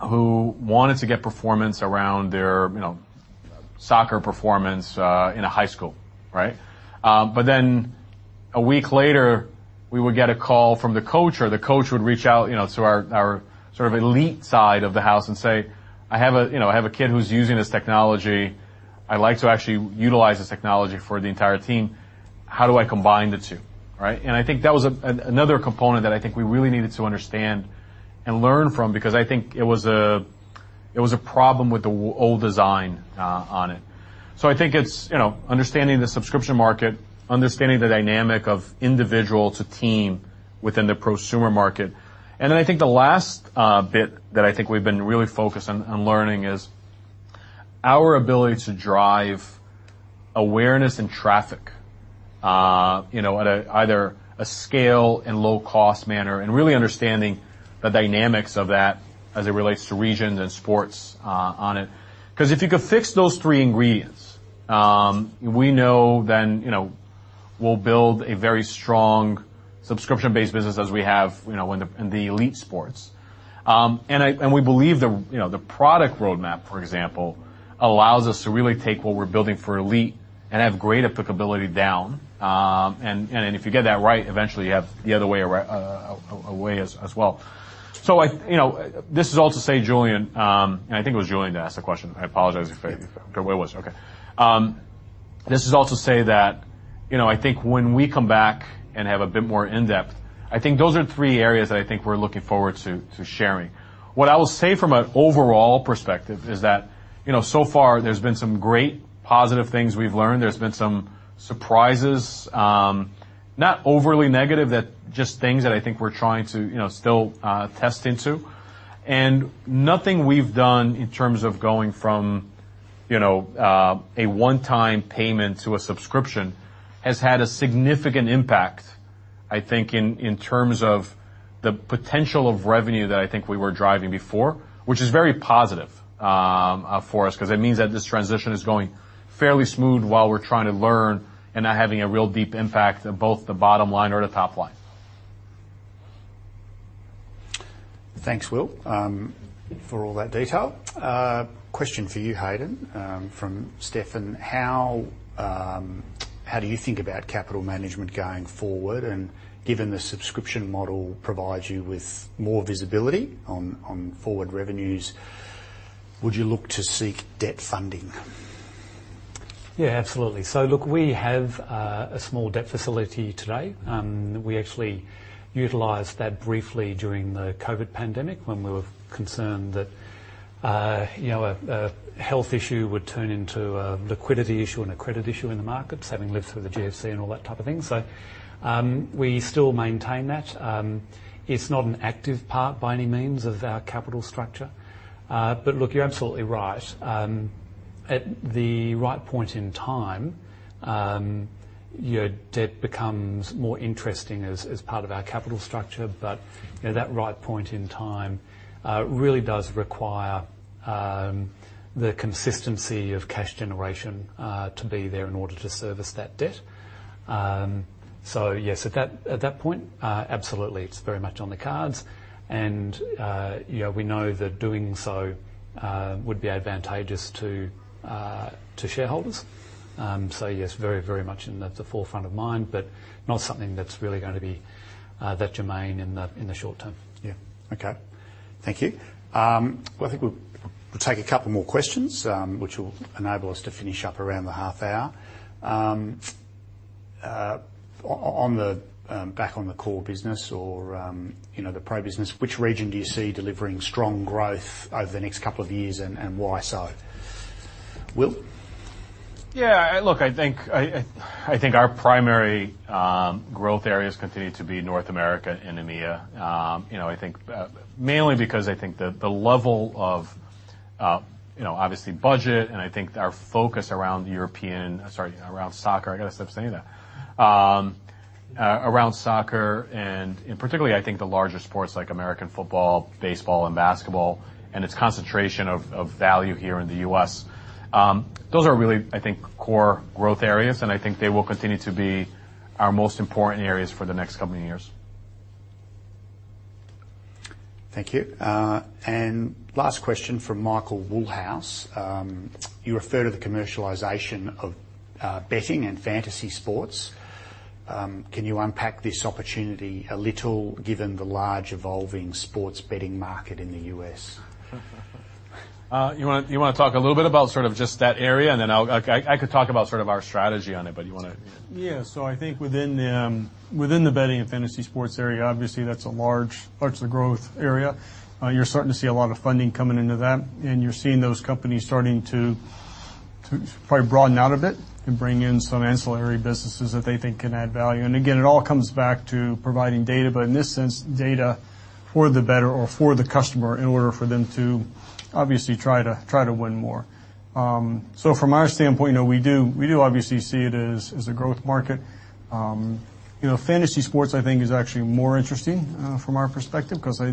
who wanted to get performance around their soccer performance in a high school, right? But then a week later, we would get a call from the coach, or the coach would reach out to our sort of elite side of the house and say, "I have a kid who's using this technology. I'd like to actually utilize this technology for the entire team. How do I combine the two?" Right? I think that was another component that I think we really needed to understand and learn from because I think it was a problem with the old design on it. I think it's understanding the subscription market, understanding the dynamic of individual to team within the prosumer market. Then I think the last bit that I think we've been really focused on learning is our ability to drive awareness and traffic at either a scale and low cost manner, and really understanding the dynamics of that as it relates to regions and sports on it. 'Cause if you could fix those three ingredients, we know then we'll build a very strong subscription-based business as we have in the elite sports. We believe the product roadmap, for example, allows us to really take what we're building for elite and have great applicability down. If you get that right, eventually you have the other way around as well. You know, this is all to say, Julian, and I think it was Julian that asked the question. I apologize if I was wrong. Okay, it was. Okay. This is all to say that I think when we come back and have a bit more in-depth, I think those are three areas that I think we're looking forward to sharing. What I will say from an overall perspective is that so far there's been some great positive things we've learned. There's been some surprises, not overly negative, that just things that I think we're trying to still, test into. Nothing we've done in terms of going from a one-time payment to a subscription has had a significant impact, I think in terms of the potential of revenue that I think we were driving before. Which is very positive, for us, 'cause it means that this transition is going fairly smooth while we're trying to learn and not having a real deep impact on both the bottom line or the top line. Thanks, Will, for all that detail. Question for you, Hayden, from Stefan. How do you think about capital management going forward? Given the subscription model provides you with more visibility on forward revenues, would you look to seek debt funding? Yeah, absolutely. Look, we have a small debt facility today. We actually utilized that briefly during the COVID pandemic when we were concerned that you know a health issue would turn into a liquidity issue and a credit issue in the markets, having lived through the GFC and all that type of thing. We still maintain that. It's not an active part by any means of our capital structure. Look, you're absolutely right. At the right point in time your debt becomes more interesting as part of our capital structure. You know that right point in time really does require the consistency of cash generation to be there in order to service that debt. Yes, at that point absolutely it's very much on the cards. You know, we know that doing so would be advantageous to shareholders. Yes, very, very much in the forefront of mind, but not something that's really gonna be that germane in the short term. Yeah. Okay. Thank you. Well, I think we'll take a couple more questions, which will enable us to finish up around the half hour. Back on the core business or the pro business, which region do you see delivering strong growth over the next couple of years, and why so? Will? Yeah, look, I think our primary growth areas continue to be North America and EMEA. You know, I think mainly because I think the level of you know obviously budget and I think our focus around soccer. Sorry, I gotta stop saying that. Around soccer and particularly I think the larger sports like American football, baseball and basketball, and its concentration of value here in the U.S. Those are really I think core growth areas, and I think they will continue to be our most important areas for the next couple of years. Thank you. Last question from Michael Woolhouse: You refer to the commercialization of betting and fantasy sports. Can you unpack this opportunity a little, given the large evolving sports betting market in the U.S.? You wanna talk a little bit about sort of just that area? Then I could talk about sort of our strategy on it, but you wanna Yeah. I think within the betting and fantasy sports area, obviously that's a large growth area. You're starting to see a lot of funding coming into that, and you're seeing those companies starting to probably broaden out a bit and bring in some ancillary businesses that they think can add value. It all comes back to providing data, but in this sense, data for the bettor or for the customer in order for them to obviously try to win more. From our standpoint we do obviously see it as a growth market. You know, fantasy sports I think is actually more interesting from our perspective, 'cause I...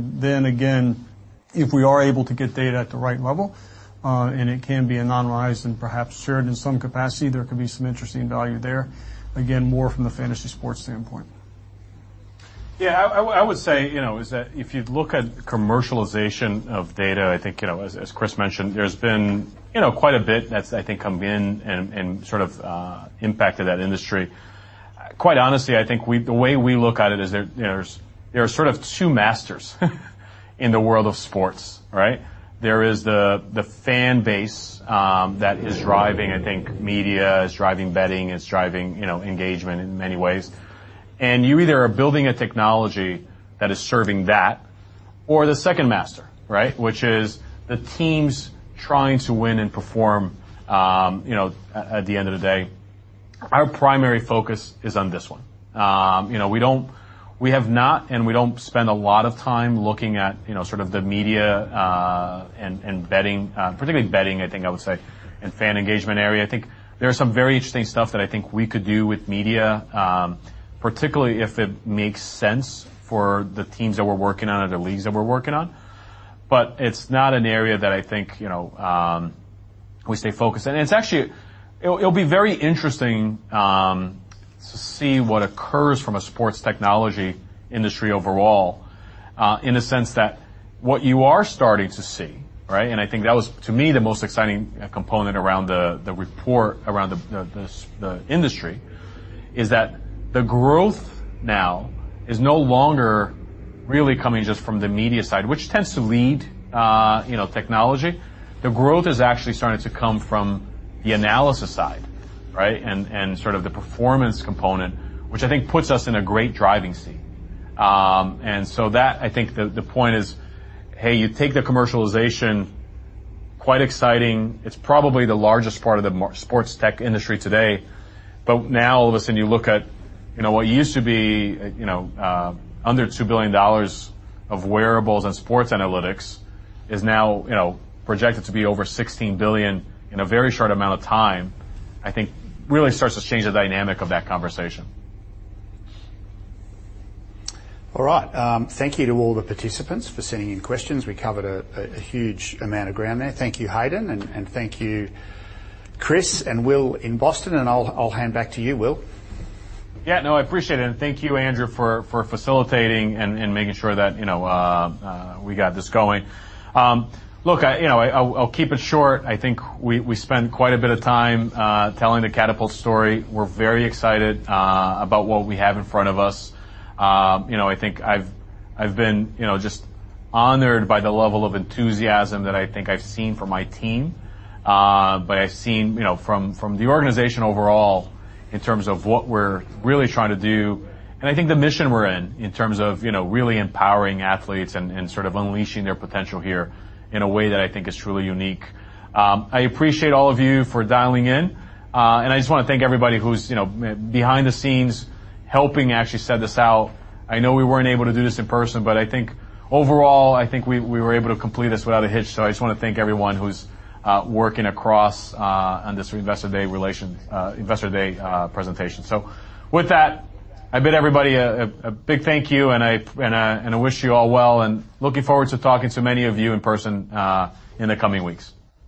Again, if we are able to get data at the right level, and it can be anonymized and perhaps shared in some capacity, there could be some interesting value there. Again, more from the fantasy sports standpoint. Yeah. I would say it's that if you look at commercialization of data, I think as Chris mentioned, there's been quite a bit that's, I think, come in and sort of impacted that industry. Quite honestly, I think the way we look at it is there there are sort of two masters in the world of sports, right? There is the fan base that is driving, I think, media, is driving betting, is driving engagement in many ways. You either are building a technology that is serving that, or the second master, right? Which is the teams trying to win and perform at the end of the day. Our primary focus is on this one. You know, we have not and we don't spend a lot of time looking at sort of the media, and betting, particularly betting I think I would say, and fan engagement area. I think there are some very interesting stuff that I think we could do with media, particularly if it makes sense for the teams that we're working on or the leagues that we're working on. It's not an area that I think we stay focused. It's actually. It, it'll be very interesting to see what occurs from a sports technology industry overall, in the sense that what you are starting to see, right? I think that was, to me, the most exciting component around the report around the industry, is that the growth now is no longer really coming just from the media side, which tends to lead technology. The growth is actually starting to come from the analysis side, right? Sort of the performance component, which I think puts us in a great driving seat. That I think the point is, hey, you take the commercialization, quite exciting. It's probably the largest part of the sports tech industry today. But now all of a sudden you look at what used to be under $2 billion of wearables and sports analytics is now projected to be over $16 billion in a very short amount of time. I think really starts to change the dynamic of that conversation. All right. Thank you to all the participants for sending in questions. We covered a huge amount of ground there. Thank you, Hayden, and thank you, Chris and Will in Boston, and I'll hand back to you, Will. Yeah, no, I appreciate it, and thank you, Andrew, for facilitating and making sure that we got this going. look I'll keep it short. I think we spent quite a bit of time telling the Catapult story. We're very excited about what we have in front of us. You know, I think I've been just honored by the level of enthusiasm that I think I've seen from my team. But I've seen from the organization overall in terms of what we're really trying to do, and I think the mission we're in terms of really empowering athletes and sort of unleashing their potential here in a way that I think is truly unique. I appreciate all of you for dialing in, and I just wanna thank everybody who's behind the scenes helping actually send this out. I know we weren't able to do this in person, but I think overall, we were able to complete this without a hitch. I just wanna thank everyone who's working across on this Investor Day presentation. With that, I bid everybody a big thank you, and I wish you all well, and looking forward to talking to many of you in person in the coming weeks.